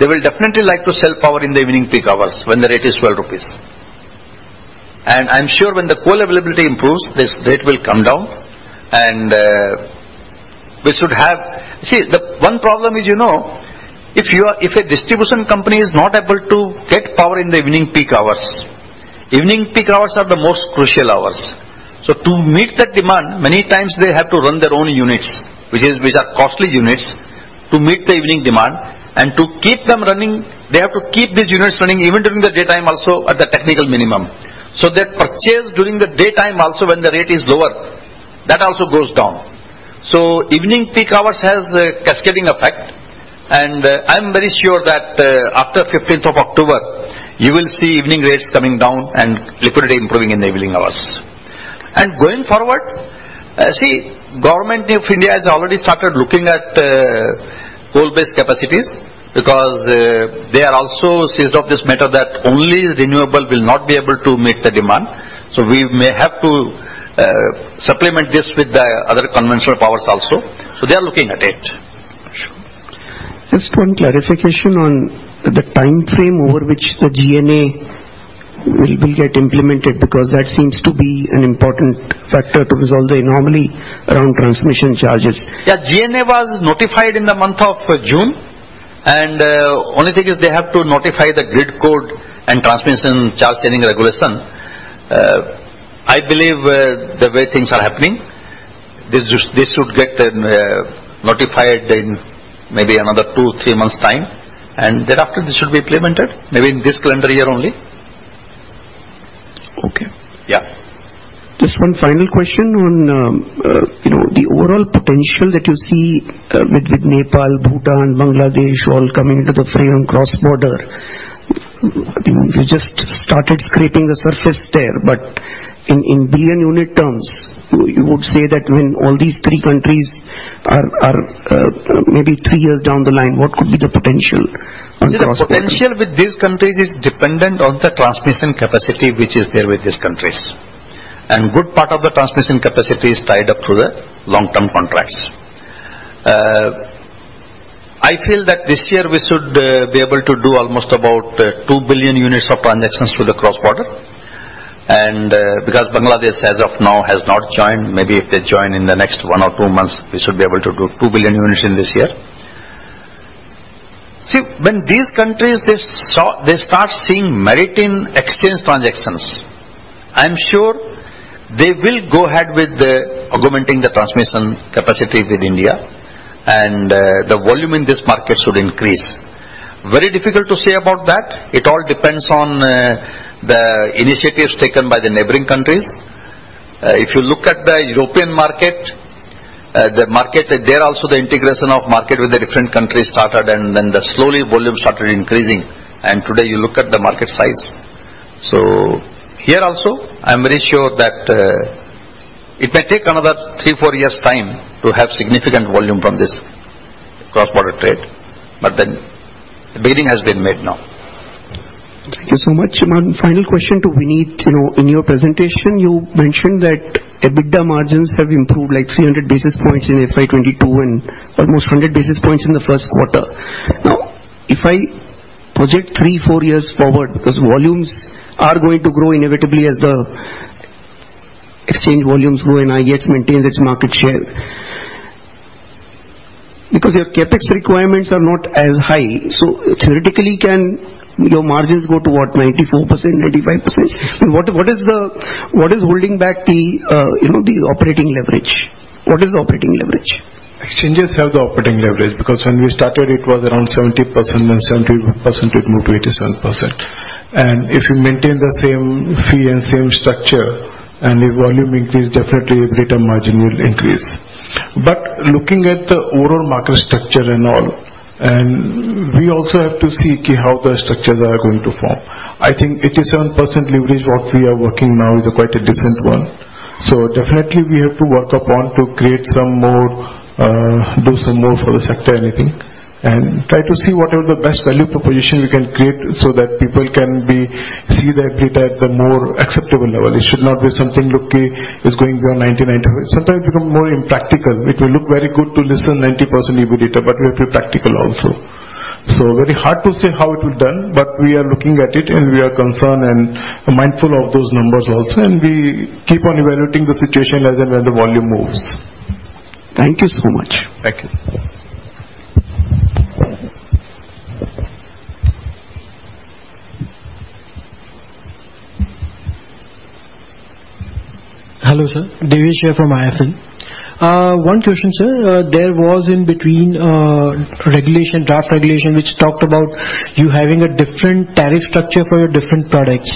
they will definitely like to sell power in the evening peak hours when the rate is 12 rupees. I'm sure when the coal availability improves, this rate will come down and, we should have. See, the one problem is, you know, if a distribution company is not able to get power in the evening peak hours. Evening peak hours are the most crucial hours. To meet that demand, many times they have to run their own units, which are costly units, to meet the evening demand. To keep them running, they have to keep these units running even during the daytime also at the technical minimum. Their purchase during the daytime also when the rate is lower, that also goes down. Evening peak hours has a cascading effect. I'm very sure that after fifteenth of October, you will see evening rates coming down and liquidity improving in the evening hours. Going forward, see, Government of India has already started looking at coal-based capacities because they are also seized of this matter that only renewable will not be able to meet the demand. We may have to supplement this with the other conventional powers also. They are looking at it.
Sure. Just one clarification on the timeframe over which the GNA will get implemented, because that seems to be an important factor to resolve the anomaly around transmission charges.
Yeah. GNA was notified in the month of June. Only thing is they have to notify the grid code and transmission charge sharing regulation. I believe the way things are happening, this should get notified in maybe two-three months' time. Thereafter, this should be implemented maybe in this calendar year only.
Okay.
Yeah.
Just one final question on, you know, the overall potential that you see with Nepal, Bhutan, Bangladesh all coming into the frame cross-border. You just started scraping the surface there, but in billion unit terms, you would say that when all these three countries are maybe three years down the line, what could be the potential on cross-border?
See, the potential with these countries is dependent on the transmission capacity which is there with these countries. Good part of the transmission capacity is tied up through the long-term contracts. I feel that this year we should be able to do almost about 2 billion units of transactions through the cross-border. Because Bangladesh as of now has not joined, maybe if they join in the next one or two months, we should be able to do 2 billion units in this year. See, when these countries, they start seeing merit in exchange transactions, I am sure they will go ahead with augmenting the transmission capacity with India and the volume in this market should increase. Very difficult to say about that. It all depends on the initiatives taken by the neighboring countries. If you look at the European market, the market there also, the integration of market with the different countries started and then slowly the volume started increasing, and today you look at the market size. Here also, I'm very sure that it may take another three, four years' time to have significant volume from this cross-border trade. Then the bidding has been made now.
Thank you so much. One final question to Vineet. You know, in your presentation you mentioned that EBITDA margins have improved like 300 basis points in FY 2022 and almost 100 basis points in the first quarter. Now, if I project three, four years forward, because volumes are going to grow inevitably as the exchange volumes grow and IEX maintains its market share. Because your CapEx requirements are not as high, so theoretically, can your margins go to what, 94%, 95%? What is holding back the, you know, the operating leverage? What is the operating leverage?
Exchanges have the operating leverage because when we started it was around 70%, then it moved to 87%. If you maintain the same fee and same structure and if volume increase, definitely EBITDA margin will increase. Looking at the overall market structure and all, and we also have to see how the structures are going to form. I think 87% leverage what we are working now is quite a decent one. Definitely we have to work upon to create some more, do some more for the sector, I think, and try to see whatever the best value proposition we can create so that people can be, see the EBITDA at a more acceptable level. It should not be something, look, it's going beyond 99%. Sometimes it become more impractical. It will look very good to see 90% EBITDA, but we have to be practical also. Very hard to say how it will be done, but we are looking at it and we are concerned and mindful of those numbers also, and we keep on evaluating the situation as and when the volume moves.
Thank you so much.
Thank you.
Hello, sir. Devesh here from IIFL. One question, sir. There was in between regulation, draft regulation, which talked about you having a different tariff structure for your different products.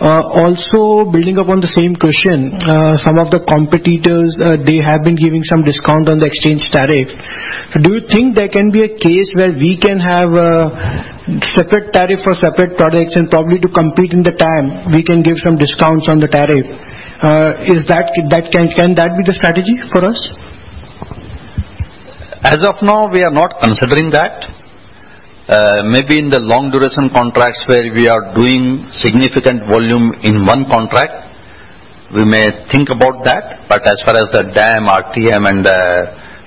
Also building upon the same question, some of the competitors, they have been giving some discount on the exchange tariff. Do you think there can be a case where we can have a separate tariff for separate products and probably to compete in the TAM, we can give some discounts on the tariff? Is that can be the strategy for us?
As of now, we are not considering that. Maybe in the long duration contracts where we are doing significant volume in one contract, we may think about that, but as far as the DAM, RTM, and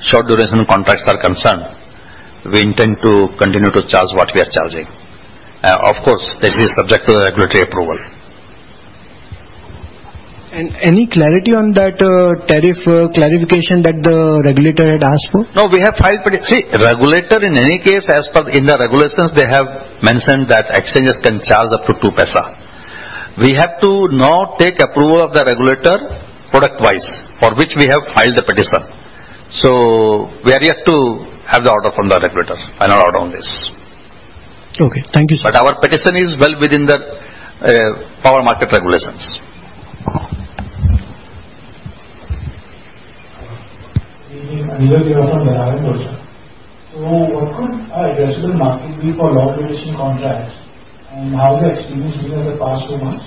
short duration contracts are concerned, we intend to continue to charge what we are charging. Of course, this is subject to the regulatory approval.
Any clarity on that tariff clarification that the regulator had asked for?
No, we have filed. See, regulator in any case, as per the regulations, they have mentioned that exchanges can charge up to 2 paise. We have to now take approval of the regulator product-wise, for which we have filed the petition. We are yet to have the order from the regulator, final order on this.
Okay. Thank you, sir.
Our petition is well within the power market regulations.
Anirudh from B&K Securities. What could our addressable market be for long duration contracts and how is the experience been in the past two months?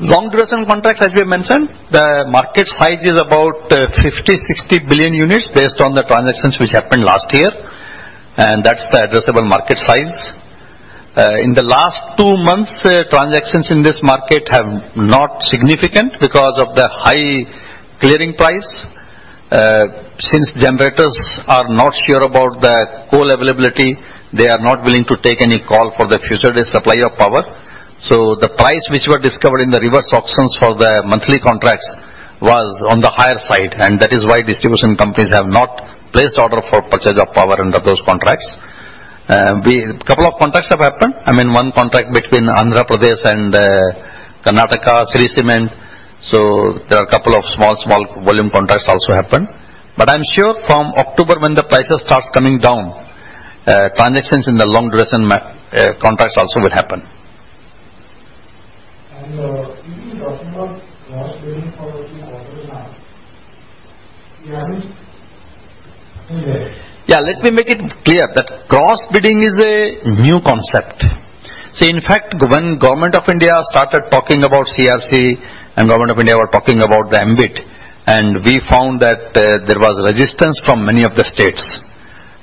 Long duration contracts, as we have mentioned, the market size is about 50-60 billion units based on the transactions which happened last year, and that's the addressable market size. In the last two months, the transactions in this market have not significant because of the high clearing price. Since generators are not sure about the coal availability, they are not willing to take any call for the future day supply of power. The price which were discovered in the reverse auctions for the monthly contracts was on the higher side, and that is why distribution companies have not placed order for purchase of power under those contracts. Couple of contracts have happened. I mean, one contract between Andhra Pradesh and Karnataka, Shree Cement. There are a couple of small volume contracts also happened. I'm sure from October when the prices starts coming down, transactions in the long duration contracts also will happen.
You've been talking about cross-border bidding for over a year now. You haven't done that.
Yeah, let me make it clear that cross-bidding is a new concept. See, in fact, when Government of India started talking about CERC and Government of India were talking about the MBED, and we found that there was resistance from many of the states.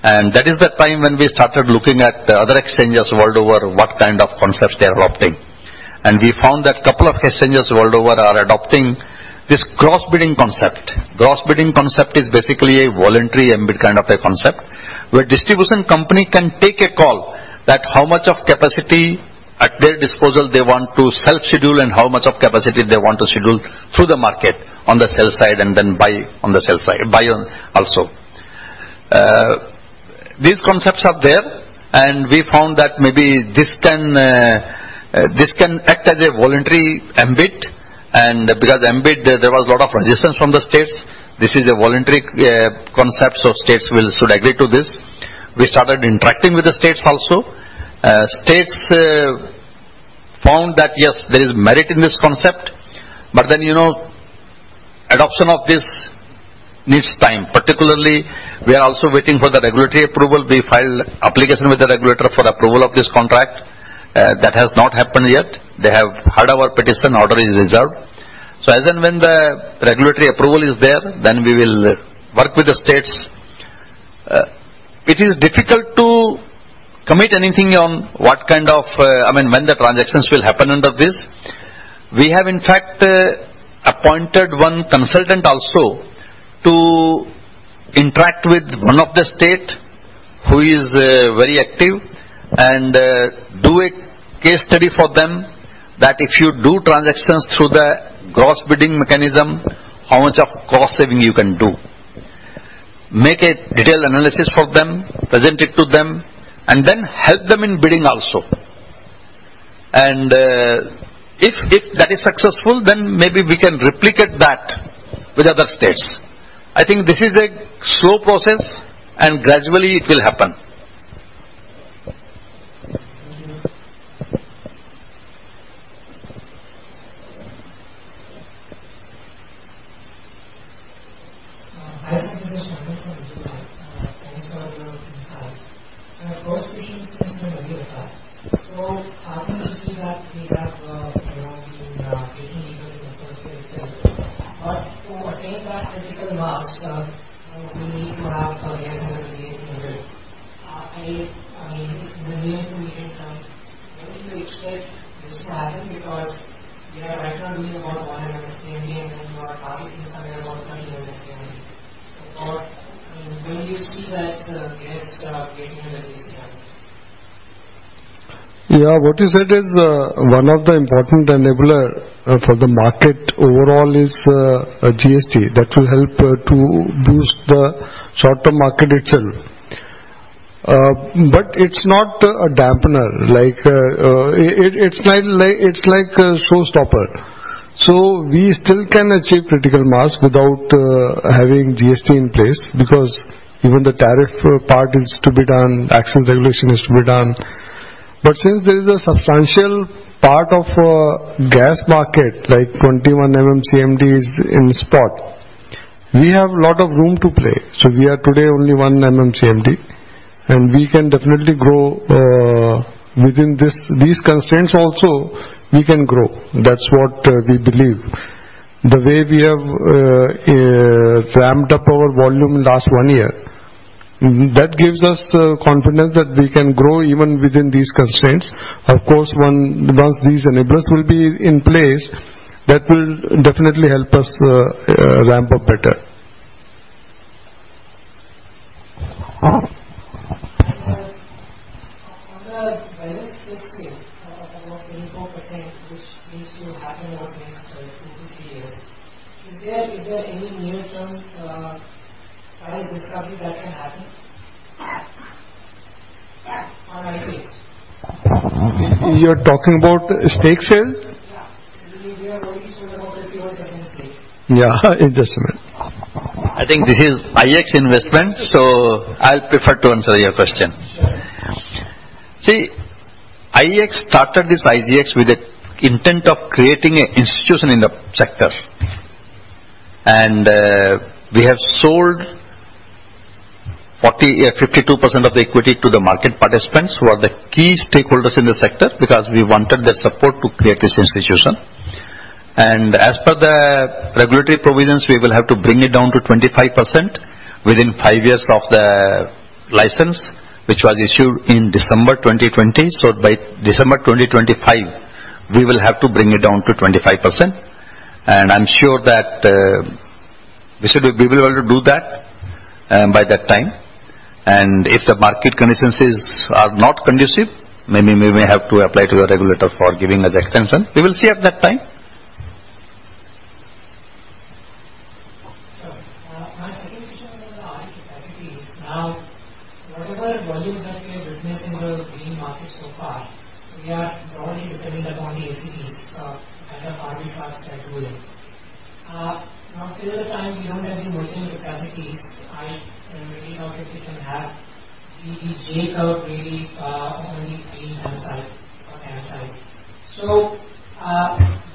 That is the time when we started looking at other exchanges world over, what kind of concepts they are adopting. We found that couple of exchanges world over are adopting this cross-bidding concept. Cross-bidding concept is basically a voluntary MBED kind of a concept, where distribution company can take a call that how much of capacity at their disposal they want to self-schedule and how much of capacity they want to schedule through the market on the sell side and then buy on the buy side also. These concepts are there, and we found that maybe this can act as a voluntary MBED because the MBED, there was a lot of resistance from the states. This is a voluntary concept, so states should agree to this. We started interacting with the states also. States found that, yes, there is merit in this concept, but then, you know, adoption of this needs time. Particularly, we are also waiting for the regulatory approval. We filed application with the regulator for approval of this contract. That has not happened yet. They have heard our petition, order is reserved. As and when the regulatory approval is there, then we will work with the states. It is difficult to commit anything on what kind of, I mean, when the transactions will happen under this. We have, in fact, appointed one consultant also to interact with one of the state who is very active and do a case study for them that if you do transactions through the gross bidding mechanism, how much of cost saving you can do. Make a detailed analysis for them, present it to them, and then help them in bidding also. If that is successful, then maybe we can replicate that with other states. I think this is a slow process, and gradually it will happen.
Yeah, what you said is one of the important enabler for the market overall is GST. That will help to boost the short-term market itself. It's not a dampener. Like, it's like a showstopper. We still can achieve critical mass without having GST in place because even the tariff part is to be done, access regulation is to be done. Since there is a substantial part of gas market, like 21 MMCMD is in spot, we have a lot of room to play. We are today only 1 MMCMD, and we can definitely grow within these constraints also, we can grow. That's what we believe. The way we have ramped up our volume in last one year, that gives us confidence that we can grow even within these constraints. Of course, once these enablers will be in place, that will definitely help us ramp up better.
On the balance stake sale of about 24%, which needs to happen over the next two-three years, is there any near-term price discovery that can happen on IEX?
You're talking about stake sale?
Yeah. We are very sure about the investment stake.
Yeah, investment. I think this is IEX investment, so I'll prefer to answer your question.
Sure.
See, IEX started this IGX with the intent of creating an institution in the sector. We have sold 52% of the equity to the market participants who are the key stakeholders in the sector because we wanted their support to create this institution. As per the regulatory provisions, we will have to bring it down to 25% within five years of the license, which was issued in December 2020. By December 2025, we will have to bring it down to 25%. I'm sure that we will be able to do that by that time. If the market conditions are not conducive, maybe we may have to apply to a regulator for giving us extension. We will see at that time.
Sure. My second question is on the RE capacities. Now, whatever volumes that we are witnessing in the green market so far, we are broadly dependent upon the REs of either RE plants that do it. Now till the time we don't have the RE capacities, I believe obviously can have the J curve really only being right-hand side.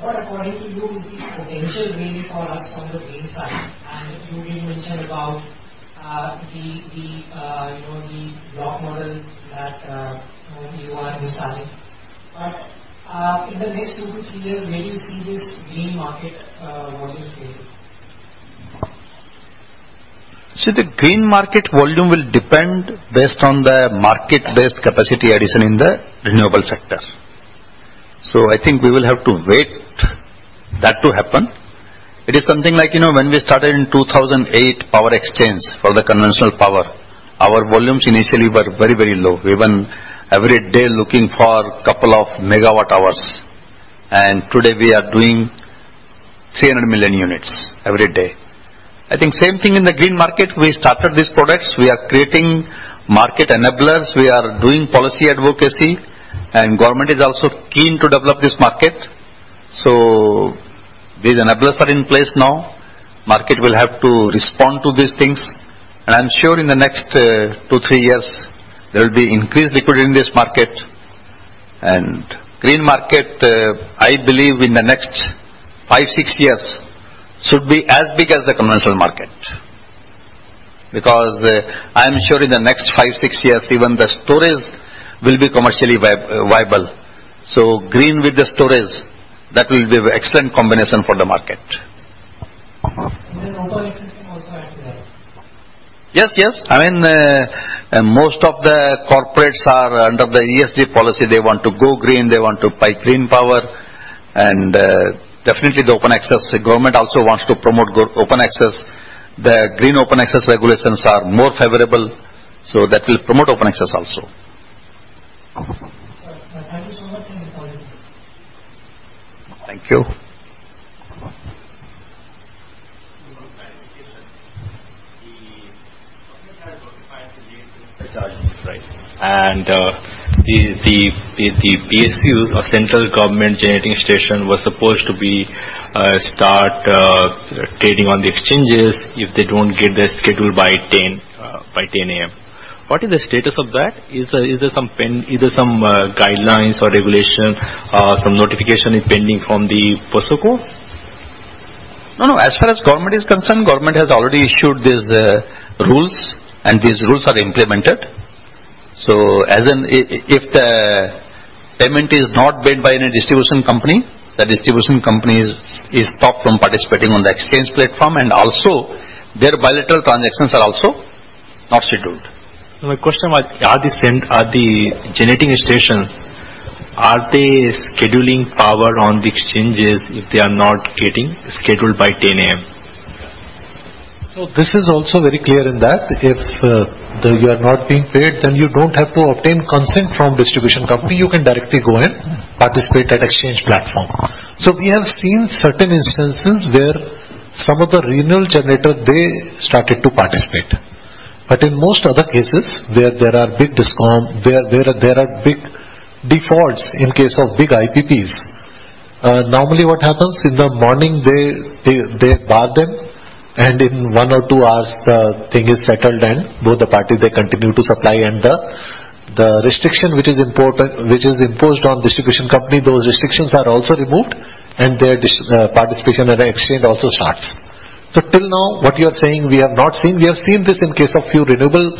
What according to you is the potential really for us from the green side? You did mention about the block model that you know you are installing. In the next 2-3 years, where do you see this green market volume playing?
See, the green market volume will depend based on the market-based capacity addition in the renewable sector. I think we will have to wait that to happen. It is something like, you know, when we started in 2008 power exchange for the conventional power, our volumes initially were very, very low. We were every day looking for couple of megawatt hours. Today we are doing 300 million units every day. I think same thing in the green market. We started these products. We are creating market enablers. We are doing policy advocacy, and government is also keen to develop this market. These enablers are in place now. Market will have to respond to these things. I'm sure in the next, two, three years, there will be increased liquidity in this market. Green market, I believe in the next five-six years should be as big as the commercial market. Because, I am sure in the next five-six years even the storage will be commercially viable. Green with the storage, that will be excellent combination for the market.
Open access can also add to that.
Yes, yes. I mean, most of the corporates are under the ESG policy. They want to go green. They want to buy green power. Definitely the open access, the government also wants to promote open access. The Green Open Access regulations are more favorable, so that will promote open access also.
Sir, thank you so much and apologies.
Thank you.
<audio distortion> One clarification. The Open Access was required to be.
Discharged, right?
The PSUs or central government generating station was supposed to start trading on the exchanges if they don't get their schedule by 10 A.M. What is the status of that? Is there some guidelines or regulation, some notification is pending from the POSOCO?
No, no. As far as government is concerned, government has already issued these rules, and these rules are implemented. If the payment is not made by any distribution company, the distribution company is stopped from participating on the exchange platform. Also their bilateral transactions are also not scheduled.
My question was, are the generating stations, are they scheduling power on the exchanges if they are not getting scheduled by 10:00 A.M.?
This is also very clear in that if you are not being paid, then you don't have to obtain consent from distribution company. You can directly go and participate at exchange platform. We have seen certain instances where some of the renewable generator, they started to participate. In most other cases where there are big DISCOM, where there are big defaults in case of big IPPs, normally what happens, in the morning they bar them, and in one or two hours, thing is settled and both the parties, they continue to supply and the restriction which is imposed on distribution company, those restrictions are also removed and their participation in the exchange also starts. Till now, what you are saying we have not seen. We have seen this in case of few renewable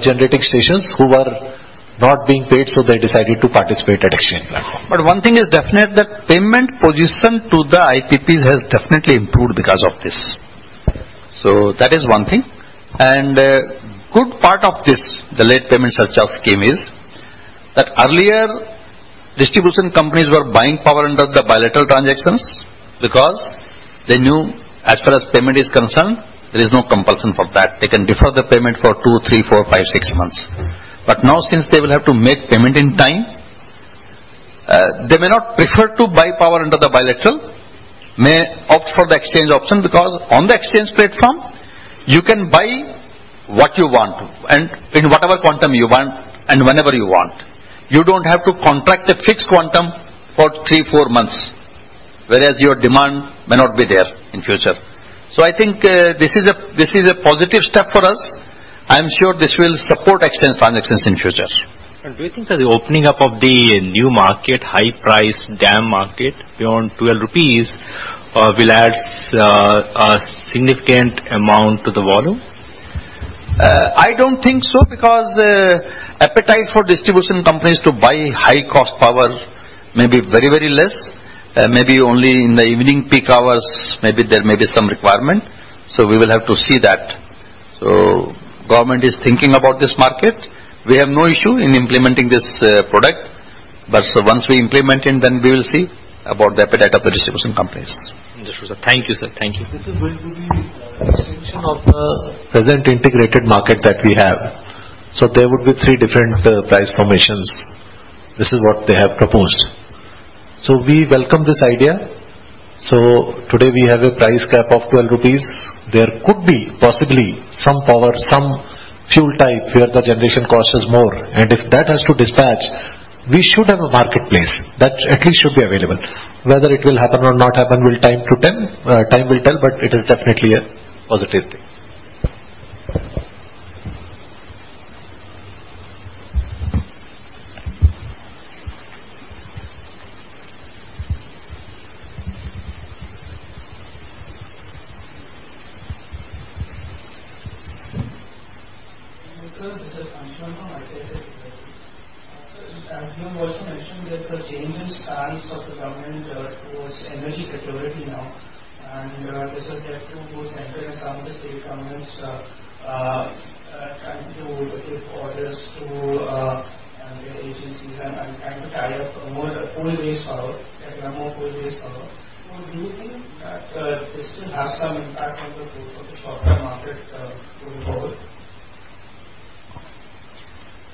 generating stations who are not being paid, so they decided to participate at exchange platform.
One thing is definite that payment position to the IPPs has definitely improved because of this system. That is one thing. A good part of this, the Late Payment Surcharge Scheme is that earlier distribution companies were buying power under the bilateral transactions because they knew as far as payment is concerned, there is no compulsion for that. They can defer the payment for two, three, four, five, six months. Now since they will have to make payment in time, they may not prefer to buy power under the bilateral, may opt for the exchange option because on the exchange platform you can buy what you want and in whatever quantum you want and whenever you want. You don't have to contract a fixed quantum for three, four months, whereas your demand may not be there in future. I think this is a positive step for us. I am sure this will support exchange transactions in future.
Do you think that the opening up of the new market, high-price DAM market beyond 12 rupees, will add a significant amount to the volume?
I don't think so because appetite for distribution companies to buy high cost power may be very, very less. Maybe only in the evening peak hours maybe there may be some requirement. We will have to see that. Government is thinking about this market. We have no issue in implementing this product. Once we implement it, then we will see about the appetite of the distribution companies.
Thank you, sir. Thank you.
This is going to be extension of the present integrated market that we have. There would be three different price formations. This is what they have proposed. We welcome this idea. Today we have a price cap of 12 rupees. There could be possibly some power, some fuel type where the generation cost is more. And if that has to dispatch, we should have a marketplace. That at least should be available. Whether it will happen or not happen, time will tell, but it is definitely a positive thing.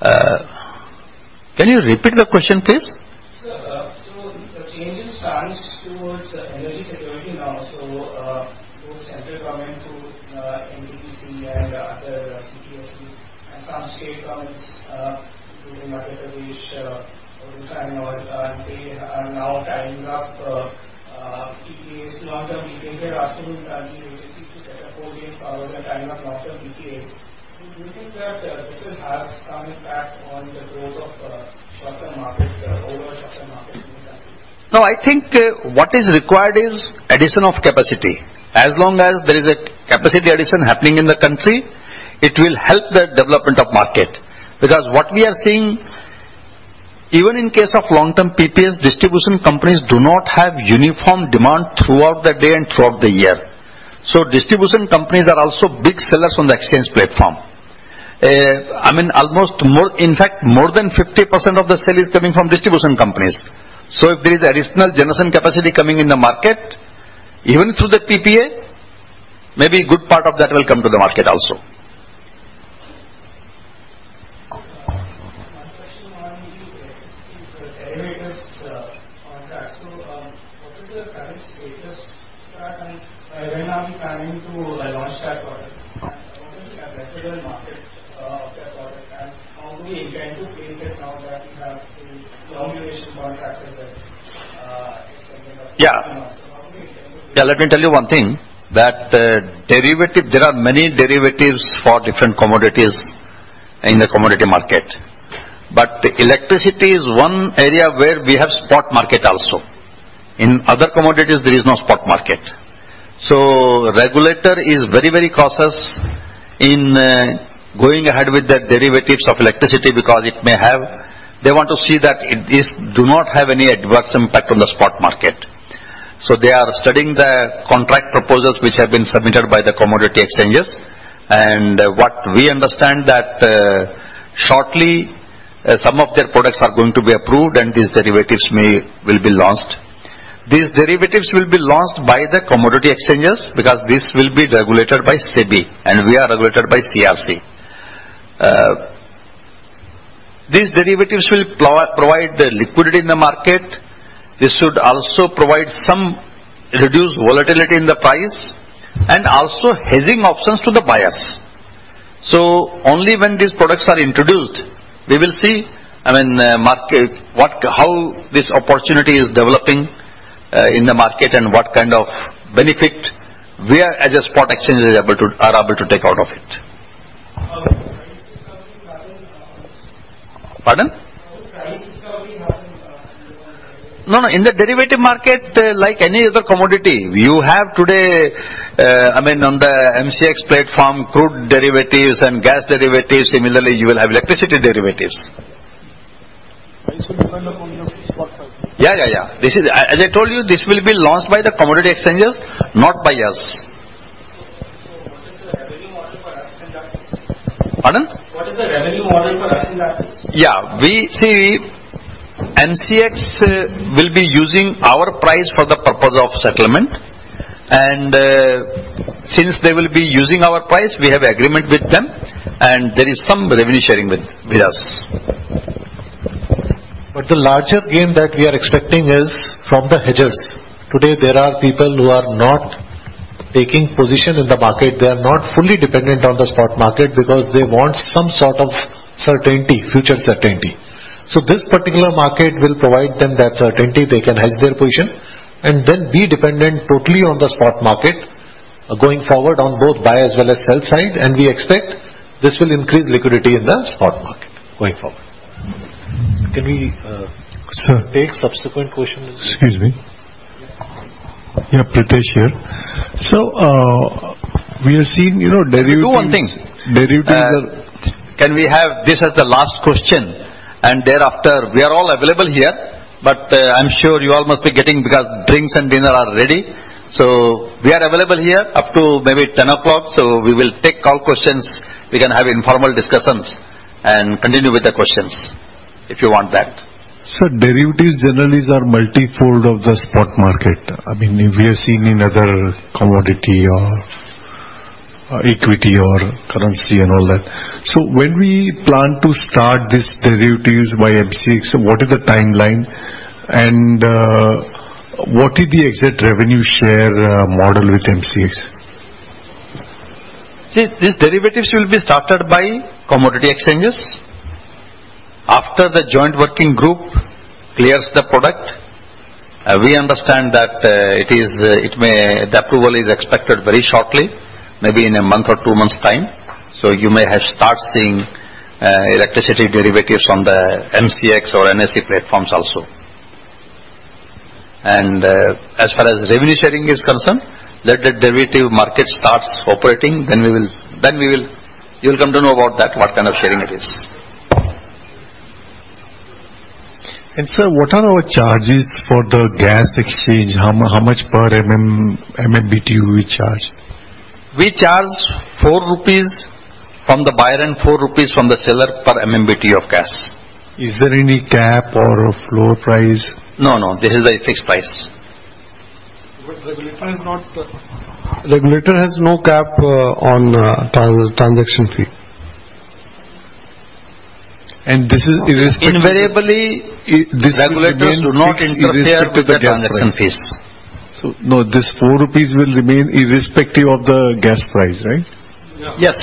Sir, this is Anshuman from [RKSK]. Sir, as you have also mentioned, there's a change in stance of the government towards energy security now, and this is there through both central and some of the state governments trying to advocate for this to their agencies and trying to tie up more coal-based power, like more coal-based power.
I mean, in fact, more than 50% of the sale is coming from distribution companies. If there is additional generation capacity coming in the market, even through the PPA, maybe a good part of that will come to the market also.
My question was related to the derivatives contract. What is your current status with that? When are we planning to launch that product? What is the addressable market of that product? How do we intend to place it now that we have these long-duration contracts as well, expected up to 20 months.
Yeah.
How do we intend to
Yeah, let me tell you one thing, that derivative, there are many derivatives for different commodities in the commodity market. Electricity is one area where we have spot market also. In other commodities, there is no spot market. Regulator is very, very cautious in going ahead with the derivatives of electricity because it may have adverse impact on the spot market. They want to see that it does not have any adverse impact on the spot market. They are studying the contract proposals which have been submitted by the commodity exchanges. What we understand that shortly, some of their products are going to be approved and these derivatives will be launched. These derivatives will be launched by the commodity exchanges because this will be regulated by SEBI, and we are regulated by CERC. These derivatives will provide the liquidity in the market. This should also provide some reduced volatility in the price and also hedging options to the buyers. Only when these products are introduced, we will see, I mean, how this opportunity is developing in the market and what kind of benefit we as a spot exchange are able to take out of it.
Are you discovering patterns now?
Pardon?
Are you discovering patterns now in the derivative market?
No, no. In the derivative market, like any other commodity, you have today, I mean, on the MCX platform, crude derivatives and gas derivatives. Similarly, you will have electricity derivatives.
This will depend upon your spot price.
Yeah. This is, as I told you, this will be launched by the commodity exchanges, not by us.
What is the revenue model for us in that case?
Pardon?
What is the revenue model for us in that case?
Yeah. We see MCX will be using our price for the purpose of settlement. Since they will be using our price, we have agreement with them and there is some revenue sharing with us. The larger gain that we are expecting is from the hedgers. Today, there are people who are not taking position in the market. They are not fully dependent on the spot market because they want some sort of certainty, future certainty. This particular market will provide them that certainty. They can hedge their position and then be dependent totally on the spot market going forward on both buy as well as sell side. We expect this will increase liquidity in the spot market going forward.
Can we?
Sir.
Take subsequent question as well?
Excuse me. Yeah, Pritesh here. We are seeing, you know, derivatives.
We'll do one thing.
Derivatives are.
Can we have this as the last question? Thereafter, we are all available here. I'm sure you all must be getting, because drinks and dinner are ready. We are available here up to maybe 10 o'clock. We will take all questions. We can have informal discussions and continue with the questions if you want that.
Sir, derivatives generally are multi-fold of the spot market. I mean, we are seeing in other commodity or, equity or currency and all that. When we plan to start these derivatives by MCX, what is the timeline? What is the exact revenue share model with MCX?
See, these derivatives will be started by commodity exchanges. After the Joint Working Group clears the product, we understand that the approval is expected very shortly, maybe in a month or two months' time. You may start seeing electricity derivatives on the MCX or NSE platforms also. As far as revenue sharing is concerned, let the derivative market starts operating, then we will, you'll come to know about that, what kind of sharing it is.
Sir, what are our charges for the gas exchange? How much per MMBtu we charge?
We charge 4 rupees from the buyer and 4 rupees from the seller per MMBtu of gas.
Is there any cap or a floor price?
No, no. This is a fixed price.
Regulator is not. Regulator has no cap on transaction fee. This is irrespective-
Invariably-
This will remain irrespective of the gas price.
Regulators do not interfere with the transaction fees.
No, this 4 rupees will remain irrespective of the gas price, right?
Yes.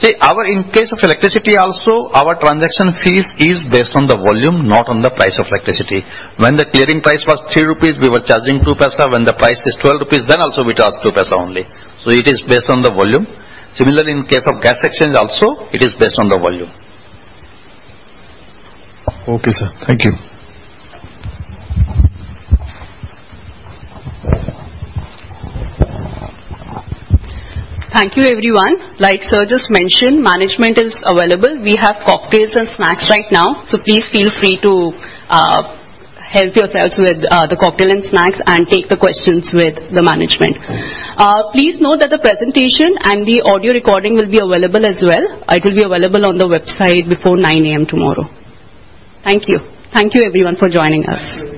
See, our in case of electricity also, our transaction fees is based on the volume, not on the price of electricity. When the clearing price was 3 rupees, we were charging 0.02. When the price is 12 rupees, then also we charge 0.02 only. It is based on the volume. Similarly, in case of gas exchange also, it is based on the volume.
Okay, sir. Thank you.
Thank you, everyone. Like sir just mentioned, management is available. We have cocktails and snacks right now, so please feel free to help yourselves with the cocktail and snacks and take the questions with the management. Please note that the presentation and the audio recording will be available as well. It will be available on the website before 9 A.M. tomorrow. Thank you. Thank you everyone for joining us. Thank you.